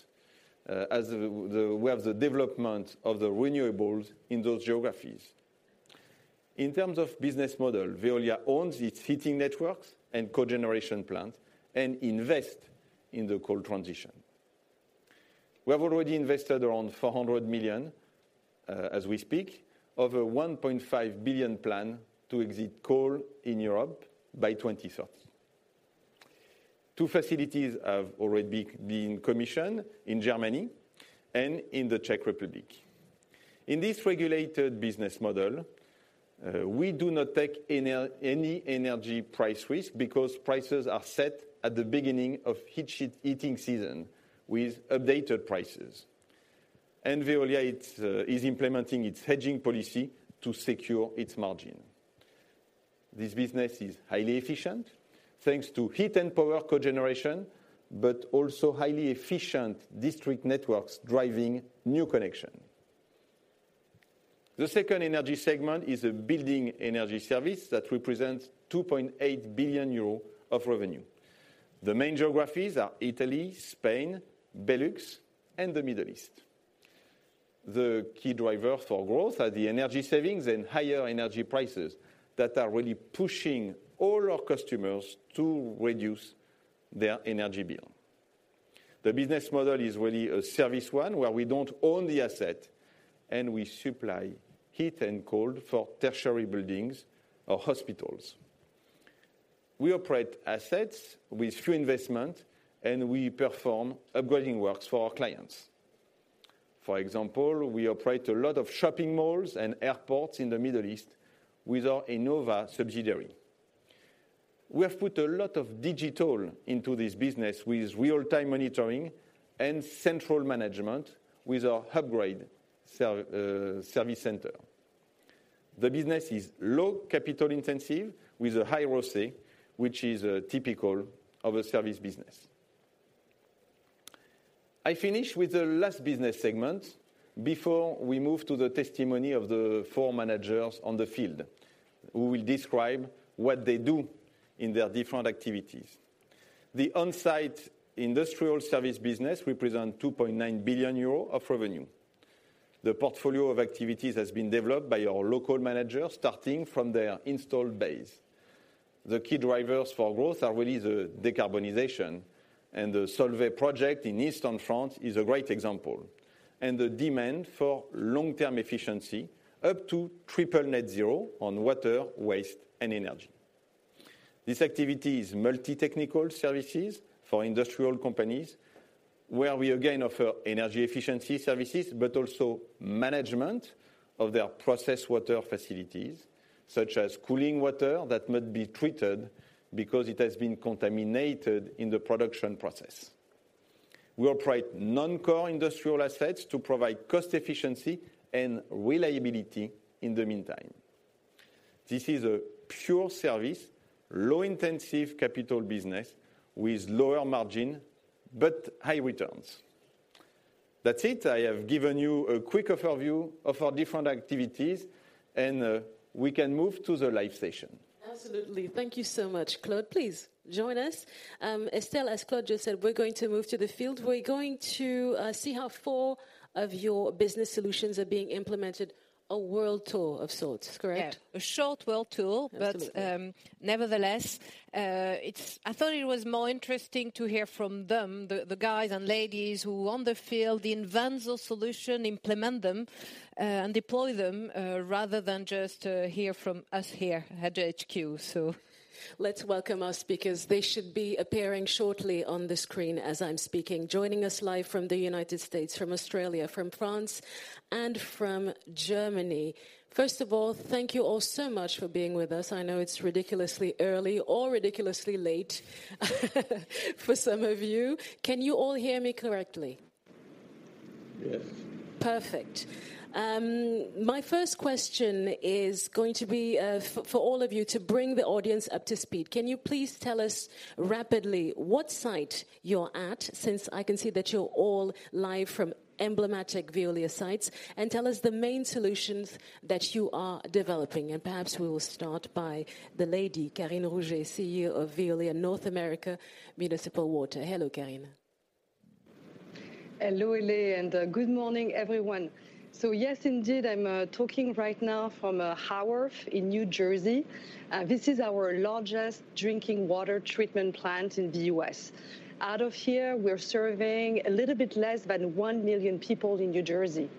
as we have the development of the renewables in those geographies. In terms of business model, Veolia owns its heating networks and cogeneration plant and invest in the coal transition. We have already invested around 400 million as we speak, of a 1.5 billion plan to exit coal in Europe by 2030. Two facilities have already been commissioned in Germany and in the Czech Republic. In this regulated business model, we do not take any energy price risk because prices are set at the beginning of heating season with updated prices. Veolia it's is implementing its hedging policy to secure its margin. This business is highly efficient thanks to heat and power cogeneration, but also highly efficient district networks driving new connection. The second energy segment is a building energy service that represents 2.8 billion euro of revenue. The main geographies are Italy, Spain, Belux, and the Middle East. The key driver for growth are the energy savings and higher energy prices that are really pushing all our customers to reduce their energy bill. The business model is really a service one where we don't own the asset, and we supply heat and cold for tertiary buildings or hospitals. We operate assets with few investment, and we perform upgrading works for our clients. For example, we operate a lot of shopping malls and airports in the Middle East with our Enova subsidiary. We have put a lot of digital into this business with real-time monitoring and central management with our Hubgrade service center. The business is low capital intensive with a high ROCE, which is typical of a service business. I finish with the last business segment before we move to the testimony of the four managers on the field who will describe what they do in their different activities. The on-site industrial service business represent 2.9 billion euros of revenue. The portfolio of activities has been developed by our local managers starting from their installed base. The key drivers for growth are really the decarbonization, and the Solvay project in eastern France is a great example, and the demand for long-term efficiency up to triple net zero on water, waste and energy. This activity is multi-technical services for industrial companies, where we again offer energy efficiency services, but also management of their processed water facilities, such as cooling water that might be treated because it has been contaminated in the production process. We operate non-core industrial assets to provide cost efficiency and reliability in the meantime. This is a pure service, low intensive capital business with lower margin but high returns. That's it. I have given you a quick overview of our different activities and we can move to the live session. Absolutely. Thank you so much, Claude. Please join us. Estelle, as Claude just said, we're going to move to the field. We're going to see how four of your business solutions are being implemented, a world tour of sorts, correct? Yeah. A short world tour. Absolutely. Nevertheless, I thought it was more interesting to hear from them, the guys and ladies who are on the field, invent the solution, implement them, and deploy them, rather than just hear from us here at the HQ. Let's welcome our speakers. They should be appearing shortly on the screen as I'm speaking. Joining us live from the United States, from Australia, from France, and from Germany. First of all, thank you all so much for being with us. I know it's ridiculously early or ridiculously late for some of you. Can you all hear me correctly? Yes. Perfect. My first question is going to be for all of you to bring the audience up to speed. Can you please tell us rapidly what site you're at, since I can see that you're all live from emblematic Veolia sites, and tell us the main solutions that you are developing? Perhaps we will start by the lady, Karine Rougé, CEO of Veolia North America Municipal Water. Hello, Karine. Hello, Élé, good morning, everyone. Yes, indeed, I'm talking right now from Haworth in New Jersey. This is our largest drinking water treatment plant in the U.S. Out of here, we're serving a little bit less than 1 million people in New Jersey.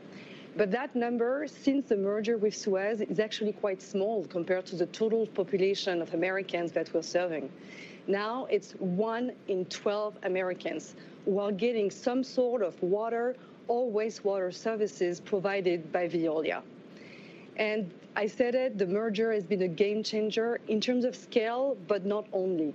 That number, since the merger with Suez, is actually quite small compared to the total population of Americans that we're serving. Now, it's 1 in 12 Americans who are getting some sort of water or wastewater services provided by Veolia. I said it, the merger has been a game changer in terms of scale, but not only.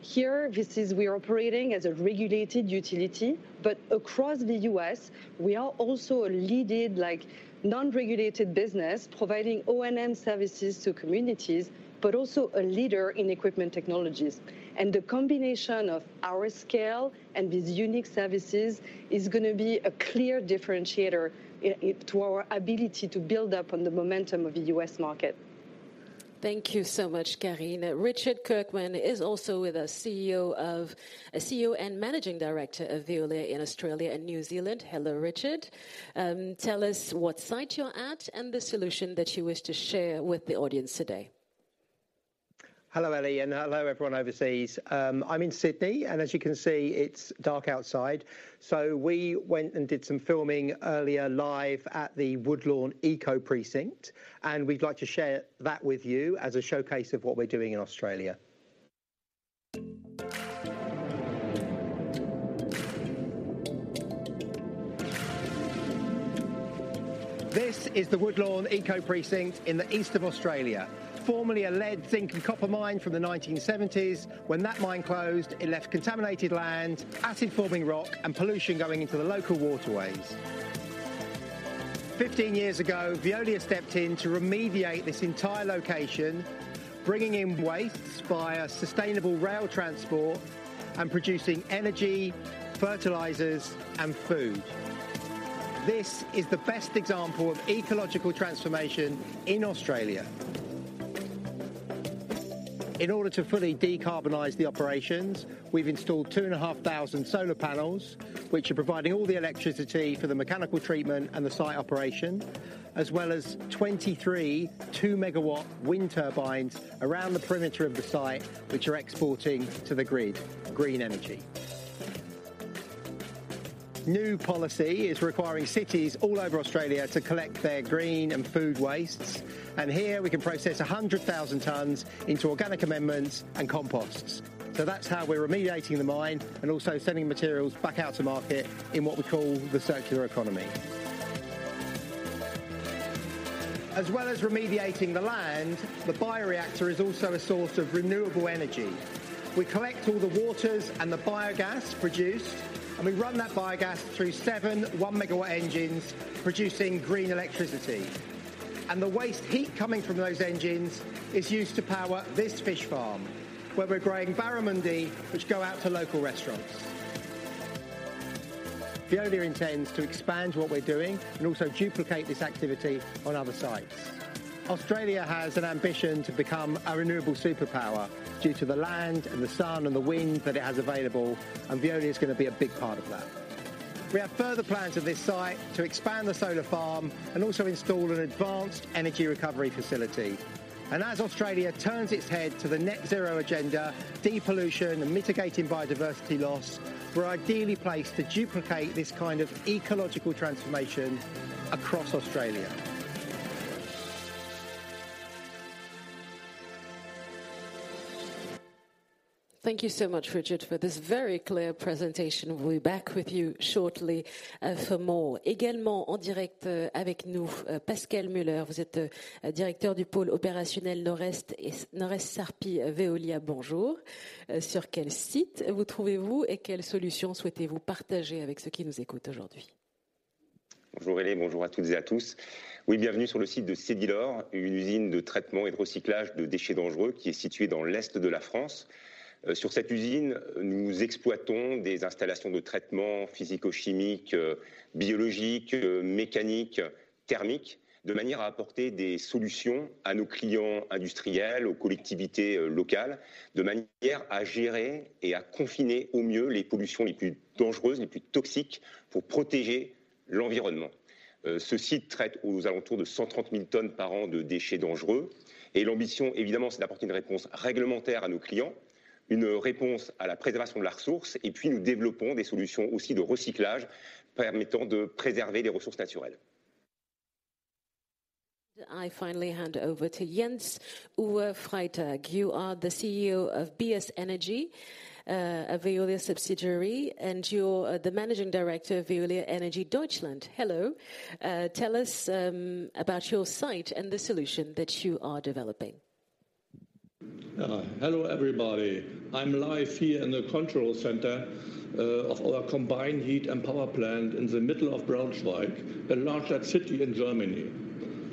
Here, we are operating as a regulated utility, but across the U.S., we are also a leading, like, non-regulated business providing O&M services to communities, but also a leader in equipment technologies. The combination of our scale and these unique services is gonna be a clear differentiator to our ability to build up on the momentum of the U.S. market. Thank you so much, Karine. Richard Kirkman is also with us, CEO and Managing Director of Veolia in Australia and New Zealand. Hello, Richard. Tell us what site you're at and the solution that you wish to share with the audience today. Hello, Élé, hello, everyone overseas. I'm in Sydney, as you can see, it's dark outside. We went and did some filming earlier live at the Woodlawn Eco-Precinct, we'd like to share that with you as a showcase of what we're doing in Australia. This is the Woodlawn Eco-Precinct in the east of Australia, formerly a lead, zinc, and copper mine from the 1970s. When that mine closed, it left contaminated land, acid forming rock, and pollution going into the local waterways. 15 years ago, Veolia stepped in to remediate this entire location, bringing in wastes via sustainable rail transport and producing energy, fertilizers, and food. This is the best example of ecological transformation in Australia. In order to fully decarbonize the operations, we've installed 2,500 solar panels, which are providing all the electricity for the mechanical treatment and the site operation, as well as 23 2-megawatt wind turbines around the perimeter of the site, which are exporting to the grid green energy. New policy is requiring cities all over Australia to collect their green and food wastes, and here we can process 100,000 tons into organic amendments and composts. That's how we're remediating the mine and also sending materials back out to market in what we call the circular economy. As well as remediating the land, the bioreactor is also a source of renewable energy. We collect all the waters and the biogas produced, and we run that biogas through 7 1-megawatt engines producing green electricity. The waste heat coming from those engines is used to power this fish farm, where we're growing barramundi which go out to local restaurants. Veolia intends to expand what we're doing and also duplicate this activity on other sites. Australia has an ambition to become a renewable superpower due to the land and the sun and the wind that it has available. Veolia is gonna be a big part of that. We have further plans at this site to expand the solar farm and also install an advanced energy recovery facility. As Australia turns its head to the net zero agenda, depollution, and mitigating biodiversity loss, we're ideally placed to duplicate this kind of ecological transformation across Australia. Thank you so much, Richard, for this very clear presentation. We'll be back with you shortly, for more. Bonjour Hélène, bonjour à toutes et à tous. Oui, bienvenue sur le site de Cedilor, une usine de traitement et de recyclage de déchets dangereux qui est située dans l'est de la France. Sur cette usine, nous exploitons des installations de traitement physico-chimiques, biologiques, mécaniques, thermiques, de manière à apporter des solutions à nos clients industriels, aux collectivités locales, de manière à gérer et à confiner au mieux les pollutions les plus dangereuses, les plus toxiques pour protéger l'environnement. Ce site traite aux alentours de 130,000 tons par an de déchets dangereux. L'ambition, évidemment, c'est d'apporter une réponse réglementaire à nos clients, une réponse à la préservation de la ressource. Puis, nous développons des solutions aussi de recyclage permettant de préserver les ressources naturelles. I finally hand over to Jens-Uwe Freitag. You are the CEO of BS Energy, a Veolia subsidiary, and you're the managing director of Veolia Energie Deutschland. Hello. Tell us about your site and the solution that you are developing. Hello everybody. I'm live here in the control center of our combined heat and power plant in the middle of Braunschweig, a large city in Germany.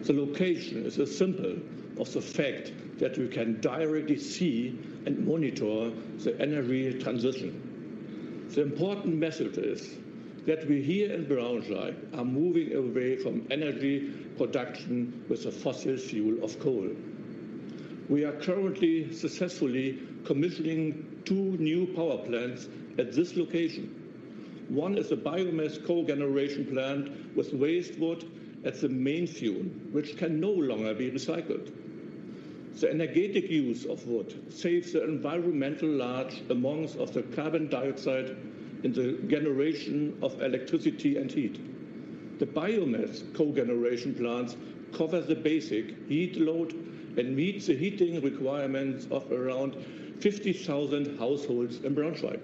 The location is a symbol of the fact that we can directly see and monitor the energy transition. The important message is that we here in Braunschweig are moving away from energy production with the fossil fuel of coal. We are currently successfully commissioning two new power plants at this location. One is a biomass cogeneration plant with waste wood as the main fuel, which can no longer be recycled. The energetic use of wood saves the environmental large amounts of the carbon dioxide in the generation of electricity and heat. The biomass cogeneration plants cover the basic heat load and meets the heating requirements of around 50,000 households in Braunschweig.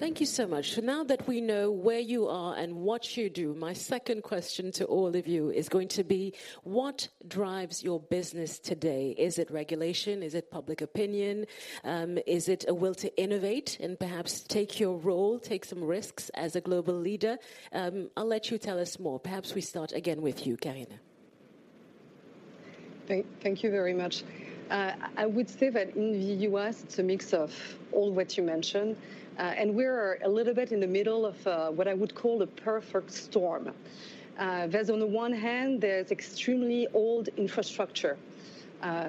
Thank you so much. Now that we know where you are and what you do, my second question to all of you is going to be: What drives your business today? Is it regulation? Is it public opinion? Is it a will to innovate and perhaps take your role, take some risks as a global leader? I'll let you tell us more. Perhaps we start again with you, Karine. Thank you very much. I would say that in the U.S. it's a mix of all what you mentioned. We're a little bit in the middle of what I would call the perfect storm. There's, on the one hand, there's extremely old infrastructure.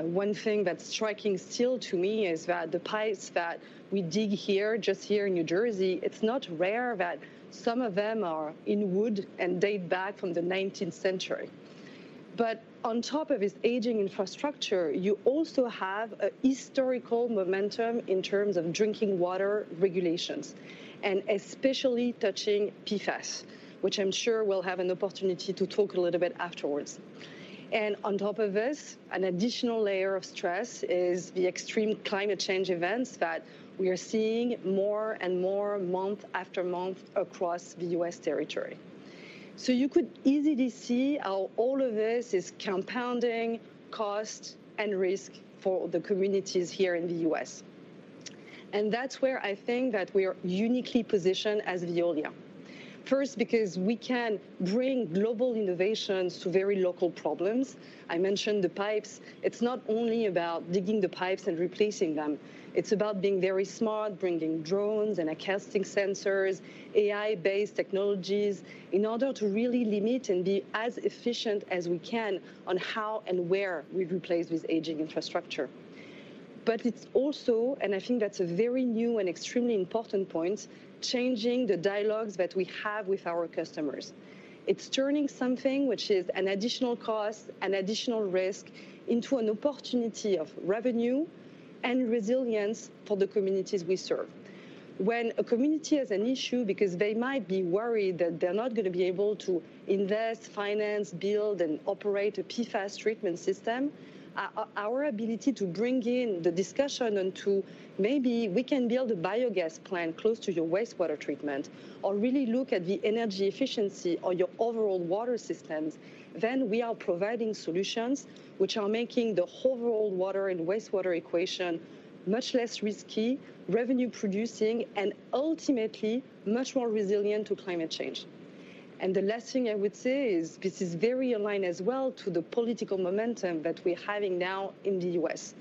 One thing that's striking still to me is that the pipes that we dig here, just here in New Jersey, it's not rare that some of them are in wood and date back from the 19th century. On top of this aging infrastructure, you also have a historical momentum in terms of drinking water regulations, and especially touching PFAS, which I'm sure we'll have an opportunity to talk a little bit afterwards. On top of this, an additional layer of stress is the extreme climate change events that we are seeing more and more month after month across the U.S. territory. You could easily see how all of this is compounding cost and risk for the communities here in the U.S. That's where I think that we are uniquely positioned as Veolia. First, because we can bring global innovations to very local problems. I mentioned the pipes. It's not only about digging the pipes and replacing them. It's about being very smart, bringing drones and acoustic sensors, AI-based technologies, in order to really limit and be as efficient as we can on how and where we replace this aging infrastructure. It's also, and I think that's a very new and extremely important point, changing the dialogues that we have with our customers. It's turning something which is an additional cost, an additional risk, into an opportunity of revenue and resilience for the communities we serve. When a community has an issue because they might be worried that they're not gonna be able to invest, finance, build, and operate a PFAS treatment system, our ability to bring in the discussion and to maybe we can build a biogas plant close to your wastewater treatment or really look at the energy efficiency or your overall water systems, then we are providing solutions which are making the overall water and wastewater equation much less risky, revenue-producing, and ultimately much more resilient to climate change. The last thing I would say is this is very aligned as well to the political momentum that we're having now in the U.S.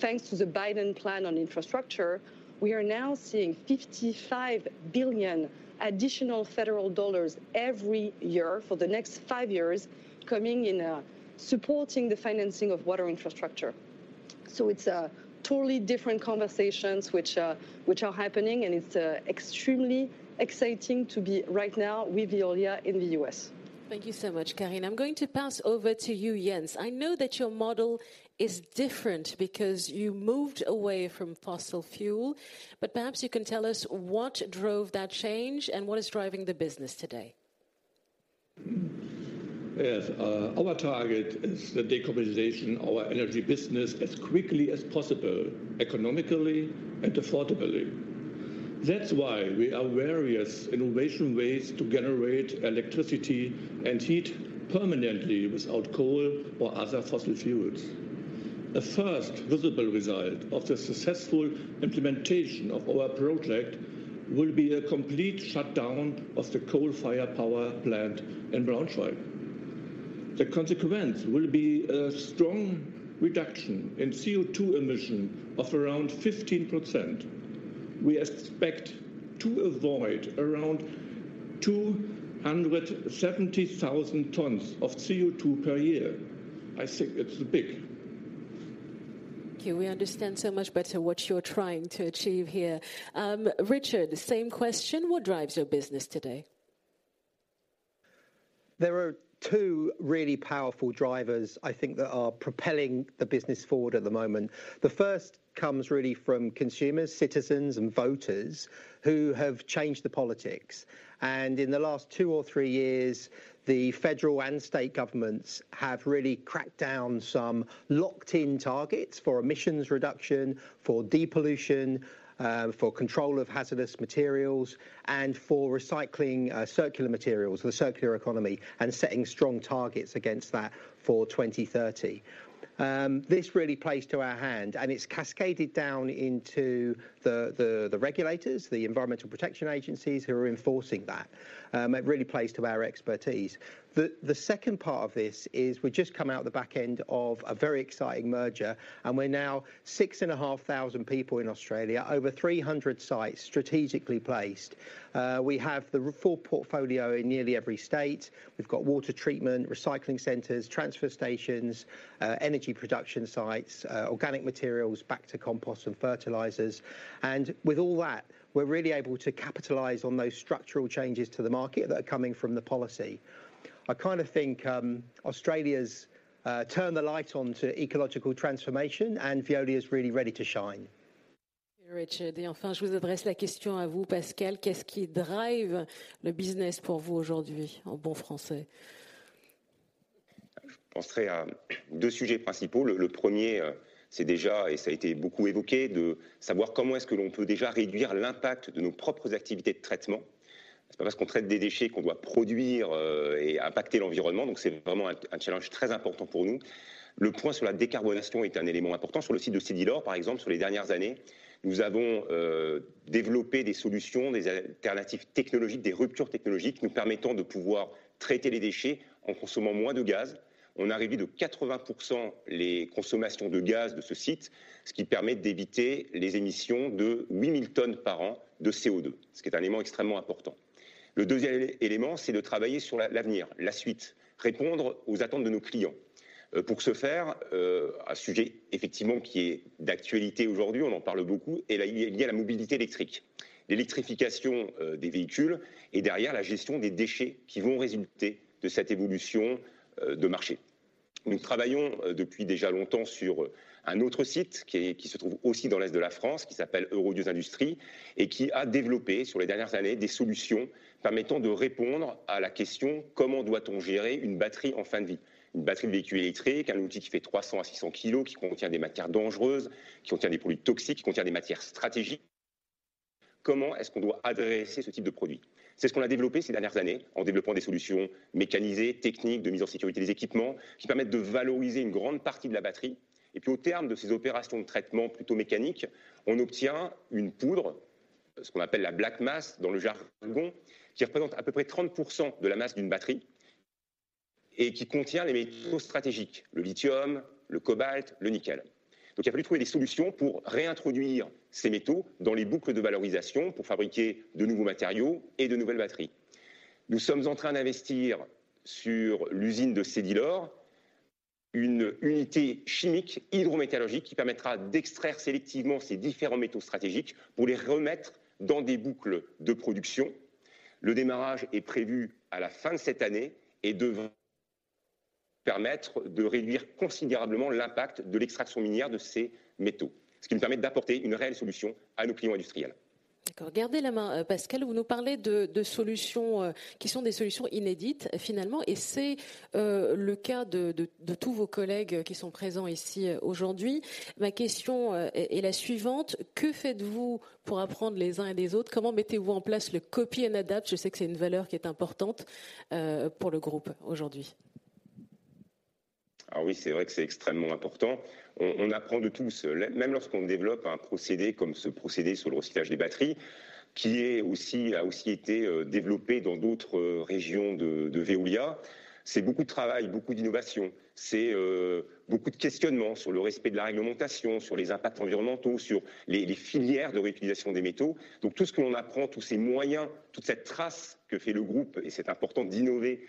Thanks to the Biden plan on infrastructure, we are now seeing $55 billion additional federal dollars every year for the next five years coming in, supporting the financing of water infrastructure. It's totally different conversations which are happening, and it's extremely exciting to be right now with Veolia in the U.S. Thank you so much, Karine. I'm going to pass over to you, Jens. I know that your model is different because you moved away from fossil fuel. Perhaps you can tell us what drove that change and what is driving the business today. Yes, our target is the decarbonization of our energy business as quickly as possible, economically and affordably. That's why we are various innovation ways to generate electricity and heat permanently without coal or other fossil fuels. The first visible result of the successful implementation of our project will be a complete shutdown of the coal-fired power plant in Braunschweig. The consequence will be a strong reduction in CO₂ emission of around 15%. We expect to avoid around 270,000 tons of CO₂ per year. I think it's big. Thank you. We understand so much better what you're trying to achieve here. Richard, same question. What drives your business today? There are two really powerful drivers I think that are propelling the business forward at the moment. The first comes really from consumers, citizens and voters who have changed the politics. In the last two or three years, the federal and state governments have really cracked down some locked-in targets for emissions reduction, for depollution, for control of hazardous materials, and for recycling, circular materials, the circular economy, and setting strong targets against that for 2030. This really plays to our hand, and it's cascaded down into the regulators, the environmental protection agencies who are enforcing that. It really plays to our expertise. The second part of this is we've just come out the back end of a very exciting merger, and we're now 6,500 people in Australia, over 300 sites strategically placed. We have the full portfolio in nearly every state. We've got water treatment, recycling centers, transfer stations, energy production sites, organic materials back to compost and fertilizers. With all that, we're really able to capitalize on those structural changes to the market that are coming from the policy. I kind of think Australia's turned the light on to ecological transformation, and Veolia's really ready to shine. Thank you, Richard. Et enfin, je vous adresse la question à vous, Pascal. Qu'est-ce qui drive le business pour vous aujourd'hui, en bon français? Je penserais à deux sujets principaux. Le premier, c'est déjà, et ça a été beaucoup évoqué, de savoir comment est-ce que l'on peut déjà réduire l'impact de nos propres activités de traitement. C'est pas parce qu'on traite des déchets qu'on doit produire et impacter l'environnement. C'est vraiment un challenge très important pour nous. Le point sur la décarbonation est un élément important. Sur le site de Sédilor, par exemple, sur les dernières années, nous avons développé des solutions, des alternatives technologiques, des ruptures technologiques nous permettant de pouvoir traiter les déchets en consommant moins de gaz. On a réduit de 80% les consommations de gaz de ce site, ce qui permet d'éviter les émissions de 8,000 tons par an de CO₂. C'est un élément extrêmement important. Le deuxième élément, c'est de travailler sur l'avenir, la suite, répondre aux attentes de nos clients. Pour ce faire, un sujet effectivement qui est d'actualité aujourd'hui, on en parle beaucoup, est lié à la mobilité électrique. L'électrification des véhicules et derrière la gestion des déchets qui vont résulter de cette évolution de marché. Nous travaillons depuis déjà longtemps sur un autre site qui est, qui se trouve aussi dans l'est de la France, qui s'appelle Euro Dieuze Industrie et qui a développé sur les dernières années des solutions permettant de répondre à la question: comment doit-on gérer une batterie en fin de vie? Une batterie de véhicule électrique, un outil qui fait 300-600 kilos, qui contient des matières dangereuses, qui contient des produits toxiques, qui contient des matières stratégiques. Comment est-ce qu'on doit adresser ce type de produit? C'est ce qu'on a développé ces dernières années en développant des solutions mécanisées, techniques, de mise en sécurité des équipements qui permettent de valoriser une grande partie de la batterie. Puis, au terme de ces opérations de traitement plutôt mécaniques, on obtient une poudre, ce qu'on appelle la black mass dans le jargon, qui représente à peu près 30% de la masse d'une batterie et qui contient les métaux stratégiques: le lithium, le cobalt, le nickel. Il a fallu trouver des solutions pour réintroduire ces métaux dans les boucles de valorisation pour fabriquer de nouveaux matériaux et de nouvelles batteries. Nous sommes en train d'investir sur l'usine de Sédilor une unité chimique hydrométallurgique qui permettra d'extraire sélectivement ces différents métaux stratégiques pour les remettre dans des boucles de production. Le démarrage est prévu à la fin de cette année et devrait permettre de réduire considérablement l'impact de l'extraction minière de ces métaux, ce qui nous permet d'apporter une réelle solution à nos clients industriels. D'accord. Gardez la main, Pascal. Vous nous parlez de solutions qui sont des solutions inédites, finalement, et c'est le cas de tous vos collègues qui sont présents ici aujourd'hui. Ma question est la suivante: que faites-vous pour apprendre les uns et des autres? Comment mettez-vous en place le copy and adapt? Je sais que c'est une valeur qui est importante pour le groupe aujourd'hui. Oui, c'est vrai que c'est extrêmement important. On apprend de tous. Même lorsqu'on développe un procédé comme ce procédé sur le recyclage des batteries, qui a aussi été développé dans d'autres régions de Veolia, c'est beaucoup de travail, beaucoup d'innovation. C'est beaucoup de questionnements sur le respect de la réglementation, sur les impacts environnementaux, sur les filières de réutilisation des métaux. Tout ce que l'on apprend, tous ces moyens, toute cette trace que fait le groupe, et c'est important d'innover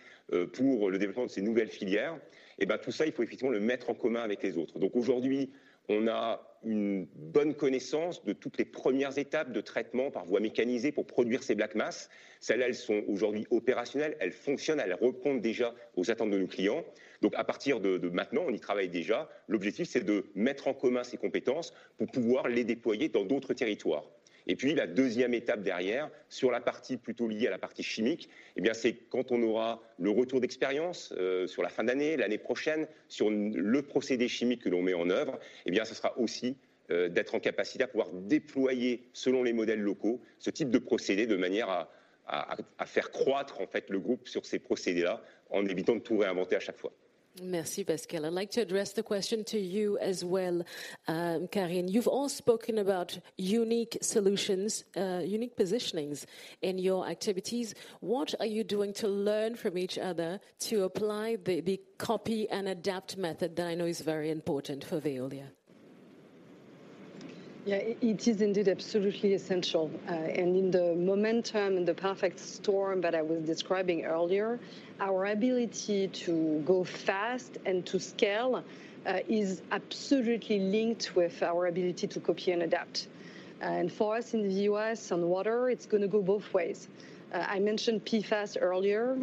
pour le développement de ces nouvelles filières, et ben tout ça, il faut effectivement le mettre en commun avec les autres. Aujourd'hui, on a une bonne connaissance de toutes les premières étapes de traitement par voie mécanisée pour produire ces black mass. Celles-là, elles sont aujourd'hui opérationnelles, elles fonctionnent, elles répondent déjà aux attentes de nos clients. À partir de maintenant, on y travaille déjà. L'objectif, c'est de mettre en commun ces compétences pour pouvoir les déployer dans d'autres territoires. La deuxième étape derrière, sur la partie plutôt liée à la partie chimique, c'est quand on aura le retour d'expérience sur la fin d'année, l'année prochaine, sur le procédé chimique que l'on met en œuvre, ce sera aussi d'être en capacité à pouvoir déployer selon les modèles locaux ce type de procédés, de manière à faire croître en fait le groupe sur ces procédés-là en évitant de tout réinventer à chaque fois. Merci Pascal. I'd like to address the question to you as well, Karine. You've all spoken about unique solutions, unique positionings in your activities. What are you doing to learn from each other to apply the copy and adapt method that I know is very important for Veolia? Yeah, it is indeed absolutely essential. In the momentum, in the perfect storm that I was describing earlier, our ability to go fast and to scale is absolutely linked with our ability to copy and adapt. For us in the U.S. on water, it's gonna go both ways. I mentioned PFAS earlier,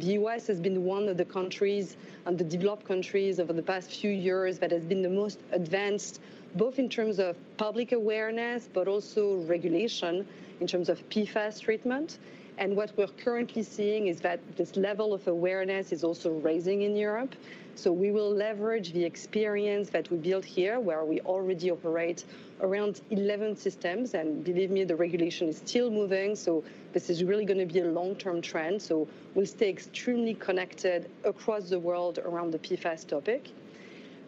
the U.S. has been one of the countries and the developed countries over the past few years that has been the most advanced, both in terms of public awareness, but also regulation in terms of PFAS treatment. What we're currently seeing is that this level of awareness is also raising in Europe. We will leverage the experience that we built here, where we already operate around 11 systems, and believe me, the regulation is still moving, this is really gonna be a long-term trend. We'll stay extremely connected across the world around the PFAS topic.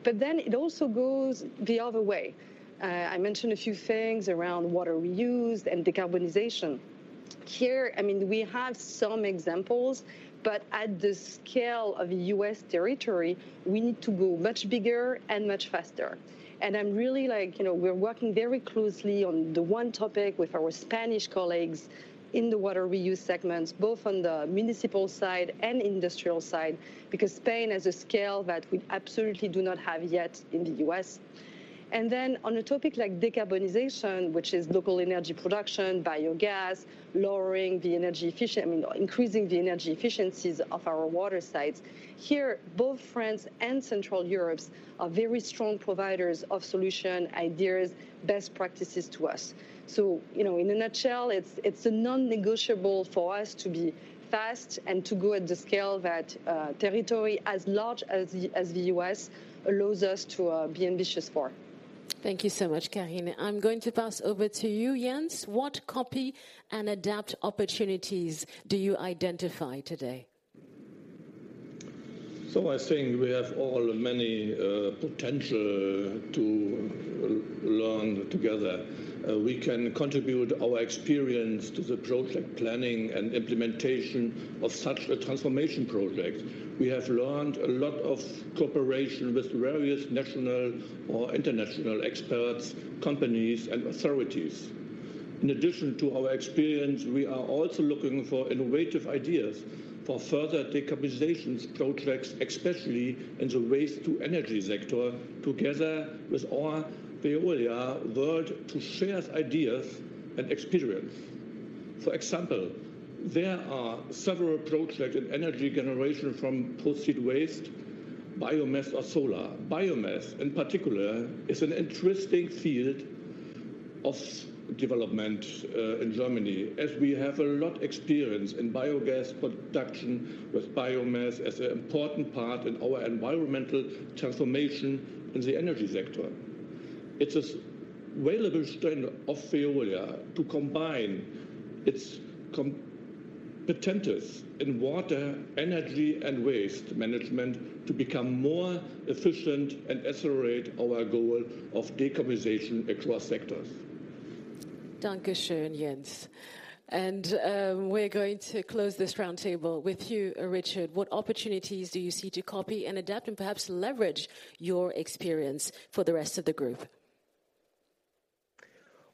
It also goes the other way. I mentioned a few things around water reuse and decarbonization. Here, I mean, we have some examples, but at the scale of U.S. territory, we need to go much bigger and much faster. I'm really like, you know, we're working very closely on the one topic with our Spanish colleagues in the water reuse segments, both on the municipal side and industrial side, because Spain has a scale that we absolutely do not have yet in the U.S. On a topic like decarbonization, which is local energy production, biogas, lowering the energy, I mean, increasing the energy efficiencies of our water sites. Here, both France and Central Europe are very strong providers of solution, ideas, best practices to us. You know, in a nutshell, it's a non-negotiable for us to be fast and to go at the scale that territory as large as the US allows us to be ambitious for. Thank you so much, Karine. I'm going to pass over to you, Jens. What copy and adapt opportunities do you identify today? I think we have all many potential to learn together. We can contribute our experience to the project planning and implementation of such a transformation project. We have learned a lot of cooperation with various national or international experts, companies and authorities. In addition to our experience, we are also looking for innovative ideas for further decarbonizations projects, especially in the waste-to-energy sector, together with our Veolia world to share ideas and experience. For example, there are several projects in energy generation from post-heat waste, biomass or solar. Biomass, in particular, is an interesting field of development in Germany, as we have a lot experience in biogas production with biomass as an important part in our environmental transformation in the energy sector. It's a available strength of Veolia to combine its potentials in water, energy, and waste management to become more efficient and accelerate our goal of decarbonization across sectors. Danke schön, Jens. We're going to close this roundtable with you, Richard. What opportunities do you see to copy and adapt and perhaps leverage your experience for the rest of the group?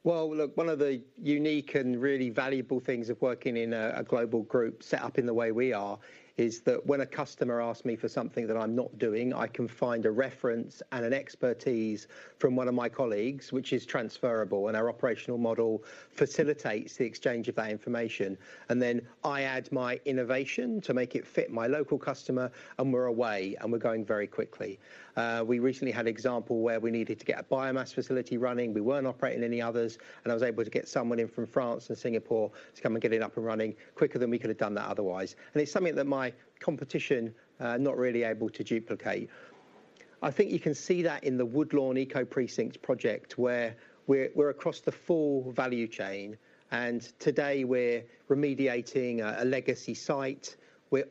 Well, look, one of the unique and really valuable things of working in a global group set up in the way we are is that when a customer asks me for something that I'm not doing, I can find a reference and an expertise from one of my colleagues, which is transferable, and our operational model facilitates the exchange of that information. Then I add my innovation to make it fit my local customer, and we're away, and we're going very quickly. We recently had example where we needed to get a biomass facility running. We weren't operating any others, and I was able to get someone in from France and Singapore to come and get it up and running quicker than we could have done that otherwise. It's something that my competition are not really able to duplicate. I think you can see that in the Woodlawn Eco Precinct project, where we're across the full value chain. Today we're remediating a legacy site.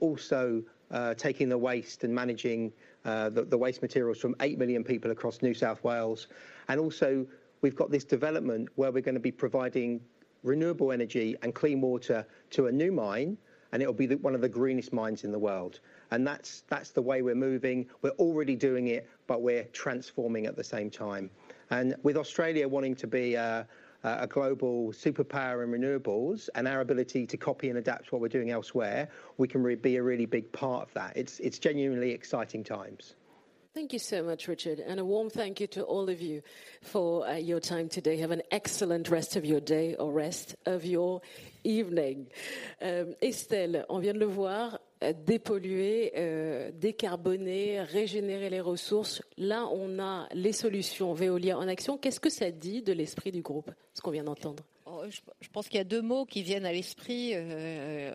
Also we're taking the waste and managing the waste materials from 8 million people across New South Wales. Also we've got this development where we're gonna be providing renewable energy and clean water to a new mine, and it'll be one of the greenest mines in the world. That's the way we're moving. We're already doing it, but we're transforming at the same time. With Australia wanting to be a global superpower in renewables and our ability to copy and adapt what we're doing elsewhere, we can be a really big part of that. It's genuinely exciting times. Thank you so much, Richard. A warm thank you to all of you for your time today. Have an excellent rest of your day or rest of your evening. Estelle. Je pense qu'il y a deux mots qui viennent à l'esprit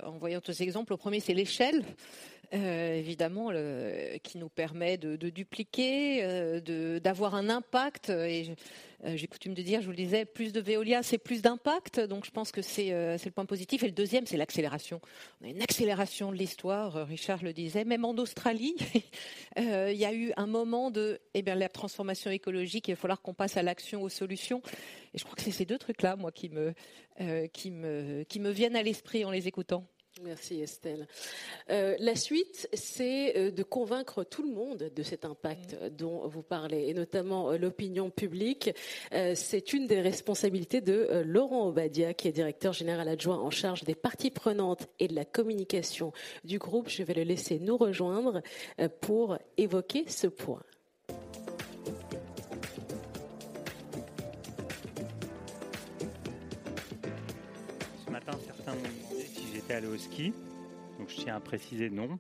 en voyant tous ces exemples. Le premier, c'est l'échelle, évidemment, qui nous permet de dupliquer, d'avoir un impact. J'ai coutume de dire, je vous le disais: "Plus de Veolia, c'est plus d'impact." Je pense que c'est le point positif. Le deuxième, c'est l'accélération. On a une accélération de l'histoire. Richard le disait, même en Australie, y a eu un moment de: "Eh bien, la transformation écologique, il va falloir qu'on passe à l'action, aux solutions." Je crois que c'est ces deux trucs-là, moi, qui me viennent à l'esprit en les écoutant. Merci Estelle. La suite, c'est de convaincre tout le monde de cet impact dont vous parlez, et notamment l'opinion publique. C'est une des responsabilités de Laurent Obadia, qui est Directeur Général Adjoint en charge des Parties Prenantes et de la Communication du Groupe. Je vais le laisser nous rejoindre pour évoquer ce point. Ce matin, certains m'ont demandé si j'étais allé au ski. Je tiens à préciser non.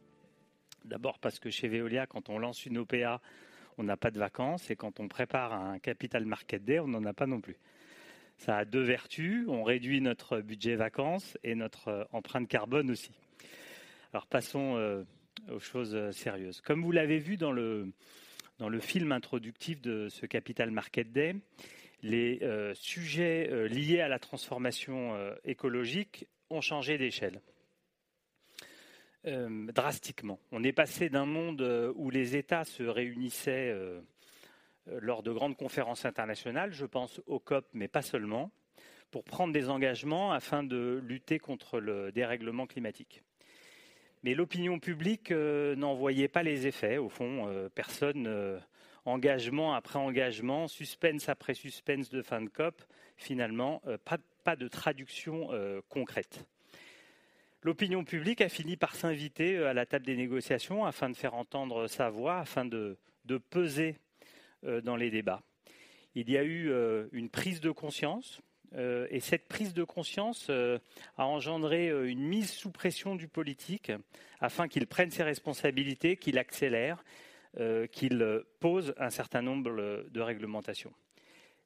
D'abord parce que chez Veolia, quand on lance une OPA, on n'a pas de vacances et quand on prépare un Capital Market Day, on n'en a pas non plus. Ça a 2 vertus, on réduit notre budget vacances et notre empreinte carbone aussi. Passons aux choses sérieuses. Comme vous l'avez vu dans le film introductif de ce Capital Market Day, les sujets liés à la transformation écologique ont changé d'échelle drastiquement. On est passé d'un monde où les États se réunissaient lors de grandes conférences internationales, je pense aux COP, mais pas seulement, pour prendre des engagements afin de lutter contre le dérèglement climatique. L'opinion publique n'en voyait pas les effets. Au fond, personne, engagement après engagement, suspense après suspense de fin de COP, finalement, pas de traduction concrète. L'opinion publique a fini par s'inviter à la table des négociations afin de faire entendre sa voix, afin de peser dans les débats. Il y a eu une prise de conscience et cette prise de conscience a engendré une mise sous pression du politique afin qu'il prenne ses responsabilités, qu'il accélère, qu'il pose un certain nombre de réglementations.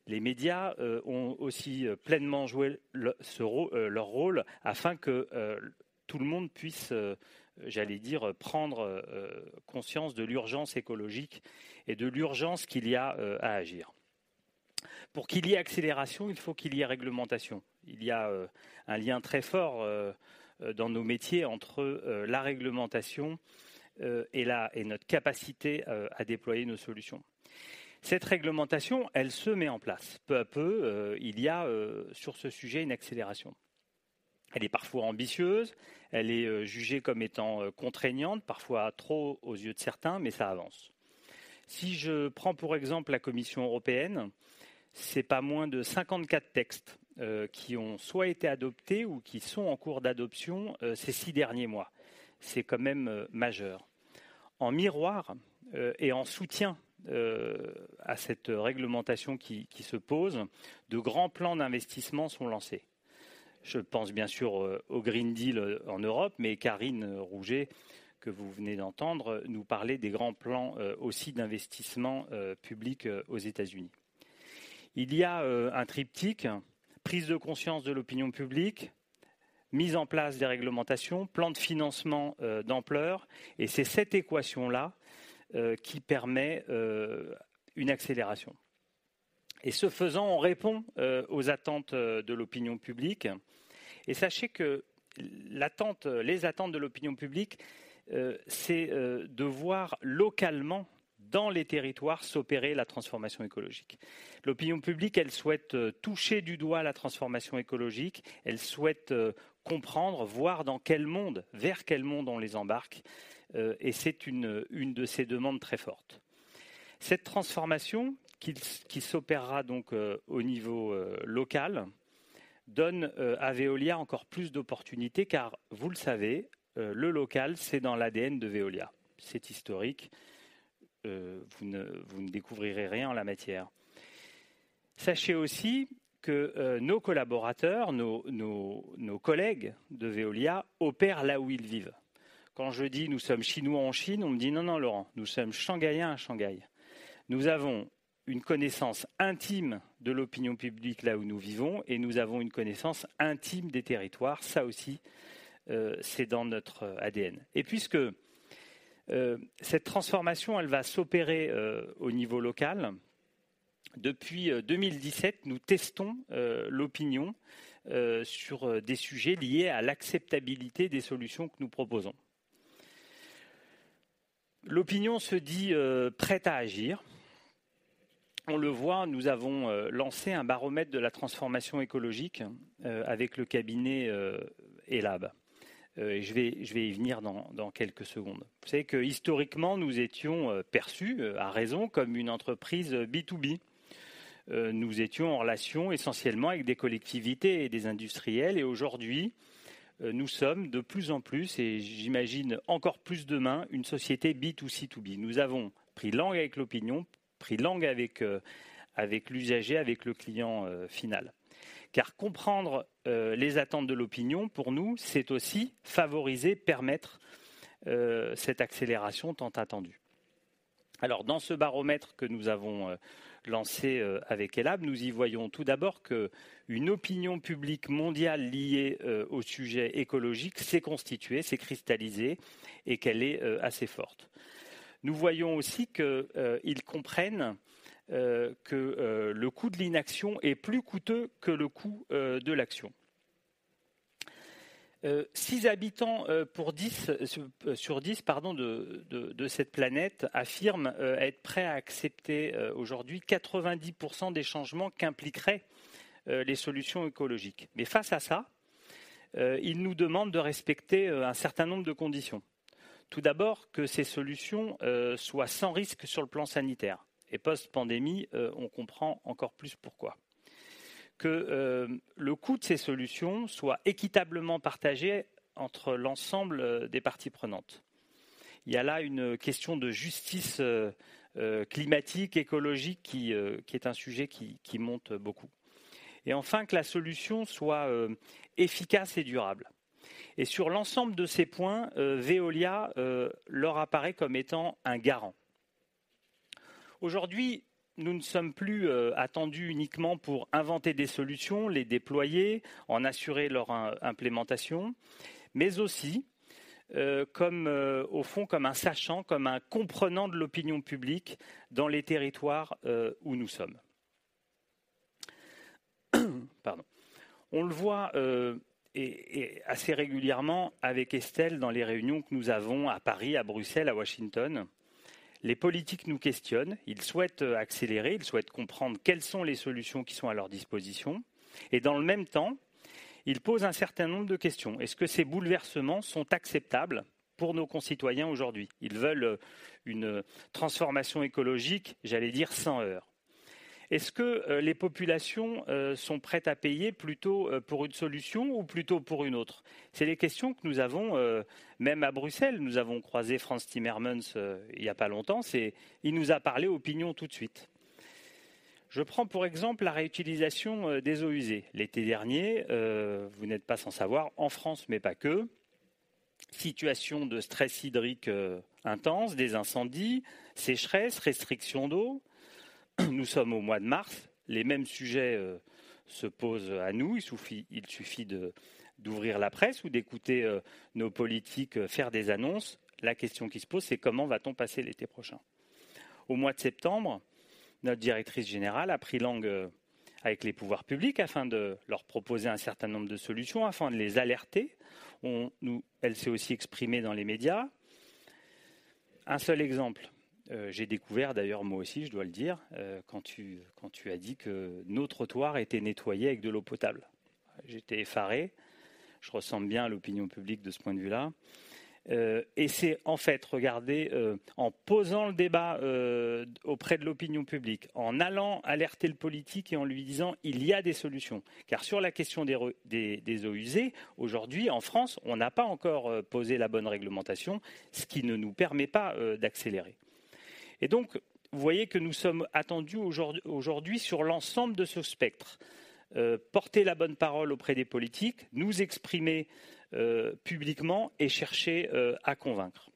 Les médias ont aussi pleinement joué ce rôle, leur rôle afin que tout le monde puisse, j'allais dire, prendre conscience de l'urgence écologique et de l'urgence qu'il y a à agir. Pour qu'il y ait accélération, il faut qu'il y ait réglementation. Il y a un lien très fort dans nos métiers entre la réglementation et notre capacité à déployer nos solutions. Cette réglementation, elle se met en place. Peu à peu, il y a sur ce sujet une accélération. Elle est parfois ambitieuse, elle est jugée comme étant contraignante, parfois trop aux yeux de certains. Ça avance. Si je prends pour exemple la Commission européenne, c'est pas moins de 54 textes qui ont soit été adoptés ou qui sont en cours d'adoption ces 6 derniers mois. C'est quand même majeur. En miroir, et en soutien à cette réglementation qui se pose, de grands plans d'investissement sont lancés. Je pense bien sûr au Green Deal en Europe. Karine Rougé, que vous venez d'entendre, nous parlait des grands plans aussi d'investissements publics aux U.S. Il y a un triptyque prise de conscience de l'opinion publique, mise en place des réglementations, plan de financement d'ampleur. C'est cette équation-là qui permet une accélération. Ce faisant, on répond aux attentes de l'opinion publique. Sachez que les attentes de l'opinion publique, c'est de voir localement, dans les territoires, s'opérer la transformation écologique. L'opinion publique, elle souhaite toucher du doigt la transformation écologique. Elle souhaite comprendre, voir dans quel monde, vers quel monde on les embarque. C'est une de ses demandes très fortes. Cette transformation qui s'opérera donc au niveau local donne à Veolia encore plus d'opportunités, car vous le savez, le local, c'est dans l'ADN de Veolia. C'est historique, vous ne découvrirez rien en la matière. Sachez aussi que nos collaborateurs, nos collègues de Veolia opèrent là où ils vivent. Quand je dis: nous sommes Chinois en Chine, on me dit: Non, non, Laurent, nous sommes Shanghaïens à Shanghai. Nous avons une connaissance intime de l'opinion publique là où nous vivons et nous avons une connaissance intime des territoires. Ça aussi, c'est dans notre ADN. Puisque cette transformation, elle va s'opérer au niveau local, depuis 2017, nous testons l'opinion sur des sujets liés à l'acceptabilité des solutions que nous proposons. L'opinion se dit prête à agir. On le voit, nous avons lancé un baromètre de la transformation écologique avec le cabinet Elabe. Je vais y venir dans quelques secondes. Vous savez qu'historiquement, nous étions perçus, à raison, comme une entreprise B2B. Nous étions en relation essentiellement avec des collectivités et des industriels. Aujourd'hui, nous sommes de plus en plus, et j'imagine encore plus demain, une société B2C2B. Nous avons pris langue avec l'opinion, pris langue avec l'usager, avec le client final. Comprendre les attentes de l'opinion, pour nous, c'est aussi favoriser, permettre cette accélération tant attendue. Dans ce baromètre que nous avons lancé avec Elabe, nous y voyons tout d'abord qu'une opinion publique mondiale liée aux sujets écologiques s'est constituée, s'est cristallisée et qu'elle est assez forte. Nous voyons aussi qu'ils comprennent que le coût de l'inaction est plus coûteux que le coût de l'action. 6 habitants pour 10, sur 10, pardon, de cette planète affirment être prêts à accepter aujourd'hui 90% des changements qu'impliqueraient les solutions écologiques. Face à ça, ils nous demandent de respecter un certain nombre de conditions. Tout d'abord, que ces solutions soient sans risque sur le plan sanitaire. Post-pandémie, on comprend encore plus pourquoi. Que le coût de ces solutions soit équitablement partagé entre l'ensemble des parties prenantes. Il y a là une question de justice climatique, écologique qui est un sujet qui monte beaucoup. Enfin, que la solution soit efficace et durable. Sur l'ensemble de ces points, Veolia leur apparaît comme étant un garant. Aujourd'hui, nous ne sommes plus attendus uniquement pour inventer des solutions, les déployer, en assurer leur implémentation, mais aussi, comme, au fond, comme un sachant, comme un comprenant de l'opinion publique dans les territoires où nous sommes. Pardon. On le voit, et assez régulièrement avec Estelle dans les réunions que nous avons à Paris, à Bruxelles, à Washington. Les politiques nous questionnent, ils souhaitent accélérer, ils souhaitent comprendre quelles sont les solutions qui sont à leur disposition. Dans le même temps, ils posent un certain nombre de questions. Est-ce que ces bouleversements sont acceptables pour nos concitoyens aujourd'hui? Ils veulent une transformation écologique, j'allais dire, sans heurt. Est-ce que les populations sont prêtes à payer plutôt pour une solution ou plutôt pour une autre? C'est les questions que nous avons, même à Bruxelles. Nous avons croisé Frans Timmermans il n'y a pas longtemps. Il nous a parlé opinion tout de suite. Je prends pour exemple la réutilisation des eaux usées. L'été dernier, vous n'êtes pas sans savoir, en France, mais pas que, situation de stress hydrique intense, des incendies, sécheresse, restriction d'eau. Nous sommes au mois de mars. Les mêmes sujets se posent à nous. Il suffit d'ouvrir la presse ou d'écouter nos politiques faire des annonces. La question qui se pose, c'est: comment va-t-on passer l'été prochain? Au mois de septembre, notre directrice générale a pris langue avec les pouvoirs publics afin de leur proposer un certain nombre de solutions, afin de les alerter. Elle s'est aussi exprimée dans les médias. Un seul exemple. J'ai découvert d'ailleurs, moi aussi, je dois le dire, quand tu as dit que nos trottoirs étaient nettoyés avec de l'eau potable. J'étais effaré. Je ressemble bien à l'opinion publique de ce point de vue-là. C'est en fait, regardez, en posant le débat auprès de l'opinion publique, en allant alerter le politique et en lui disant: il y a des solutions. Car sur la question des eaux usées, aujourd'hui, en France, on n'a pas encore posé la bonne réglementation, ce qui ne nous permet pas d'accélérer. Vous voyez que nous sommes attendus aujourd'hui sur l'ensemble de ce spectre. Porter la bonne parole auprès des politiques, nous exprimer publiquement et chercher à convaincre.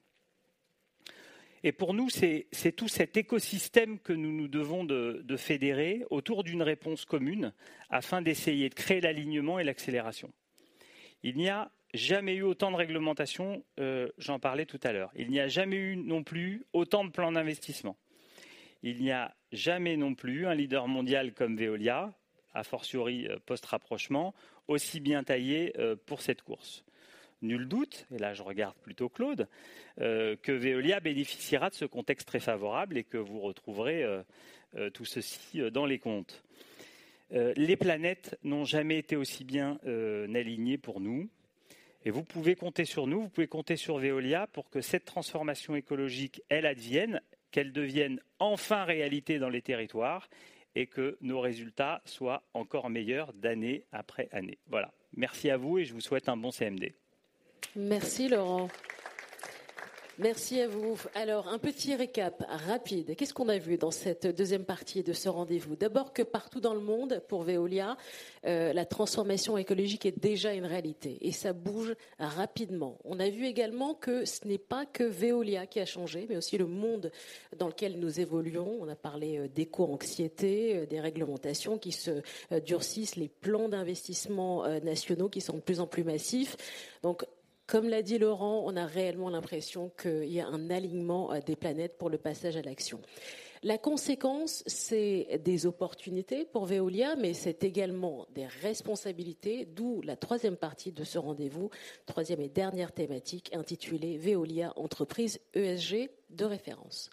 Pour nous, c'est tout cet écosystème que nous nous devons de fédérer autour d'une réponse commune afin d'essayer de créer l'alignement et l'accélération. Il n'y a jamais eu autant de réglementations, j'en parlais tout à l'heure. Il n'y a jamais eu non plus autant de plans d'investissement. Il n'y a jamais non plus un leader mondial comme Veolia, a fortiori post-rapprochement, aussi bien taillé pour cette course. Nul doute, et là, je regarde plutôt Claude, que Veolia bénéficiera de ce contexte très favorable et que vous retrouverez tout ceci dans les comptes. Les planètes n'ont jamais été aussi bien alignées pour nous. Vous pouvez compter sur nous, vous pouvez compter sur Veolia pour que cette transformation écologique, elle advienne, qu'elle devienne enfin réalité dans les territoires et que nos résultats soient encore meilleurs d'année après année. Voilà, merci à vous et je vous souhaite un bon CMD. Merci Laurent. Merci à vous. Un petit récap rapide. Qu'est-ce qu'on a vu dans cette deuxième partie de ce rendez-vous? Que partout dans le monde, pour Veolia, la transformation écologique est déjà une réalité et ça bouge rapidement. On a vu également que ce n'est pas que Veolia qui a changé, mais aussi le monde dans lequel nous évoluons. On a parlé d'éco-anxiété, des réglementations qui se durcissent, les plans d'investissements nationaux qui sont de plus en plus massifs. Comme l'a dit Laurent, on a réellement l'impression qu'il y a un alignement des planètes pour le passage à l'action. La conséquence, c'est des opportunités pour Veolia, mais c'est également des responsabilités, d'où la troisième partie de ce rendez-vous, troisième et dernière thématique intitulée Veolia, entreprise ESG de référence.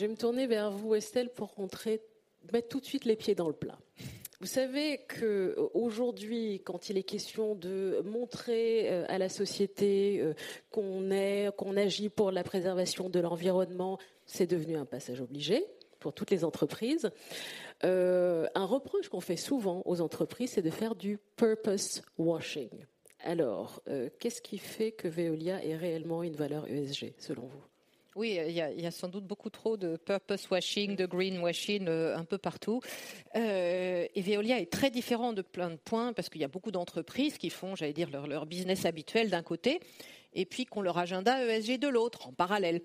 Je vais me tourner vers vous, Estelle, pour mettre tout de suite les pieds dans le plat. Vous savez qu'aujourd'hui, quand il est question de montrer à la société qu'on est, qu'on agit pour la préservation de l'environnement, c'est devenu un passage obligé pour toutes les entreprises. Un reproche qu'on fait souvent aux entreprises, c'est de faire du purpose washing. Qu'est-ce qui fait que Veolia est réellement une valeur ESG, selon vous? Oui, il y a sans doute beaucoup trop de purpose washing, de green washing un peu partout. Veolia est très différent de plein de points parce qu'il y a beaucoup d'entreprises qui font, j'allais dire, leur business habituel d'un côté et puis qui ont leur agenda ESG de l'autre, en parallèle.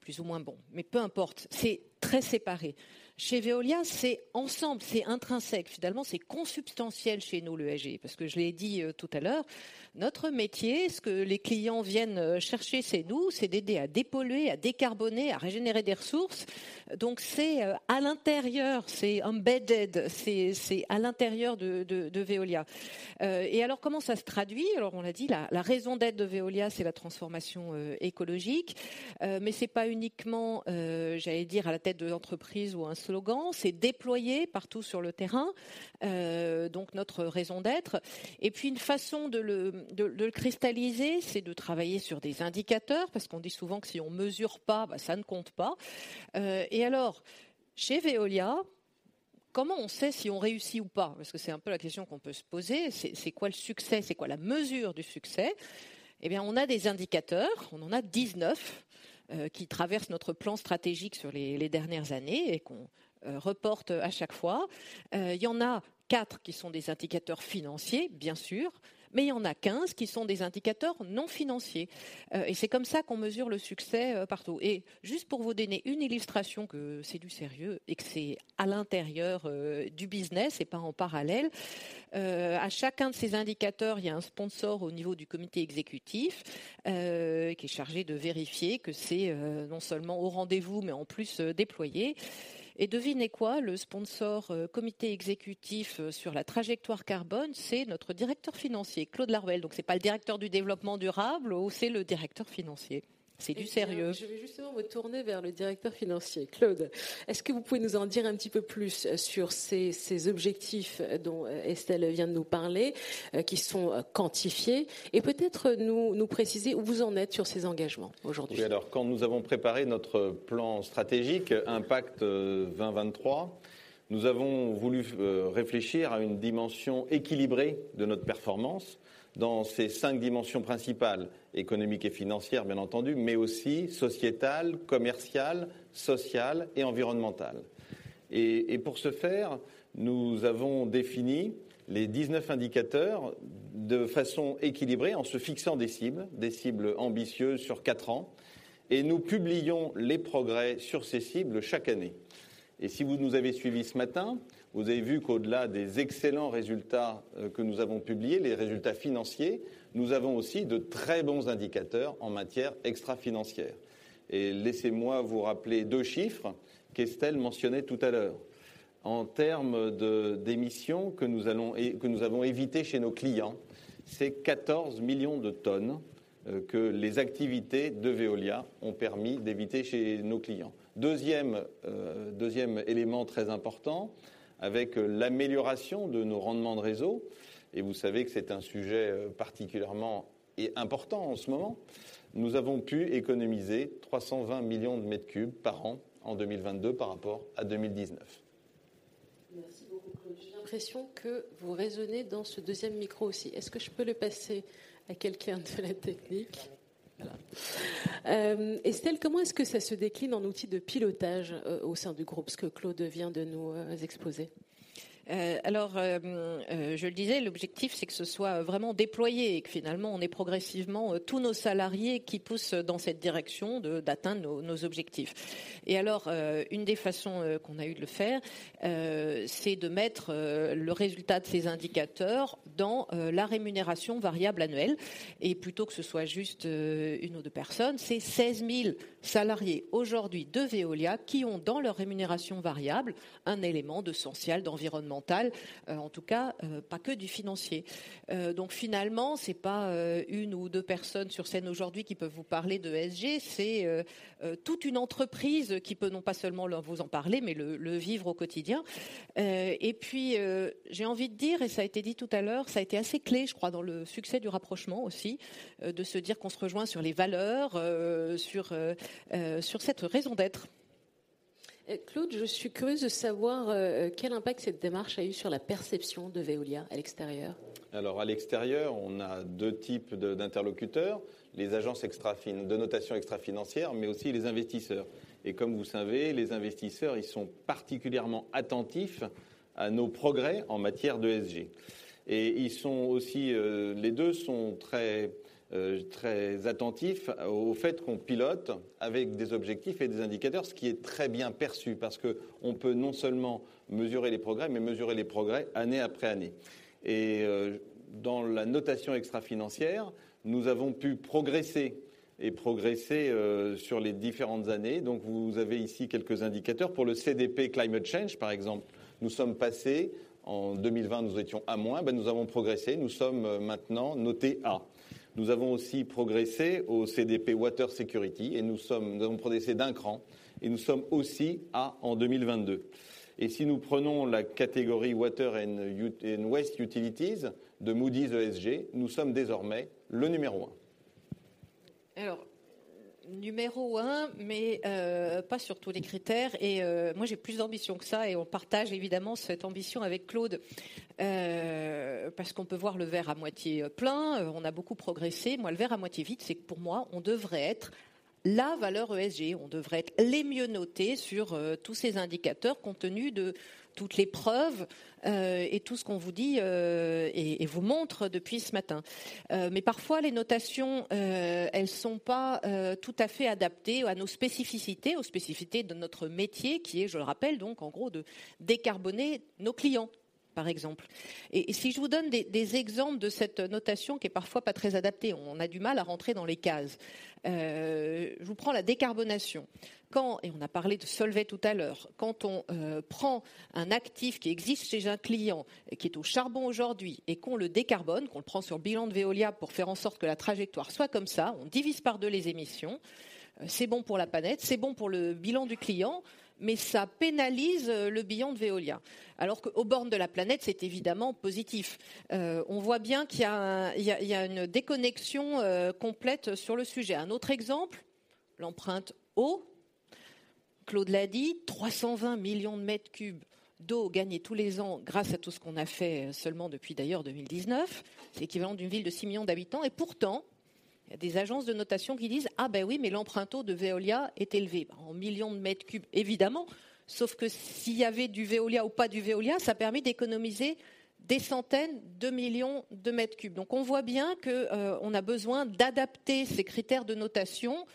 Plus ou moins bon, mais peu importe. C'est très séparé. Chez Veolia, c'est ensemble, c'est intrinsèque. Finalement, c'est consubstantiel chez nous, l'ESG, parce que je l'ai dit tout à l'heure, notre métier, ce que les clients viennent chercher chez nous, c'est d'aider à dépolluer, à décarboner, à régénérer des ressources. Donc c'est à l'intérieur, c'est embedded, c'est à l'intérieur de Veolia. Comment ça se traduit? On l'a dit, la raison d'être de Veolia, c'est la transformation écologique. Ce n'est pas uniquement, j'allais dire à la tête de l'entreprise ou un slogan, c'est déployé partout sur le terrain. Notre raison d'être. Puis une façon de le cristalliser, c'est de travailler sur des indicateurs, parce qu'on dit souvent que si on mesure pas, ça ne compte pas. Alors, chez Veolia, comment on sait si on réussit ou pas? Parce que c'est un peu la question qu'on peut se poser. C'est quoi le succès? C'est quoi la mesure du succès? On a des indicateurs, on en a 19, qui traversent notre plan stratégique sur les dernières années et qu'on reporte à chaque fois. Il y en a 4 qui sont des indicateurs financiers, bien sûr, mais il y en a 15 qui sont des indicateurs non financiers. C'est comme ça qu'on mesure le succès, partout. Juste pour vous donner une illustration que c'est du sérieux et que c'est à l'intérieur, du business et pas en parallèle, à chacun de ces indicateurs, il y a un sponsor au niveau du Comité Exécutif, qui est chargé de vérifier que c'est, non seulement au rendez-vous, mais en plus déployé. Devinez quoi? Le sponsor Comité Exécutif sur la trajectoire carbone, c'est notre Directeur Financier, Claude Laruelle. Ce n'est pas le directeur du développement durable, c'est le Directeur Financier. C'est du sérieux. Je vais justement me tourner vers le directeur financier. Claude, est-ce que vous pouvez nous en dire un petit peu plus sur ces objectifs dont Estelle vient de nous parler, qui sont quantifiés, et peut-être nous préciser où vous en êtes sur ces engagements aujourd'hui? Oui alors quand nous avons préparé notre plan stratégique Impact 2023, nous avons voulu réfléchir à une dimension équilibrée de notre performance dans ces five dimensions principales: économique et financière, bien entendu, mais aussi sociétale, commerciale, sociale et environnementale. Pour ce faire, nous avons défini les 19 indicateurs de façon équilibrée en se fixant des cibles, des cibles ambitieuses sur 4 ans et nous publions les progrès sur ces cibles chaque année. Si vous nous avez suivis ce matin, vous avez vu qu'au-delà des excellents résultats que nous avons publiés, les résultats financiers, nous avons aussi de très bons indicateurs en matière extra-financière. Laissez-moi vous rappeler two chiffres qu'Estelle mentionnait tout à l'heure. En termes de, d'émissions que nous avons évitées chez nos clients, c'est 14 million tons que les activités de Veolia ont permis d'éviter chez nos clients. Deuxième élément très important, avec l'amélioration de nos rendements de réseau, et vous savez que c'est un sujet important en ce moment, nous avons pu économiser 320 million cubic meters par an en 2022 par rapport à 2019. Merci beaucoup Claude. J'ai l'impression que vous résonnez dans ce deuxième micro aussi. Est-ce que je peux le passer à quelqu'un de la technique? Voilà. Estelle, comment est-ce que ça se décline en outils de pilotage au sein du groupe, ce que Claude vient de nous exposer? Je le disais, l'objectif, c'est que ce soit vraiment déployé et que finalement, on ait progressivement tous nos salariés qui poussent dans cette direction d'atteindre nos objectifs. Une des façons qu'on a eues de le faire, c'est de mettre le résultat de ces indicateurs dans la rémunération variable annuelle. Plutôt que ce soit juste une ou deux personnes, c'est 16,000 salariés aujourd'hui de Veolia qui ont dans leur rémunération variable un élément de social, d'environnemental, en tout cas pas que du financier. Finalement, c'est pas une ou deux personnes sur scène aujourd'hui qui peuvent vous parler d'ESG, c'est toute une entreprise qui peut non pas seulement vous en parler, mais le vivre au quotidien. J'ai envie de dire, ça a été dit tout à l'heure, ça a été assez clé, je crois, dans le succès du rapprochement aussi, de se dire qu'on se rejoint sur les valeurs, sur cette raison d'être. Claude, je suis curieuse de savoir, quel impact cette démarche a eu sur la perception de Veolia à l'extérieur. À l'extérieur, on a deux types de, d'interlocuteurs: les agences de notation extra-financière, mais aussi les investisseurs. Comme vous savez, les investisseurs, ils sont particulièrement attentifs à nos progrès en matière d'ESG. Ils sont aussi les deux sont très très attentifs au fait qu'on pilote avec des objectifs et des indicateurs, ce qui est très bien perçu parce qu'on peut non seulement mesurer les progrès, mais mesurer les progrès année après année. Dans la notation extra-financière, nous avons pu progresser et progresser sur les différentes années. Vous avez ici quelques indicateurs. Pour le CDP Climate Change, par exemple, nous sommes passés, en 2020, nous étions A-, nous avons progressé, nous sommes maintenant notés A. Nous avons aussi progressé au CDP Water Security et nous avons progressé d'un cran et nous sommes aussi A en 2022. Si nous prenons la catégorie Water and Waste Utilities de Moody's ESG, nous sommes désormais le number 1. numéro un, mais pas sur tous les critères. Moi, j'ai plus d'ambition que ça et on partage évidemment cette ambition avec Claude. Parce qu'on peut voir le verre à moitié plein. On a beaucoup progressé. Moi, le verre à moitié vide, c'est que pour moi, on devrait être la valeur ESG. On devrait être les mieux notés sur tous ces indicateurs compte tenu de toutes les preuves et tout ce qu'on vous dit et vous montre depuis ce matin. Parfois, les notations, elles sont pas tout à fait adaptées à nos spécificités, aux spécificités de notre métier qui est, je le rappelle, donc en gros, de décarboner nos clients, par exemple. Si je vous donne des exemples de cette notation qui n'est parfois pas très adaptée, on a du mal à rentrer dans les cases. Je vous prends la décarbonation. On a parlé de Solvay tout à l'heure, quand on prend un actif qui existe chez un client qui est au charbon aujourd'hui et qu'on le décarbone, qu'on le prend sur bilan de Veolia pour faire en sorte que la trajectoire soit comme ça, on divise par deux les émissions. C'est bon pour la planète, c'est bon pour le bilan du client, mais ça pénalise le bilan de Veolia. Aux bornes de la planète, c'est évidemment positif. On voit bien qu'il y a une déconnexion complète sur le sujet. Un autre exemple, l'empreinte eau. Claude l'a dit, 320 million de mètres cubes d'eau gagnés tous les ans grâce à tout ce qu'on a fait seulement depuis d'ailleurs 2019, c'est l'équivalent d'une ville de six million d'habitants. Pourtant, il y a des agences de notation qui disent: oui, mais l'empreinte eau de Veolia est élevée. En millions de mètres cubes, évidemment. Sauf que s'il y avait du Veolia ou pas du Veolia, ça a permis d'économiser des centaines de millions de mètres cubes. On voit bien qu'on a besoin d'adapter ces critères de notation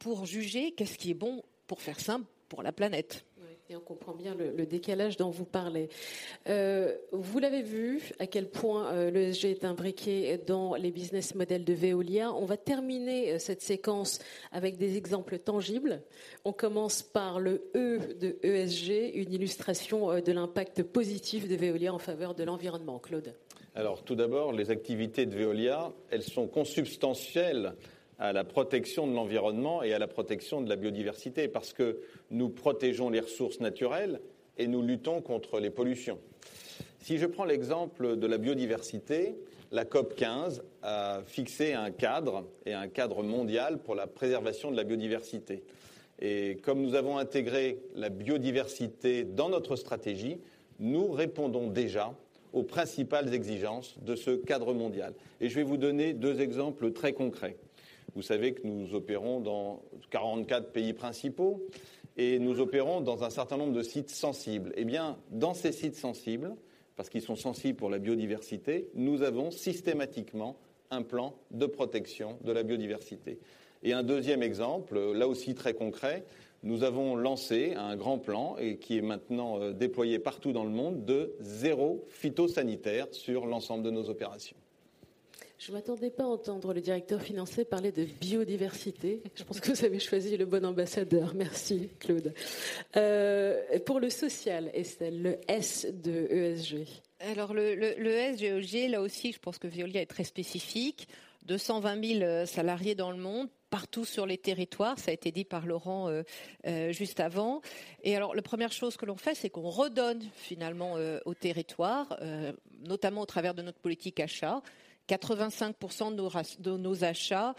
pour juger qu'est-ce qui est bon, pour faire simple, pour la planète. Oui, et on comprend bien le décalage dont vous parlez. Vous l'avez vu à quel point l'ESG est imbriqué dans les business models de Veolia. On va terminer cette séquence avec des exemples tangibles. On commence par le E de ESG, une illustration de l'impact positif de Veolia en faveur de l'environnement. Claude? Tout d'abord, les activités de Veolia, elles sont consubstantielles à la protection de l'environnement et à la protection de la biodiversité parce que nous protégeons les ressources naturelles et nous luttons contre les pollutions. Si je prends l'exemple de la biodiversité, la COP 15 a fixé un cadre et un cadre mondial pour la préservation de la biodiversité. Comme nous avons intégré la biodiversité dans notre stratégie, nous répondons déjà aux principales exigences de ce cadre mondial. Je vais vous donner 2 exemples très concrets. Vous savez que nous opérons dans 44 pays principaux et nous opérons dans un certain nombre de sites sensibles. Dans ces sites sensibles, parce qu'ils sont sensibles pour la biodiversité, nous avons systématiquement un plan de protection de la biodiversité. Un deuxième exemple, là aussi très concret, nous avons lancé un grand plan et qui est maintenant déployé partout dans le monde de zéro phytosanitaire sur l'ensemble de nos opérations. Je m'attendais pas à entendre le directeur financier parler de biodiversité. Je pense que vous avez choisi le bon ambassadeur. Merci Claude. Pour le social, Estelle, le S de ESG. Le S d'ESG, là aussi, je pense que Veolia est très spécifique. 220,000 salariés dans le monde, partout sur les territoires. Ça a été dit par Laurent juste avant. La première chose que l'on fait, c'est qu'on redonne finalement aux territoires, notamment au travers de notre politique achat. 85% de nos achats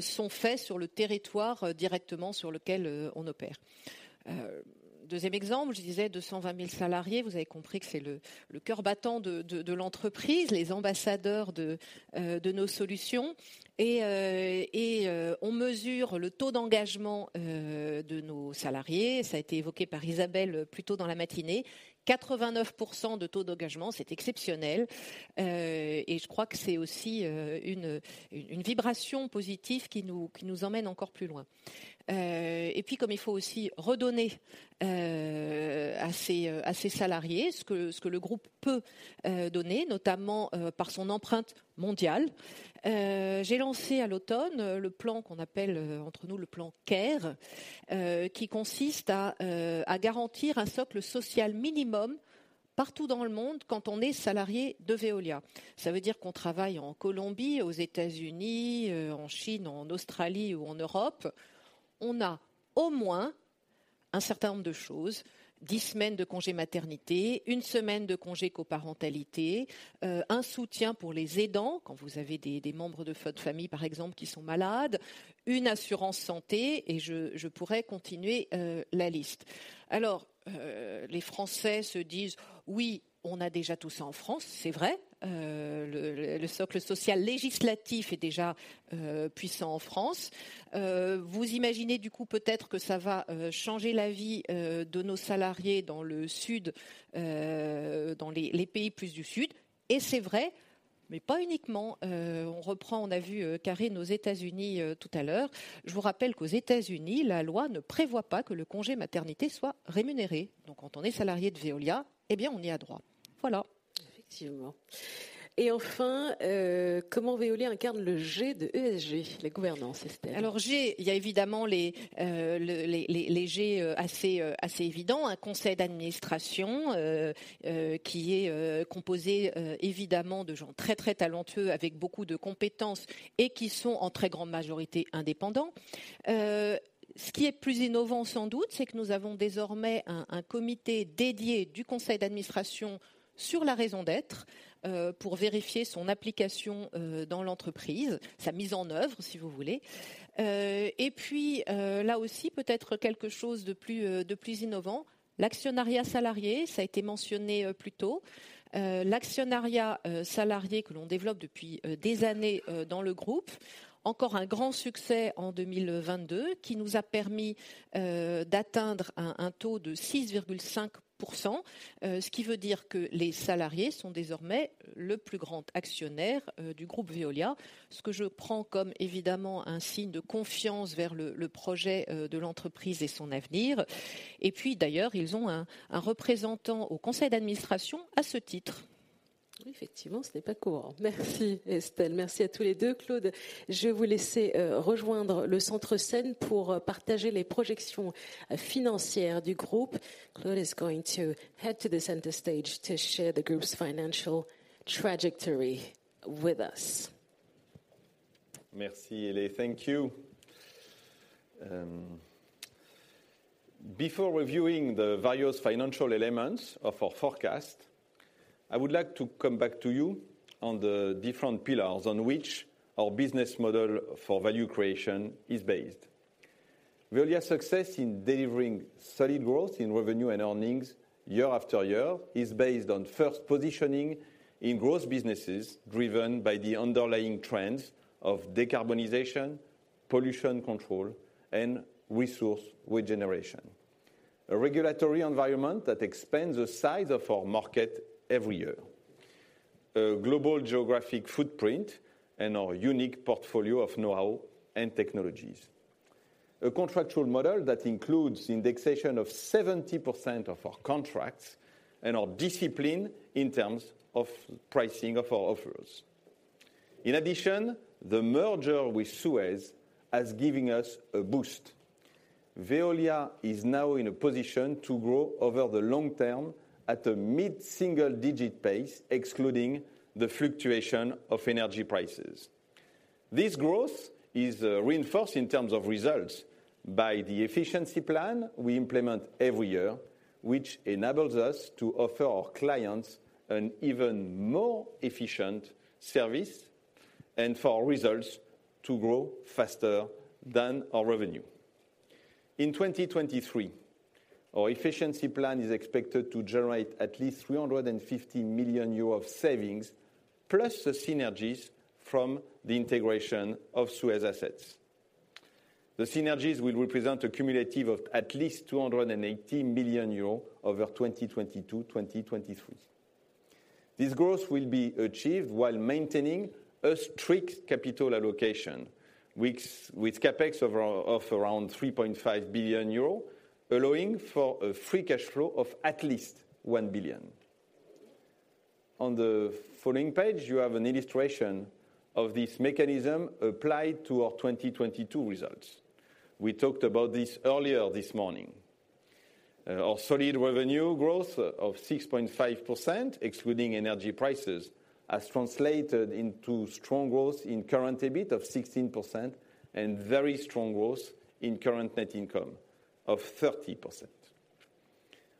sont faits sur le territoire directement sur lequel on opère. Second exemple, je disais 220,000 salariés, vous avez compris que c'est le cœur battant de l'entreprise, les ambassadeurs de nos solutions. On mesure le taux d'engagement de nos salariés. Ça a été évoqué par Isabelle plus tôt dans la matinée. 89% de taux d'engagement, c'est exceptionnel. Je crois que c'est aussi une vibration positive qui nous emmène encore plus loin. Comme il faut aussi redonner à ces salariés ce que le groupe peut donner, notamment par son empreinte mondiale, j'ai lancé à l'automne le plan qu'on appelle entre nous le plan Care, qui consiste à garantir un socle social minimum partout dans le monde quand on est salarié de Veolia. Ça veut dire qu'on travaille en Colombie, aux États-Unis, en Chine, en Australie ou en Europe. On a au moins un certain nombre de choses: 10 semaines de congés maternité, 1 semaine de congé coparentalité, un soutien pour les aidants, quand vous avez des membres de votre famille, par exemple, qui sont malades, une assurance santé et je pourrais continuer la liste. Les Français se disent: oui, on a déjà tout ça en France. C'est vrai, le socle social législatif est déjà puissant en France. Vous imaginez du coup peut-être que ça va changer la vie de nos salariés dans le sud, dans les pays plus du sud. C'est vrai, mais pas uniquement. On reprend, on a vu Karine aux États-Unis tout à l'heure. Je vous rappelle qu'aux États-Unis, la loi ne prévoit pas que le congé maternité soit rémunéré. Quand on est salarié de Veolia, eh bien, on y a droit. Voilà. Effectivement. Enfin, comment Veolia incarne le G de ESG, la gouvernance, Estelle? G, il y a évidemment les G assez évidents. Un conseil d'administration qui est composé évidemment de gens très très talentueux, avec beaucoup de compétences et qui sont en très grande majorité indépendants. Ce qui est plus innovant, sans doute, c'est que nous avons désormais un comité dédié du conseil d'administration sur la raison d'être, pour vérifier son application dans l'entreprise, sa mise en œuvre, si vous voulez. Là aussi, peut-être quelque chose de plus innovant, l'actionnariat salarié, ça a été mentionné plus tôt. L'actionnariat salarié que l'on développe depuis des années dans le groupe. Encore un grand succès en 2022, qui nous a permis d'atteindre un taux de 6.5%, ce qui veut dire que les salariés sont désormais le plus grand actionnaire du groupe Veolia, ce que je prends comme évidemment un signe de confiance vers le projet de l'entreprise et son avenir. D'ailleurs, ils ont un représentant au conseil d'administration à ce titre. Oui, effectivement, ce n'est pas courant. Merci Estelle. Merci à tous les deux. Claude, je vais vous laisser rejoindre le centre scène pour partager les projections financières du groupe. Claude is going to head to the center stage to share the group's financial trajectory with us. Merci, Élé. Thank you. Before reviewing the various financial elements of our forecast I would like to come back to you on the different pillars on which our business model for value creation is based. Veolia's success in delivering solid growth in revenue and earnings year after year is based on first positioning in growth businesses driven by the underlying trends of decarbonization, pollution control, and resource regeneration. A regulatory environment that expands the size of our market every year. A global geographic footprint and our unique portfolio of know-how and technologies. A contractual model that includes indexation of 70% of our contracts and our discipline in terms of pricing of our offers. In addition, the merger with Suez has given us a boost. Veolia is now in a position to grow over the long term at a mid-single digit pace, excluding the fluctuation of energy prices. This growth is reinforced in terms of results by the efficiency plan we implement every year, which enables us to offer our clients an even more efficient service and for our results to grow faster than our revenue. In 2023, our efficiency plan is expected to generate at least 350 million euros of savings, plus the synergies from the integration of Suez assets. The synergies will represent a cumulative of at least 280 million euros over 2022, 2023. This growth will be achieved while maintaining a strict capital allocation with CapEx of around 3.5 billion euro, allowing for a free cash flow of at least 1 billion. On the following page, you have an illustration of this mechanism applied to our 2022 results. We talked about this earlier this morning. Our solid revenue growth of 6.5%, excluding energy prices, has translated into strong growth in current EBIT of 16% and very strong growth in current net income of 30%.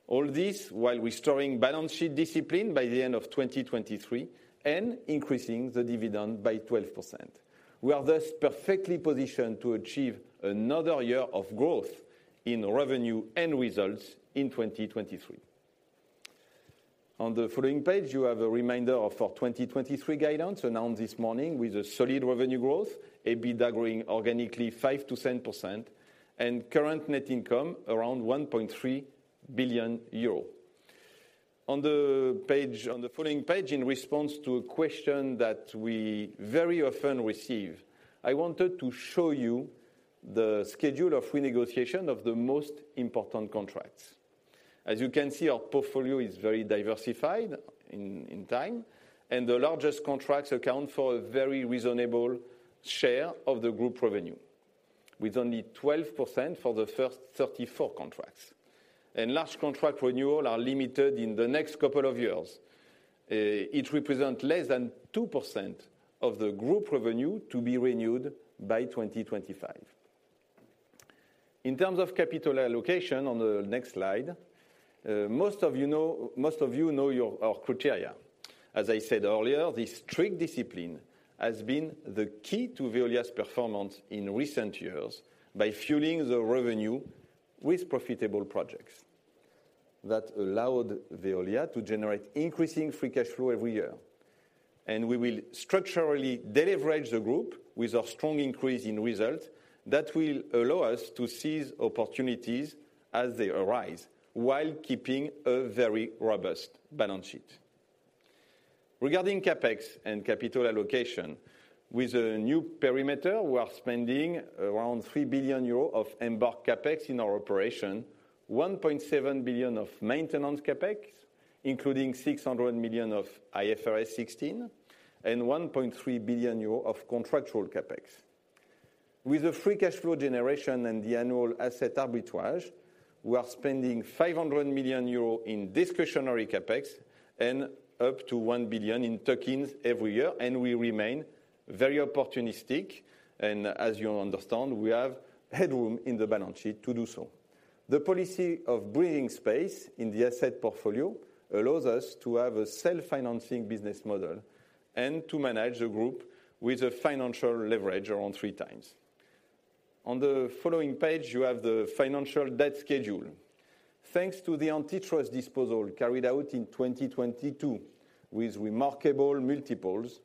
All this while restoring balance sheet discipline by the end of 2023 and increasing the dividend by 12%. We are thus perfectly positioned to achieve another year of growth in revenue and results in 2023. On the following page, you have a reminder of our 2023 guidance announced this morning with a solid revenue growth, EBITDA growing organically 5%-10%, and current net income around 1.3 billion euro. On the following page, in response to a question that we very often receive, I wanted to show you the schedule of renegotiation of the most important contracts. As you can see, our portfolio is very diversified in time. The largest contracts account for a very reasonable share of the group revenue with only 12% for the first 34 contracts. Large contract renewal are limited in the next couple of years. It represents less than 2% of the group revenue to be renewed by 2025. In terms of capital allocation on the next slide, most of you know our criteria. As I said earlier, this strict discipline has been the key to Veolia's performance in recent years by fueling the revenue with profitable projects that allowed Veolia to generate increasing free cash flow every year. We will structurally deleverage the group with a strong increase in results that will allow us to seize opportunities as they arise while keeping a very robust balance sheet. Regarding CapEx and capital allocation, with a new perimeter, we are spending around 3 billion euros of embark CapEx in our operation, 1.7 billion of maintenance CapEx, including 600 million of IFRS 16, and 1.3 billion euros of contractual CapEx. With the free cash flow generation and the annual asset arbitrage, we are spending 500 million euros in discretionary CapEx and up to 1 billion in tenders every year, and we remain very opportunistic. As you understand, we have headroom in the balance sheet to do so. The policy of bringing space in the asset portfolio allows us to have a self-financing business model and to manage the group with a financial leverage around 3 times. On the following page, you have the financial debt schedule. Thanks to the antitrust disposal carried out in 2022 with remarkable multiples,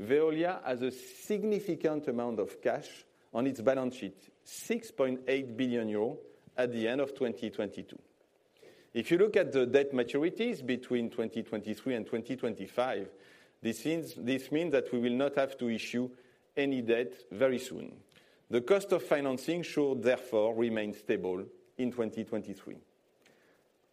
Veolia has a significant amount of cash on its balance sheet, 6.8 billion euro at the end of 2022. You look at the debt maturities between 2023 and 2025, this means that we will not have to issue any debt very soon. The cost of financing should therefore remain stable in 2023.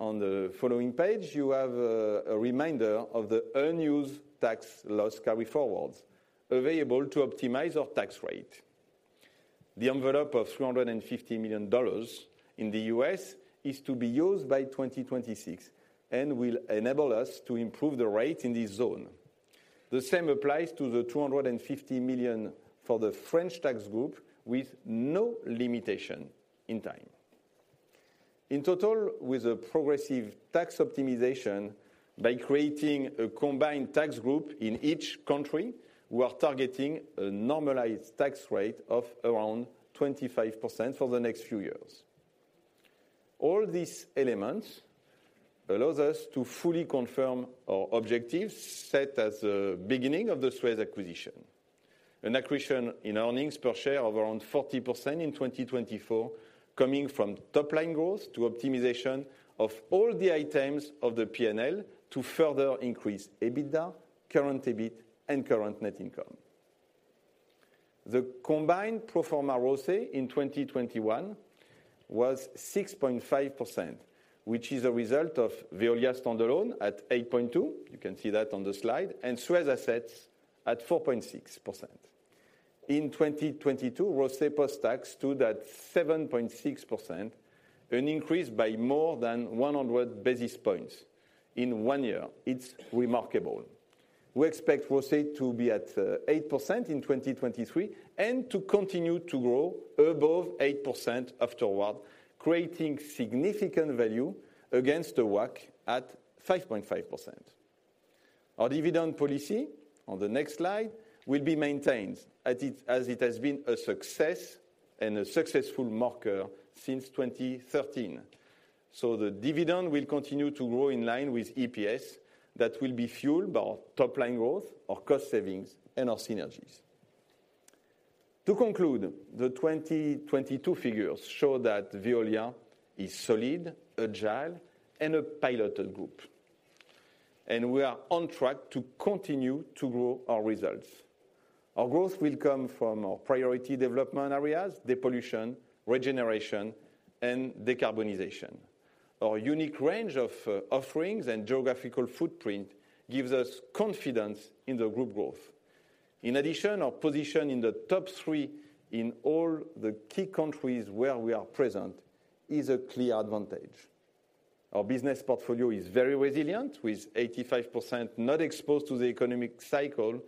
On the following page, you have a reminder of the unused tax loss carry forwards available to optimize our tax rate. The envelope of $350 million in the U.S. is to be used by 2026 and will enable us to improve the rate in this zone. The same applies to the 250 million for the French tax group with no limitation in time. In total, with a progressive tax optimization by creating a combined tax group in each country, we are targeting a normalized tax rate of around 25% for the next few years. All these elements allows us to fully confirm our objectives set as a beginning of the Suez acquisition. An accretion in earnings per share of around 40% in 2024 coming from top line growth to optimization of all the items of the PNL to further increase EBITDA, current EBIT and current net income. The combined pro forma ROCE in 2021 was 6.5%, which is a result of Veolia standalone at 8.2%, you can see that on the slide, and Suez assets at 4.6%. In 2022, ROCE post-tax stood at 7.6%, an increase by more than 100 basis points in one year. It's remarkable. We expect ROCE to be at 8% in 2023 and to continue to grow above 8% afterward, creating significant value against the WACC at 5.5%. Our dividend policy on the next slide will be maintained as it has been a success and a successful marker since 2013. The dividend will continue to grow in line with EPS that will be fueled by our top line growth, our cost savings, and our synergies. To conclude, the 2022 figures show that Veolia is solid, agile, and a piloted group. We are on track to continue to grow our results. Our growth will come from our priority development areas, depollution, regeneration, and decarbonization. Our unique range of offerings and geographical footprint gives us confidence in the group growth. In addition, our position in the top three in all the key countries where we are present is a clear advantage. Our business portfolio is very resilient with 85% not exposed to the economic cycle,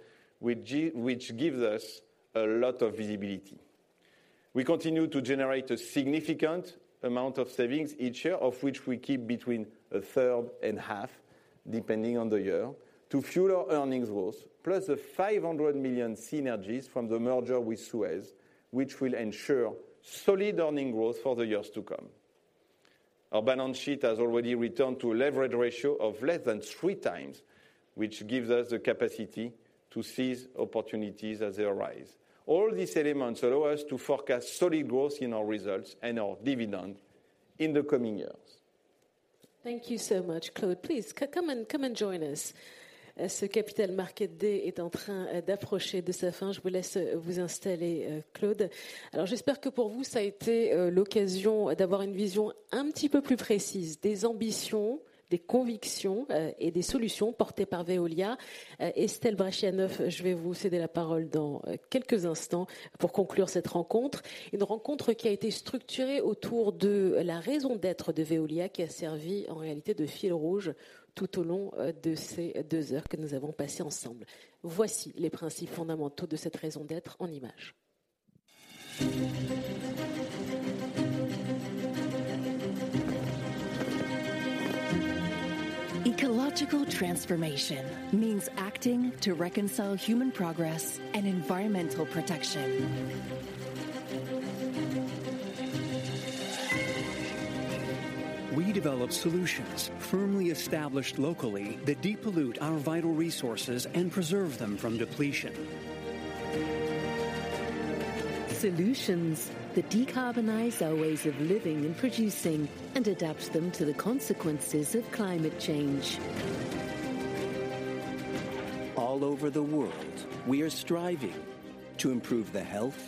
which gives us a lot of visibility. We continue to generate a significant amount of savings each year, of which we keep between a third and half, depending on the year, to fuel our earnings growth, plus the 500 million synergies from the merger with Suez, which will ensure solid earning growth for the years to come. Our balance sheet has already returned to a leverage ratio of less than three times, which gives us the capacity to seize opportunities as they arise. All these elements allow us to forecast solid growth in our results and our dividend in the coming years. Thank you so much, Claude. Please come and join us. Ce Capital Market Day est en train d'approcher de sa fin. Je vous laisse vous installer, Claude. J'espère que pour vous, ça a été l'occasion d'avoir une vision un petit peu plus précise des ambitions, des convictions et des solutions portées par Veolia. Estelle Brachlianoff, je vais vous céder la parole dans quelques instants pour conclure cette rencontre. Une rencontre qui a été structurée autour de la raison d'être de Veolia, qui a servi en réalité de fil rouge tout au long de ces 2 hours que nous avons passées ensemble. Voici les principes fondamentaux de cette raison d'être en images. Ecological transformation means acting to reconcile human progress and environmental protection. We develop solutions firmly established locally that depollute our vital resources and preserve them from depletion. Solutions that decarbonize our ways of living and producing and adapt them to the consequences of climate change. All over the world, we are striving to improve the health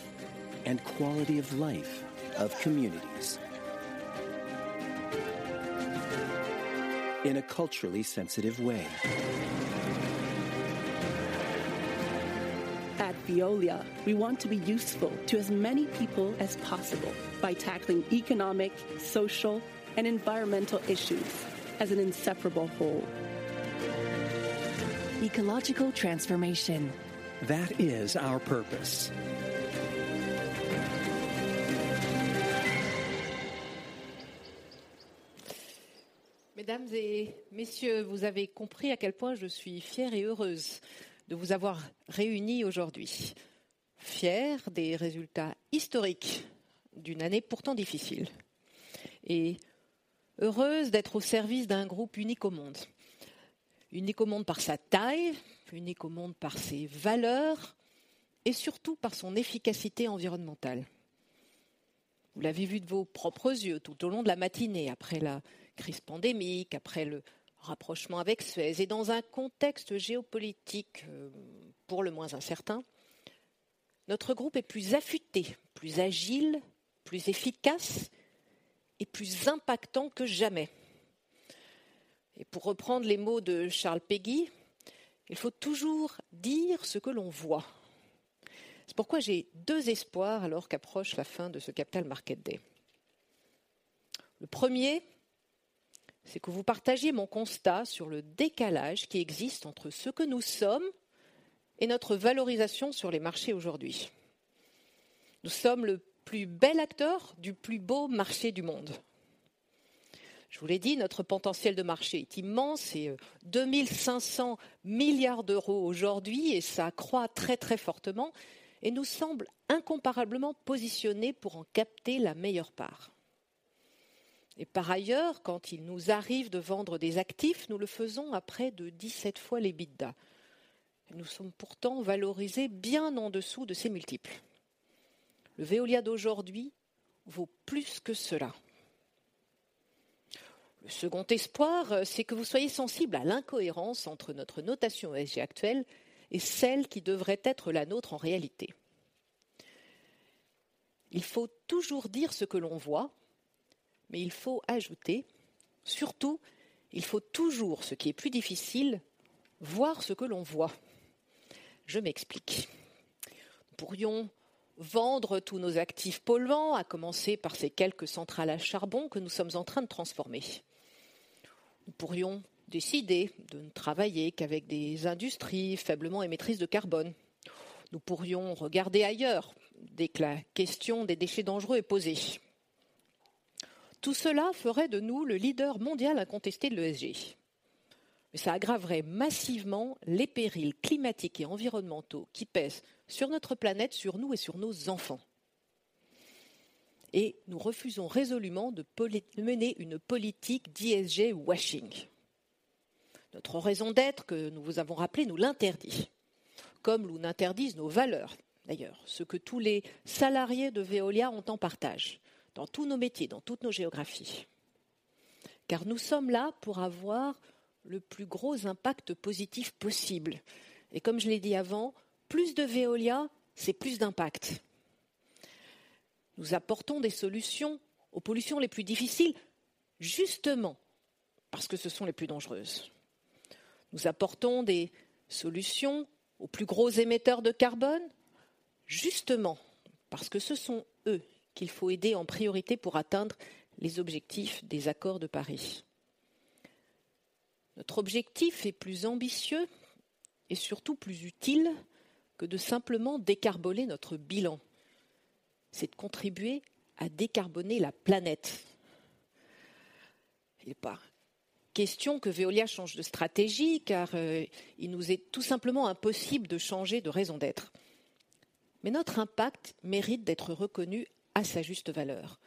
and quality of life of communities in a culturally sensitive way. At Veolia, we want to be useful to as many people as possible by tackling economic, social, and environmental issues as an inseparable whole. Ecological transformation. That is our purpose. Mesdames et messieurs, vous avez compris à quel point je suis fière et heureuse de vous avoir réunis aujourd'hui. Fière des résultats historiques d'une année pourtant difficile et heureuse d'être au service d'un groupe unique au monde. Unique au monde par sa taille, unique au monde par ses valeurs et surtout par son efficacité environnementale. Vous l'avez vu de vos propres yeux tout au long de la matinée, après la crise pandémique, après le rapprochement avec Suez et dans un contexte géopolitique pour le moins incertain, notre groupe est plus affûté, plus agile, plus efficace et plus impactant que jamais. Pour reprendre les mots de Charles Péguy, il faut toujours dire ce que l'on voit. C'est pourquoi j'ai 2 espoirs alors qu'approche la fin de ce Capital Market Day. Le premier, c'est que vous partagiez mon constat sur le décalage qui existe entre ce que nous sommes et notre valorisation sur les marchés aujourd'hui. Nous sommes le plus bel acteur du plus beau marché du monde. Je vous l'ai dit, notre potentiel de marché est immense. C'est 2,500 billion aujourd'hui et ça croît très très fortement et nous semble incomparablement positionné pour en capter la meilleure part. Par ailleurs, quand il nous arrive de vendre des actifs, nous le faisons à près de 17x l'EBITDA. Nous sommes pourtant valorisés bien en dessous de ces multiples. Le Veolia d'aujourd'hui vaut plus que cela. Le second espoir, c'est que vous soyez sensible à l'incohérence entre notre notation ESG actuelle et celle qui devrait être la nôtre en réalité. Il faut toujours dire ce que l'on voit, mais il faut ajouter surtout, il faut toujours, ce qui est plus difficile, voir ce que l'on voit. Je m'explique. Nous pourrions vendre tous nos actifs polluants, à commencer par ces quelques centrales à charbon que nous sommes en train de transformer. Nous pourrions décider de ne travailler qu'avec des industries faiblement émettrices de carbone. Nous pourrions regarder ailleurs dès que la question des déchets dangereux est posée. Tout cela ferait de nous le leader mondial incontesté de l'ESG. Ça aggraverait massivement les périls climatiques et environnementaux qui pèsent sur notre planète, sur nous et sur nos enfants. Nous refusons résolument de mener une politique d'ESG washing. Notre raison d'être, que nous vous avons rappelée, nous l'interdit, comme nous l'interdisent nos valeurs d'ailleurs, ce que tous les salariés de Veolia ont en partage, dans tous nos métiers, dans toutes nos géographies. Nous sommes là pour avoir le plus gros impact positif possible. Comme je l'ai dit avant, plus de Veolia, c'est plus d'impact. Nous apportons des solutions aux pollutions les plus difficiles, justement parce que ce sont les plus dangereuses. Nous apportons des solutions aux plus gros émetteurs de carbone, justement parce que ce sont eux qu'il faut aider en priorité pour atteindre les objectifs des accords de Paris. Notre objectif est plus ambitieux et surtout plus utile que de simplement décarboner notre bilan. C'est de contribuer à décarboner la planète. Il n'est pas question que Veolia change de stratégie, il nous est tout simplement impossible de changer de raison d'être. Notre impact mérite d'être reconnu à sa juste valeur.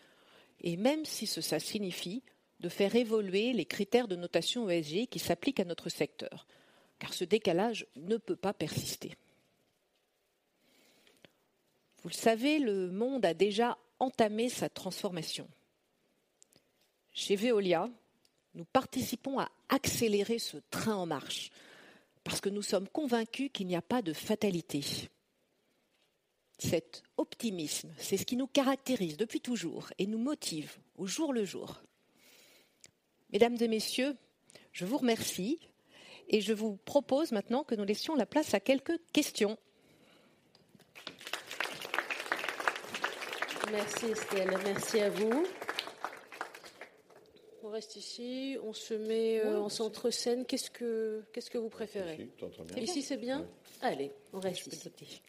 Même si ça signifie de faire évoluer les critères de notation ESG qui s'appliquent à notre secteur, car ce décalage ne peut pas persister. Vous le savez, le monde a déjà entamé sa transformation. Chez Veolia, nous participons à accélérer ce train en marche parce que nous sommes convaincus qu'il n'y a pas de fatalité. Cet optimisme, c'est ce qui nous caractérise depuis toujours et nous motive au jour le jour. Mesdames et messieurs, je vous remercie et je vous propose maintenant que nous laissions la place à quelques questions. Merci Estelle, merci à vous. On reste ici, on se met en centre-scène. Qu'est-ce que vous préférez? Ici, c'est très bien. Ici, c'est bien? Allez, on reste ici.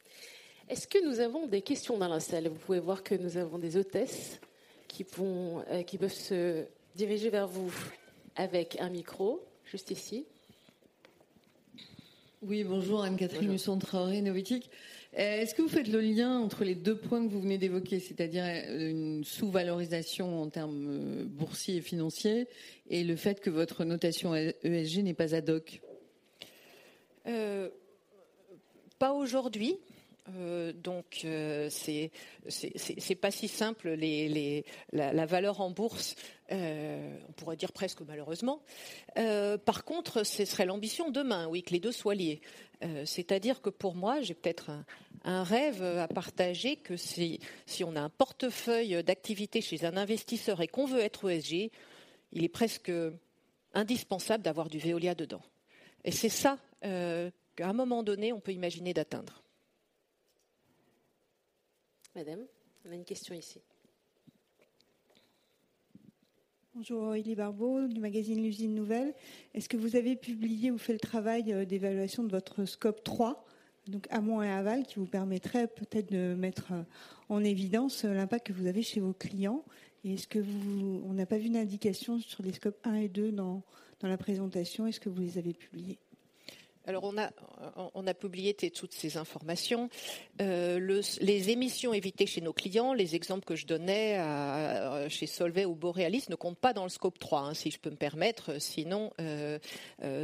Est-ce que nous avons des questions dans la salle? Vous pouvez voir que nous avons des hôtesses qui peuvent se diriger vers vous avec un micro, juste ici. Oui, bonjour Anne-Catherine Husson-Traoré, Novethic. Est-ce que vous faites le lien entre les deux points que vous venez d'évoquer, c'est-à-dire une sous-valorisation en termes boursiers et financiers et le fait que votre notation ESG n'est pas ad hoc? Pas aujourd'hui. C'est pas si simple, les la valeur en bourse, on pourrait dire presque malheureusement. Ce serait l'ambition demain, oui, que les deux soient liés. C'est-à-dire que pour moi, j'ai peut-être un rêve à partager que si on a un portefeuille d'activités chez un investisseur et qu'on veut être ESG, il est presque indispensable d'avoir du Veolia dedans. C'est ça, qu'à un moment donné, on peut imaginer d'atteindre. Madame, on a une question ici. Bonjour, Aurélie Barbaux du magazine L'Usine Nouvelle. Est-ce que vous avez publié ou fait le travail d'évaluation de votre Scope 3, donc amont et aval, qui vous permettrait peut-être de mettre en évidence l'impact que vous avez chez vos clients? On n'a pas vu d'indication sur les Scope 1 et 2 dans la présentation. Est-ce que vous les avez publiés? On a publié toutes ces informations. Les émissions évitées chez nos clients, les exemples que je donnais chez Solvay ou Borealis ne comptent pas dans le Scope 3, hein, si je peux me permettre. Sinon, on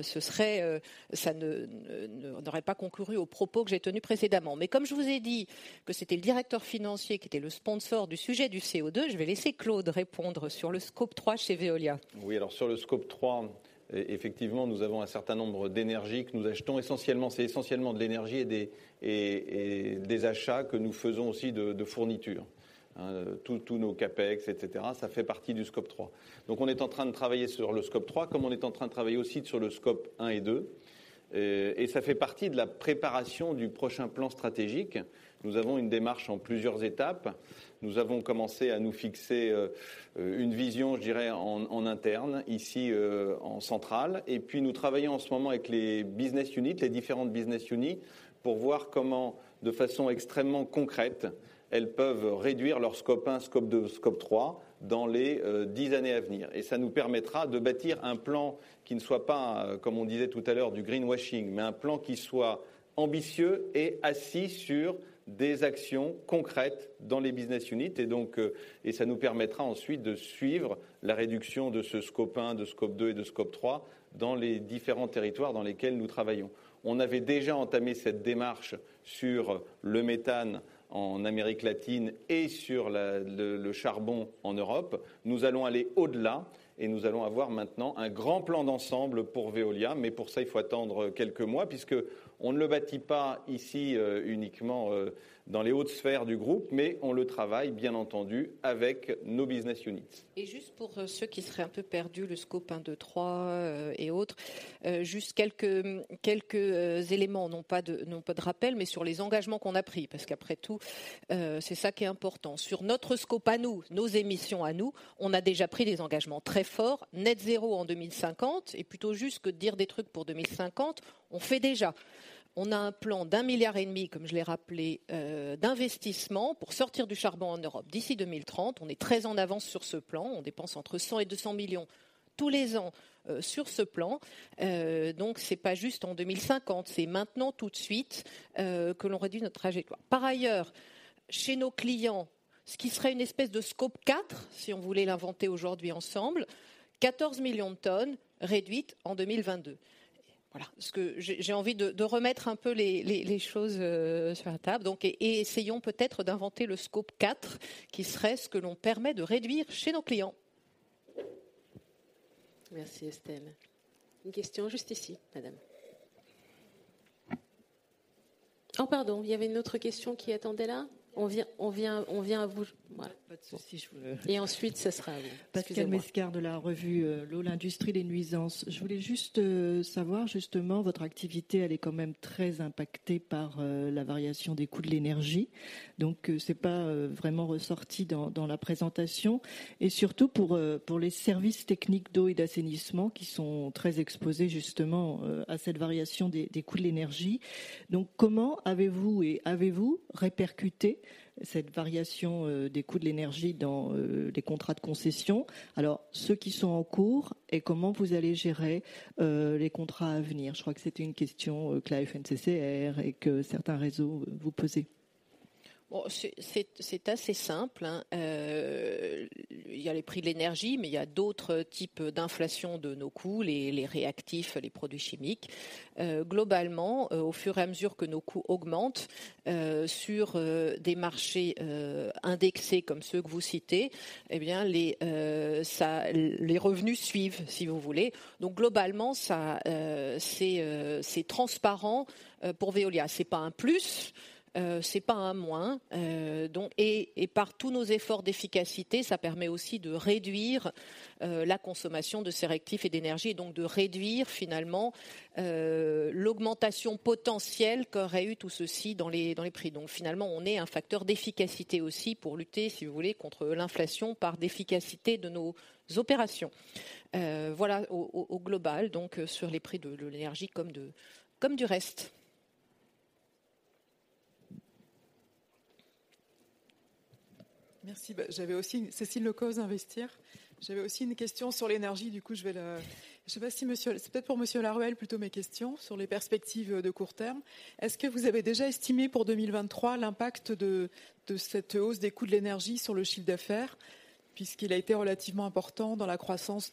n'aurait pas conclu aux propos que j'ai tenus précédemment. Mais comme je vous ai dit que c'était le Directeur Financier qui était le sponsor du sujet du CO₂, je vais laisser Claude répondre sur le Scope 3 chez Veolia. Sur le Scope 3, effectivement, nous avons un certain nombre d'énergies que nous achetons essentiellement. C'est essentiellement de l'énergie et des achats que nous faisons aussi de fournitures. Tous nos CapEx, etc. Ça fait partie du Scope 3. On est en train de travailler sur le Scope 3, comme on est en train de travailler aussi sur le Scope 1 et 2. Ça fait partie de la préparation du prochain plan stratégique. Nous avons une démarche en plusieurs étapes. Nous avons commencé à nous fixer une vision, je dirais, en interne, ici, en centrale. Nous travaillons en ce moment avec les différentes business units. Pour voir comment, de façon extrêmement concrète, elles peuvent réduire leur Scope 1, Scope 2, Scope 3 dans les 10 années à venir. Ça nous permettra de bâtir un plan qui ne soit pas, comme on disait tout à l'heure, du greenwashing, mais un plan qui soit ambitieux et assis sur des actions concrètes dans les business units. Ça nous permettra ensuite de suivre la réduction de ce Scope 1, de Scope 2 et de Scope 3 dans les différents territoires dans lesquels nous travaillons. On avait déjà entamé cette démarche sur le méthane en Amérique latine et sur le charbon en Europe. Nous allons aller au-delà et nous allons avoir maintenant un grand plan d'ensemble pour Veolia. Pour ça, il faut attendre quelques mois puisque on ne le bâtit pas ici uniquement dans les hautes sphères du groupe, mais on le travaille bien entendu avec nos business units. Juste pour ceux qui seraient un peu perdus, le Scope 1, 2, 3 et autres, juste quelques éléments, non pas de rappel, mais sur les engagements qu'on a pris. Parce qu'après tout, c'est ça qui est important. Sur notre Scope à nous, nos émissions à nous, on a déjà pris des engagements très forts, Net Zero en 2050. Plutôt que juste dire des trucs pour 2050, on fait déjà. On a un plan d'EUR 1.5 billion, comme je l'ai rappelé, d'investissements pour sortir du charbon en Europe d'ici 2030. On est très en avance sur ce plan. On dépense entre 100 million and 200 million tous les ans sur ce plan. Donc c'est pas juste en 2050, c'est maintenant, tout de suite, que l'on réduit notre trajectoire. chez nos clients, ce qui serait une espèce de Scope 4, si on voulait l'inventer aujourd'hui ensemble, 14 million tons réduites en 2022. Voilà, j'ai envie de remettre un peu les choses sur la table. essayons peut-être d'inventer le Scope 4, qui serait ce que l'on permet de réduire chez nos clients. Merci Estelle. Une question, juste ici, Madame. Oh pardon, il y avait une autre question qui attendait là. On vient à vous. Pas de souci. Ensuite, ce sera vous. Pascale Mesquard de la revue L'Eau, l'Industrie, les Nuisances. Je voulais juste savoir, justement, votre activité, elle est quand même très impactée par la variation des coûts de l'énergie. Ce n'est pas vraiment ressorti dans la présentation. Surtout pour les services techniques d'eau et d'assainissement qui sont très exposés, justement, à cette variation des coûts de l'énergie. Comment avez-vous répercuté cette variation des coûts de l'énergie dans les contrats de concession? Ceux qui sont en cours et comment vous allez gérer les contrats à venir? Je crois que c'était une question que la FNCCR et que certains réseaux vous posaient. C'est assez simple. Il y a les prix de l'énergie, mais il y a d'autres types d'inflation de nos coûts, les réactifs, les produits chimiques. Globalement, au fur et à mesure que nos coûts augmentent, sur des marchés indexés comme ceux que vous citez, les revenus suivent, si vous voulez. Globalement, ça, c'est transparent pour Veolia. C'est pas un plus, c'est pas un moins. Par tous nos efforts d'efficacité, ça permet aussi de réduire la consommation de ces réactifs et d'énergie et donc de réduire finalement l'augmentation potentielle qu'aurait eue tout ceci dans les prix. Finalement, on est un facteur d'efficacité aussi pour lutter, si vous voulez, contre l'inflation par l'efficacité de nos opérations. Voilà au global, donc, sur les prix de l'énergie comme du reste. Merci. Cécile Le Coz d'Investir. J'avais aussi une question sur l'énergie. Je ne sais pas si c'est peut-être pour Monsieur Laruelle plutôt mes questions sur les perspectives de court terme. Est-ce que vous avez déjà estimé pour 2023 l'impact de cette hausse des coûts de l'énergie sur le chiffre d'affaires, puisqu'il a été relativement important dans la croissance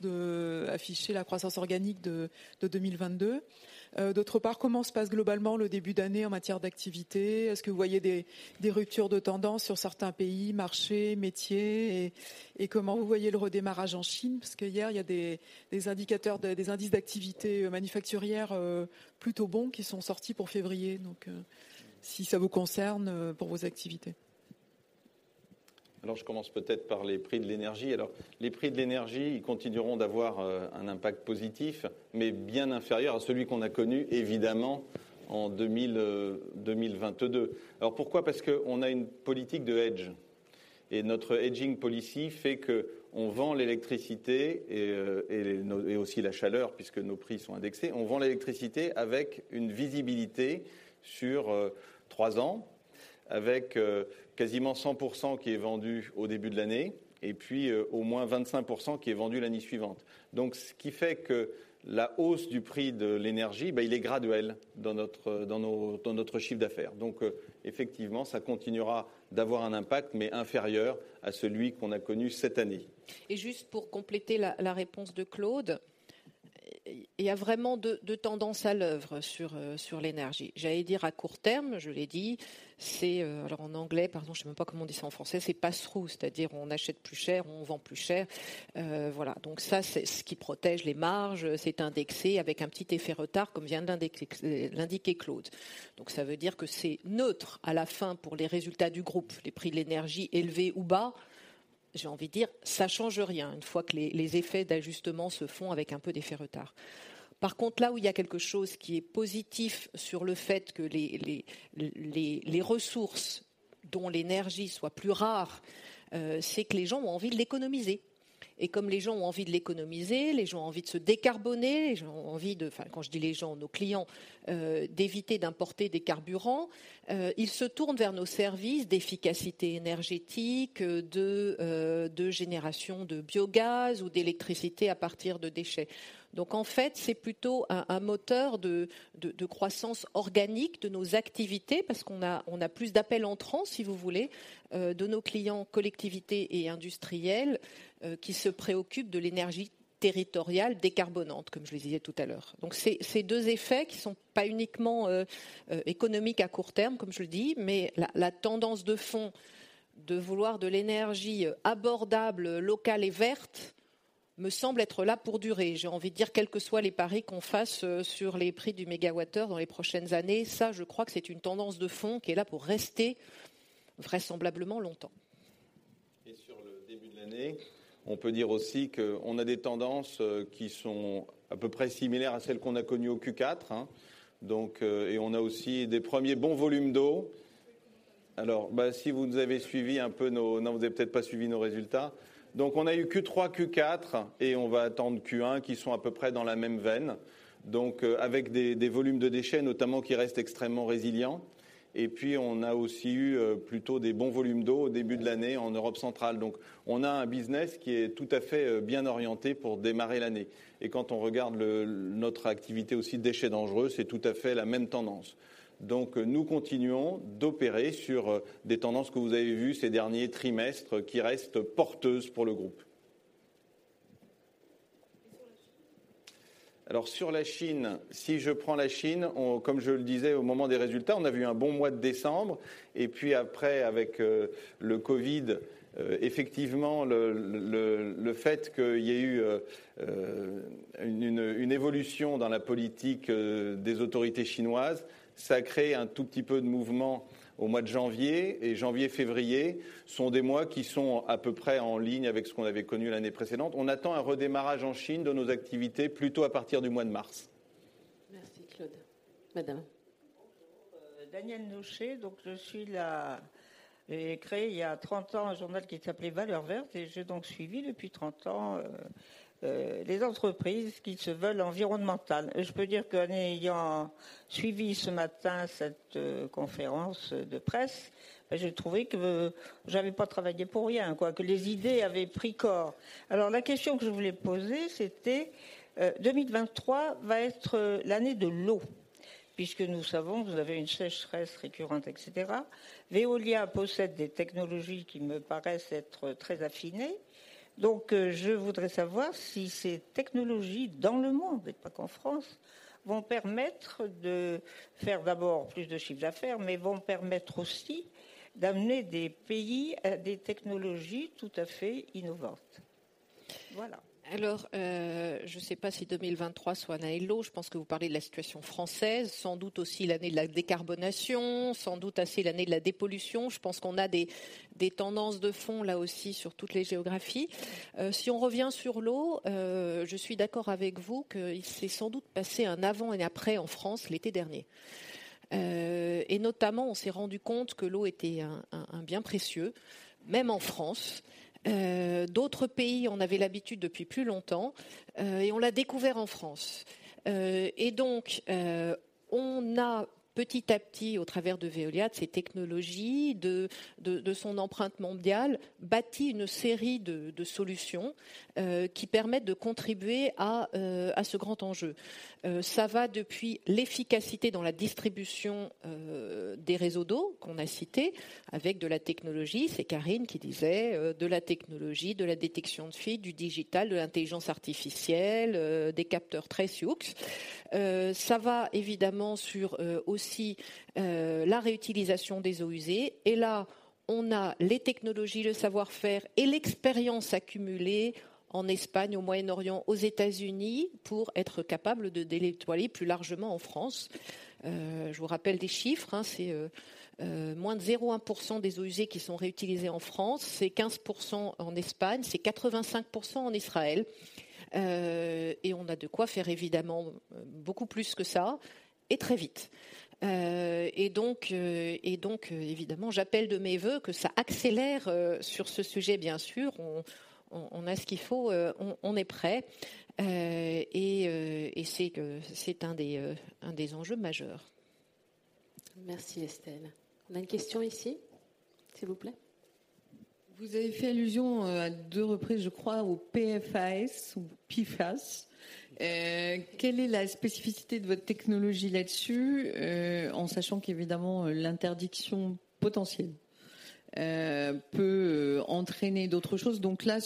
affichée, la croissance organique de 2022? Comment se passe globalement le début d'année en matière d'activité? Est-ce que vous voyez des ruptures de tendance sur certains pays, marchés, métiers? Comment vous voyez le redémarrage en Chine? Hier, il y a des indicateurs, des indices d'activité manufacturière plutôt bons qui sont sortis pour février. Si ça vous concerne pour vos activités. Je commence peut-être par les prix de l'énergie. Les prix de l'énergie, ils continueront d'avoir un impact positif, mais bien inférieur à celui qu'on a connu évidemment en 2022. Pourquoi? Parce qu'on a une politique de hedge et notre hedging policy fait qu'on vend l'électricité et aussi la chaleur, puisque nos prix sont indexés. On vend l'électricité avec une visibilité sur 3 ans, avec quasiment 100% qui est vendu au début de l'année et puis au moins 25% qui est vendu l'année suivante. Ce qui fait que la hausse du prix de l'énergie, il est graduel dans notre chiffre d'affaires. Effectivement, ça continuera d'avoir un impact, mais inférieur à celui qu'on a connu cette année. Juste pour compléter la réponse de Claude, il y a vraiment deux tendances à l'œuvre sur l'énergie. J'allais dire à court terme, je l'ai dit, c'est, alors en anglais, pardon, je ne sais même pas comment on dit ça en français, c'est pass-through, c'est-à-dire, on achète plus cher, on vend plus cher. Voilà. Ça, c'est ce qui protège les marges, c'est indexé avec un petit effet retard, comme vient d'indiquer Claude. Ça veut dire que c'est neutre à la fin pour les résultats du group, les prix de l'énergie élevés ou bas. J'ai envie de dire, ça change rien une fois que les effets d'ajustement se font avec un peu d'effet retard. Là où il y a quelque chose qui est positif sur le fait que les ressources, dont l'énergie, soient plus rares, c'est que les gens ont envie de l'économiser. Comme les gens ont envie de l'économiser, les gens ont envie de se décarboner, les gens ont envie de, quand je dis les gens, nos clients, d'éviter d'importer des carburants, ils se tournent vers nos services d'efficacité énergétique, de génération de biogaz ou d'électricité à partir de déchets. En fait, c'est plutôt un moteur de croissance organique de nos activités parce qu'on a plus d'appels entrants, si vous voulez, de nos clients collectivités et industriels qui se préoccupent de l'énergie territoriale décarbonante, comme je le disais tout à l'heure. C'est deux effets qui sont pas uniquement économiques à court terme, comme je le dis, mais la tendance de fond de vouloir de l'énergie abordable, locale et verte me semble être là pour durer. J'ai envie de dire, quels que soient les paris qu'on fasse sur les prix du mégawattheure dans les prochaines années, ça, je crois que c'est une tendance de fond qui est là pour rester vraisemblablement longtemps. Sur le début de l'année, on peut dire aussi qu'on a des tendances qui sont à peu près similaires à celles qu'on a connues au Q4. On a aussi des premiers bons volumes d'eau. Si vous nous avez suivi un peu, vous n'avez peut-être pas suivi nos résultats. On a eu Q3, Q4 et on va attendre Q1 qui sont à peu près dans la même veine. Avec des volumes de déchets notamment, qui restent extrêmement résilients. Puis on a aussi eu plutôt des bons volumes d'eau au début de l'année en Europe centrale. On a un business qui est tout à fait bien orienté pour démarrer l'année. Quand on regarde notre activité aussi Déchets Dangereux, c'est tout à fait la même tendance. Nous continuons d'opérer sur des tendances que vous avez vues ces derniers trimestres qui restent porteuses pour le groupe. Sur la Chine, si je prends la Chine, comme je le disais au moment des résultats, on a vu un bon mois de décembre. Puis après, avec le Covid, effectivement, le fait qu'il y ait eu une évolution dans la politique des autorités chinoises, ça a créé un tout petit peu de mouvement au mois de janvier. Janvier, février sont des mois qui sont à peu près en ligne avec ce qu'on avait connu l'année précédente. On attend un redémarrage en Chine de nos activités plutôt à partir du mois de mars. Merci Claude. Madame. Bonjour. Danielle Nocher. J'ai créé il y a 30 ans un journal qui s'appelait Valeurs Vertes et j'ai suivi depuis 30 ans les entreprises qui se veulent environnementales. Je peux dire qu'en ayant suivi ce matin cette conférence de presse, ben j'ai trouvé que j'avais pas travaillé pour rien quoi, que les idées avaient pris corps. La question que je voulais poser, c'était: 2023 va être l'année de l'eau, puisque nous savons que vous avez une sécheresse récurrente, etc. Veolia possède des technologies qui me paraissent être très affinées. Je voudrais savoir si ces technologies, dans le monde et pas qu'en France, vont permettre de faire d'abord plus de chiffre d'affaires, mais vont permettre aussi d'amener des pays à des technologies tout à fait innovantes. Voilà. Je sais pas si 2023 sera l'année de l'eau. Je pense que vous parlez de la situation française. Sans doute aussi l'année de la décarbonation. Sans doute aussi l'année de la dépollution. Je pense qu'on a des tendances de fond, là aussi, sur toutes les géographies. Si on revient sur l'eau, je suis d'accord avec vous qu'il s'est sans doute passé un avant et un après en France l'été dernier. Et notamment, on s'est rendu compte que l'eau était un bien précieux, même en France. D'autres pays en avaient l'habitude depuis plus longtemps et on l'a découvert en France. Et donc, on a petit à petit, au travers de Veolia, de ses technologies, de son empreinte mondiale, bâti une série de solutions, qui permettent de contribuer à ce grand enjeu. Ça va depuis l'efficacité dans la distribution des réseaux d'eau qu'on a cités avec de la technologie, c'est Karine qui disait, de la technologie, de la détection de fuites, du digital, de l'intelligence artificielle, des capteurs très souples. Ça va évidemment sur aussi la réutilisation des eaux usées. Là, on a les technologies, le savoir-faire et l'expérience accumulée en Espagne, au Moyen-Orient, aux États-Unis, pour être capable de les déployer plus largement en France. Je vous rappelle des chiffres hein, c'est moins de 0.1% des eaux usées qui sont réutilisées en France, c'est 15% en Espagne, c'est 85% en Israël. On a de quoi faire évidemment beaucoup plus que ça et très vite. Donc évidemment, j'appelle de mes vœux que ça accélère sur ce sujet, bien sûr. On a ce qu'il faut, on est prêts. C'est que c'est un des enjeux majeurs. Merci Estelle. On a une question ici, s'il vous plaît. Vous avez fait allusion à 2 reprises, je crois, aux PFAS ou PFAS. Quelle est la spécificité de votre technologie là-dessus? En sachant qu'évidemment l'interdiction potentielle, peut entraîner d'autres choses. Là,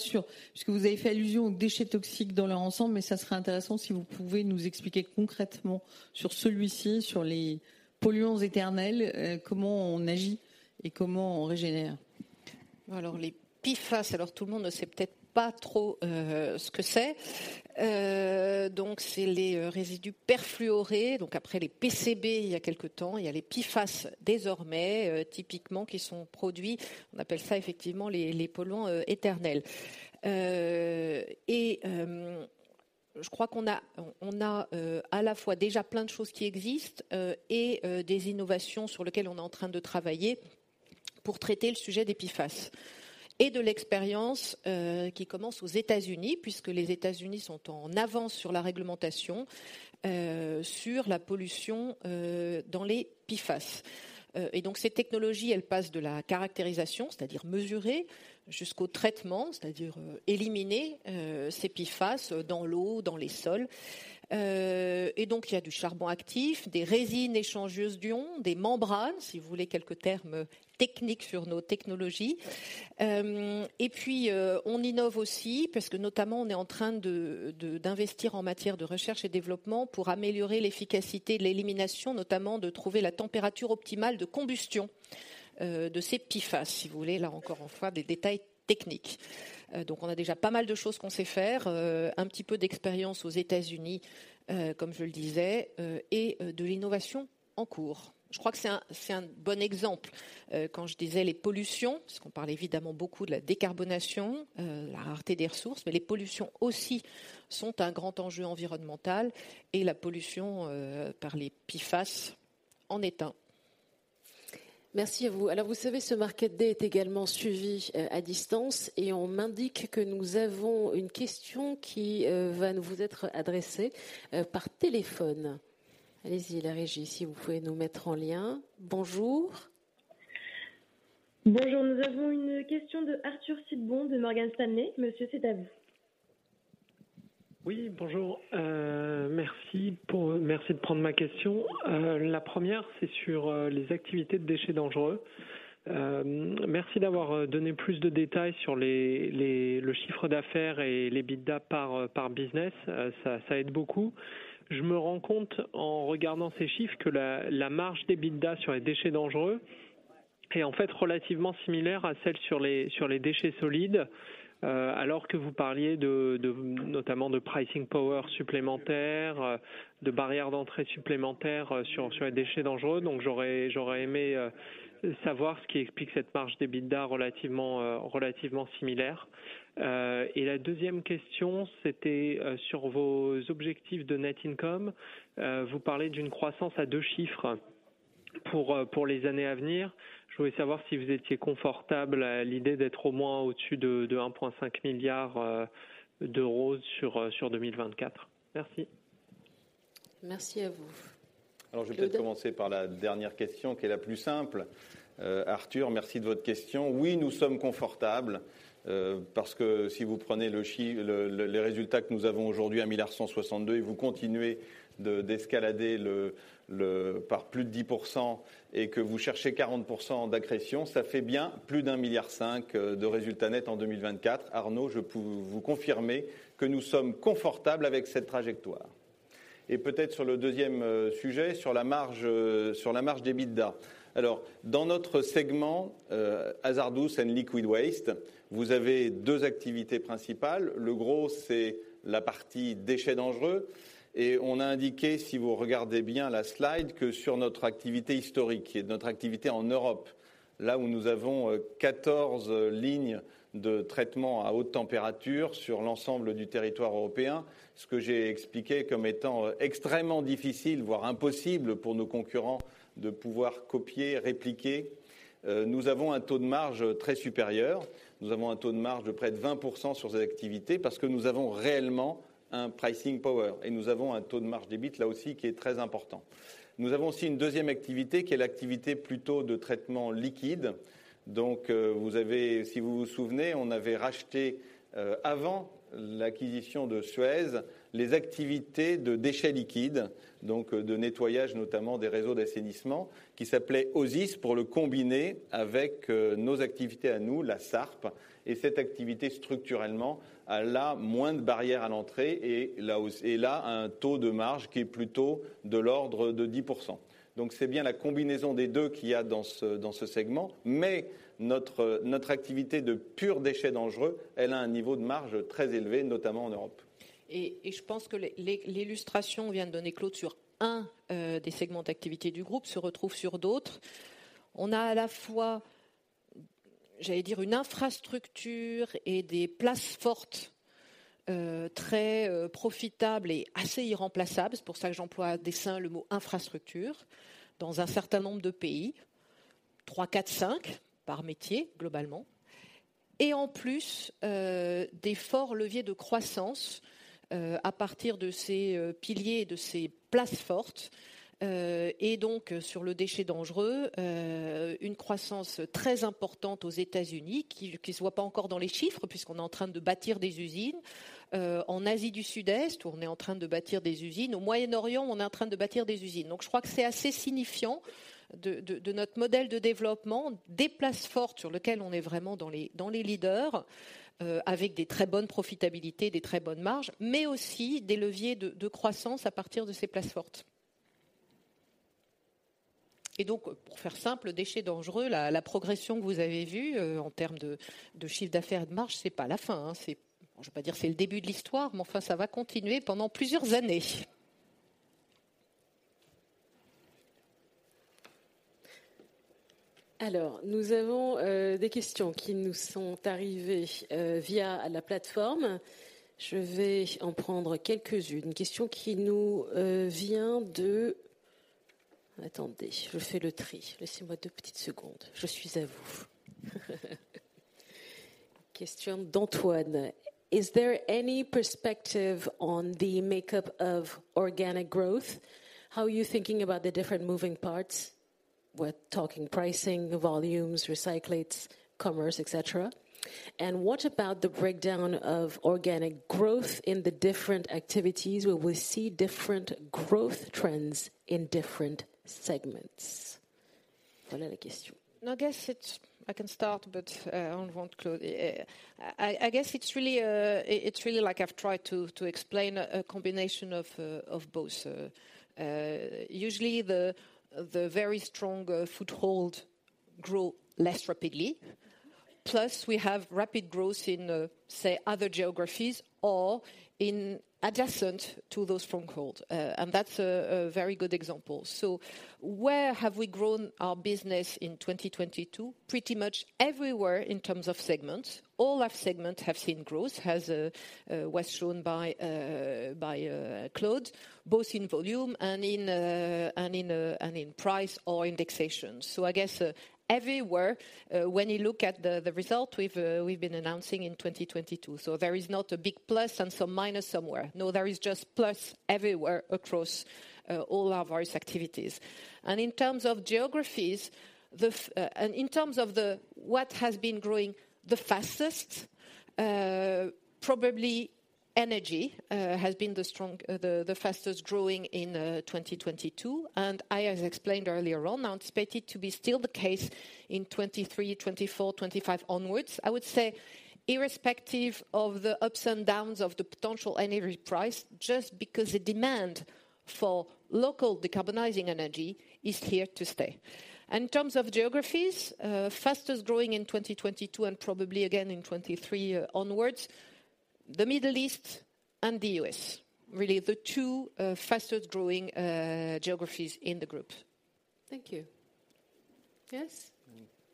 puisque vous avez fait allusion aux déchets toxiques dans leur ensemble, mais ça serait intéressant si vous pouvez nous expliquer concrètement sur celui-ci, sur les polluants éternels, comment on agit et comment on régénère. Les PFAS. Tout le monde ne sait peut-être pas trop ce que c'est. C'est les résidus perfluorés. Après les PCB, il y a quelque temps, il y a les PFAS désormais, typiquement, qui sont produits. On appelle ça effectivement les polluants éternels. Je crois qu'on a à la fois déjà plein de choses qui existent et des innovations sur lesquelles on est en train de travaillerPour traiter le sujet des PFAS et de l'expérience qui commence aux États-Unis, puisque les États-Unis sont en avance sur la réglementation sur la pollution dans les PFAS. Ces technologies, elles passent de la caractérisation, c'est-à-dire mesurer, jusqu'au traitement, c'est-à-dire éliminer ces PFAS dans l'eau, dans les sols. Il y a du charbon actif, des résines échangeuses d'ions, des membranes, si vous voulez quelques termes techniques sur nos technologies. Puis, on innove aussi parce que notamment, on est en train d'investir en matière de recherche et développement pour améliorer l'efficacité de l'élimination, notamment de trouver la température optimale de combustion de ces PFAS, si vous voulez, là, encore une fois, des détails techniques. On a déjà pas mal de choses qu'on sait faire, un petit peu d'expérience aux U.S., comme je le disais, et de l'innovation en cours. Je crois que c'est un, c'est un bon exemple, quand je disais les pollutions, parce qu'on parle évidemment beaucoup de la decarbonation, la rareté des ressources, mais les pollutions aussi sont un grand enjeu environnemental et la pollution par les PFAS en est un. Merci à vous. Alors, vous savez, ce Market Day est également suivi à distance et on m'indique que nous avons une question qui va vous être adressée par téléphone. Allez-y, la régie, si vous pouvez nous mettre en lien. Bonjour, nous avons une question de Arthur Sitbon, de Morgan Stanley. Monsieur, c'est à vous. Oui, bonjour. Merci de prendre ma question. La première, c'est sur les activités de déchets dangereux. Merci d'avoir donné plus de détails sur le chiffre d'affaires et l'EBITDA par business. Ça aide beaucoup. Je me rends compte, en regardant ces chiffres, que la marge d'EBITDA sur les déchets dangereux est en fait relativement similaire à celle sur les déchets solides, alors que vous parliez de notamment de pricing power supplémentaire, de barrières d'entrée supplémentaires sur les déchets dangereux. J'aurais aimé savoir ce qui explique cette marge d'EBITDA relativement relativement similaire. La deuxième question, c'était sur vos objectifs de net income. Vous parlez d'une croissance à 2 chiffres pour les années à venir. Je voulais savoir si vous étiez confortable à l'idée d'être au moins au-dessus de 1.5 billion sur 2024. Merci. Merci à vous. Alors, je vais peut-être commencer par la dernière question qui est la plus simple. Arthur Sitbon, merci de votre question. Oui, nous sommes confortables, parce que si vous prenez les résultats que nous avons aujourd'hui à 1.162 billion et vous continuez d'escalader par plus de 10% et que vous cherchez 40% d'accrétion, ça fait bien plus d'EUR 1.5 billion de résultat net en 2024. Arnaud, je peux vous confirmer que nous sommes confortables avec cette trajectoire. Peut-être sur le deuxième sujet, sur la marge, sur la marge d'EBITDA. Alors, dans notre segment, Hazardous and Liquid Waste, vous avez 2 activités principales. Le gros, c'est la partie déchets dangereux. On a indiqué, si vous regardez bien la slide, que sur notre activité historique, qui est notre activité en Europe, là où nous avons 14 lignes de traitement à haute température sur l'ensemble du territoire européen, ce que j'ai expliqué comme étant extrêmement difficile, voire impossible pour nos concurrents de pouvoir copier, répliquer, nous avons un taux de marge très supérieur. Nous avons un taux de marge de près de 20% sur ces activités parce que nous avons réellement un pricing power et nous avons un taux de marge d'EBIT, là aussi, qui est très important. Nous avons aussi une deuxième activité qui est l'activité plutôt de traitement liquide. Vous avez, si vous vous souvenez, on avait racheté, avant l'acquisition de Suez, les activités de déchets liquides, de nettoyage, notamment des réseaux d'assainissement, qui s'appelait Osis, pour le combiner avec nos activités à nous, la SARP. Cette activité, structurellement, elle a moins de barrières à l'entrée et là, un taux de marge qui est plutôt de l'ordre de 10%. C'est bien la combinaison des deux qu'il y a dans ce segment. Notre activité de purs déchets dangereux, elle a un niveau de marge très élevé, notamment en Europe. Je pense que l'illustration vient de donner Claude sur un des segments d'activité du groupe se retrouve sur d'autres. On a à la fois une infrastructure et des places fortes très profitables et assez irremplaçables. C'est pour ça que j'emploie à dessein le mot infrastructure dans un certain nombre de pays, three, four, five par métier, globalement. En plus, des forts leviers de croissance à partir de ces piliers et de ces places fortes, et donc sur le déchet dangereux, une croissance très importante aux U.S. qui se voit pas encore dans les chiffres puisqu'on est en train de bâtir des usines en Asie du Sud-Est, où on est en train de bâtir des usines, au Moyen-Orient, où on est en train de bâtir des usines. je crois que c'est assez signifiant de notre modèle de développement, des places fortes sur lesquelles on est vraiment dans les leaders, avec des très bonnes profitabilités, des très bonnes marges, mais aussi des leviers de croissance à partir de ces places fortes. Pour faire simple, déchets dangereux, la progression que vous avez vue en termes de chiffre d'affaires et de marge, ce n'est pas la fin, hein. Bon, je ne vais pas dire que c'est le début de l'histoire, mais enfin, ça va continuer pendant plusieurs années. nous avons Des questions qui nous sont arrivées via la plateforme. Je vais en prendre quelques-unes. Question qui nous vient de... Attendez, je fais le tri. Laissez-moi 2 petites secondes. Je suis à vous. Question d'Antoine: "Is there any perspective on the makeup of organic growth? How are you thinking about the different moving parts? We're talking pricing, volumes, recyclates, commerce, et cetera. What about the breakdown of organic growth in the different activities where we see different growth trends in different segments ?" Voilà la question. I guess I can start, but I'll involve Claude. I guess it's really like I've tried to explain a combination of both. Usually, the very strong foothold grow less rapidly. We have rapid growth in, say, other geographies or in adjacent to those strongholds. That's a very good example. Where have we grown our business in 2022? Pretty much everywhere in terms of segments. All our segments have seen growth, as was shown by Claude, both in volume and in price or indexation. I guess everywhere, when you look at the result we've been announcing in 2022. There is not a big plus and some minus somewhere. No, there is just plus everywhere across all our various activities. In terms of geographies, in terms of what has been growing the fastest, probably energy has been the fastest-growing in 2022. I, as explained earlier on, I anticipate it to be still the case in 2023, 2024, 2025 onwards. I would say irrespective of the ups and downs of the potential energy price, just because the demand for local decarbonizing energy is here to stay. In terms of geographies, fastest-growing in 2022 and probably again in 2023 onwards, the Middle East and the US, really the two fastest-growing geographies in the group. Thank you. Yes?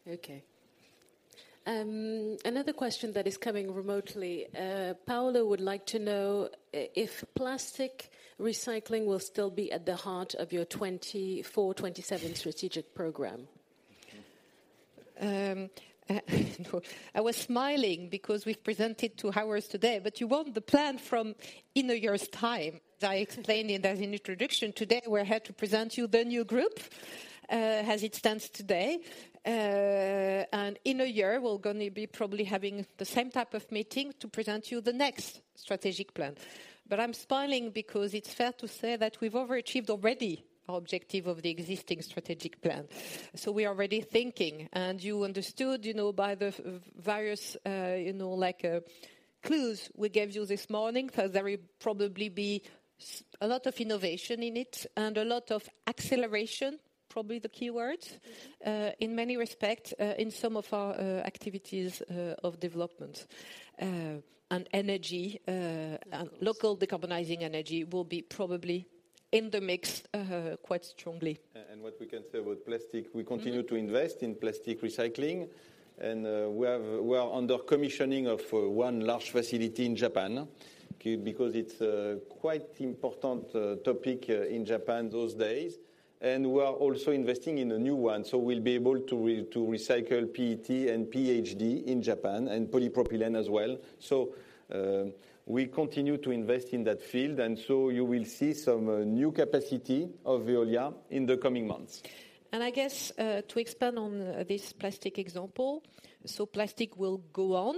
Okay. Another question that is coming remotely. Paolo would like to know if plastic recycling will still be at the heart of your 2024, 2027 strategic program. I was smiling because we've presented 2 hours today. You want the plan from in a year's time. As I explained in the introduction today, we're here to present you the new group, as it stands today. In a year, we're gonna be probably having the same type of meeting to present you the next strategic plan. I'm smiling because it's fair to say that we've overachieved already our objective of the existing strategic plan. We are already thinking, and you understood, you know, by the various, you know, clues we gave you this morning, that there will probably be a lot of innovation in it and a lot of acceleration, probably the keyword, in many respects, in some of our activities, of development. Energy, local decarbonizing energy will be probably in the mix, quite strongly. What we can say about plastic, we continue to invest in plastic recycling, and we are under commissioning of one large facility in Japan because it's a quite important topic in Japan those days. We are also investing in a new one, so we'll be able to recycle PET and HDPE in Japan and polypropylene as well. We continue to invest in that field, you will see some new capacity of Veolia in the coming months. I guess, to expand on this plastic example, plastic will go on,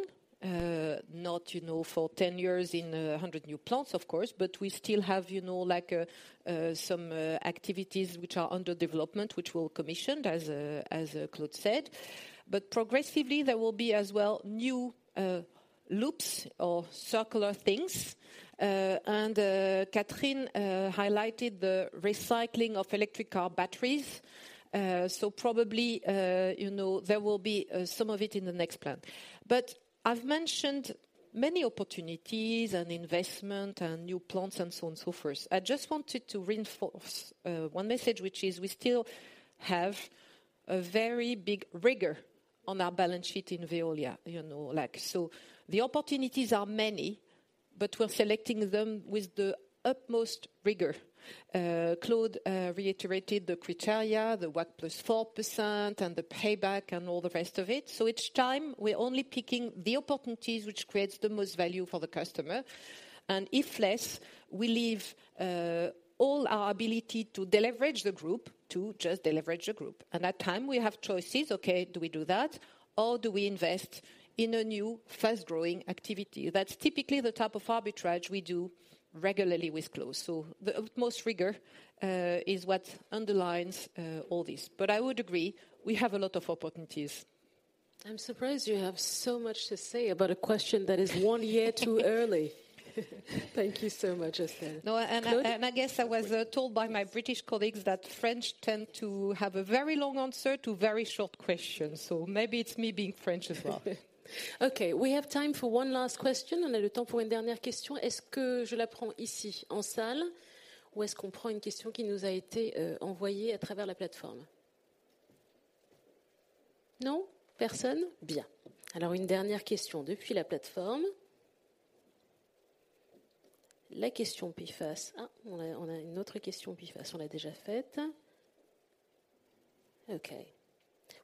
not, you know, for 10 years in 100 new plants, of course, we still have, you know, like, some activities which are under development, which we'll commission, as Claude said. Progressively, there will be as well new loops or circular things. Catherine highlighted the recycling of electric car batteries. Probably, you know, there will be some of it in the next plan. I've mentioned many opportunities and investment and new plants and so on and so forth. I just wanted to reinforce 1 message, which is we still have a very big rigor on our balance sheet in Veolia, you know, like. The opportunities are many, but we're selecting them with the utmost rigor. Claude reiterated the criteria, the what +4% and the payback and all the rest of it. Each time, we're only picking the opportunities which creates the most value for the customer. If less, we leave all our ability to deleverage the group to just deleverage the group. That time, we have choices. Okay, do we do that or do we invest in a new fast-growing activity? That's typically the type of arbitrage we do regularly with Claude. The utmost rigor is what underlines all this. I would agree, we have a lot of opportunities. I'm surprised you have so much to say about a question that is one year too early. Thank you so much, Estelle. No. I guess I was told by my British colleagues that French tend to have a very long answer to very short questions. Maybe it's me being French as well. Okay. We have time for one last question. On a le temps pour une dernière question. Est-ce que je la prends ici en salle ou est-ce qu'on prend une question qui nous a été envoyée à travers la plateforme? Non? Personne? Bien. Une dernière question depuis la plateforme. La question PFAS. On a une autre question PFAS. On l'a déjà faite.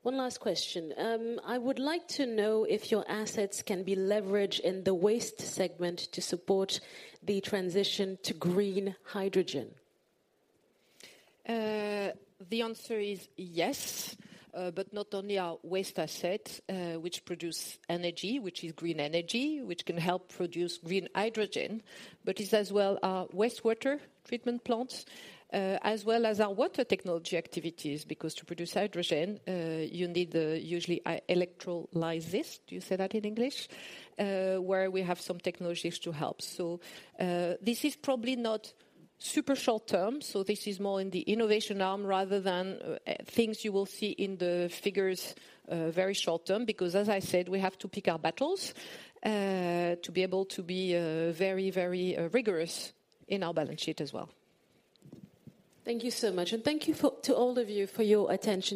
Okay. I would like to know if your assets can be leveraged in the waste segment to support the transition to green hydrogen. The answer is yes, but not only our waste assets, which produce energy, which is green energy, which can help produce green hydrogen, but it's as well our wastewater treatment plants, as well as our water technology activities, because to produce hydrogen, you need usually electrolysis. Do you say that in English? Where we have some technologies to help. This is probably not super short term. This is more in the innovation arm rather than things you will see in the figures very short term, because as I said, we have to pick our battles to be able to be very, very rigorous in our balance sheet as well. Thank you so much, and thank you to all of you for your attention today.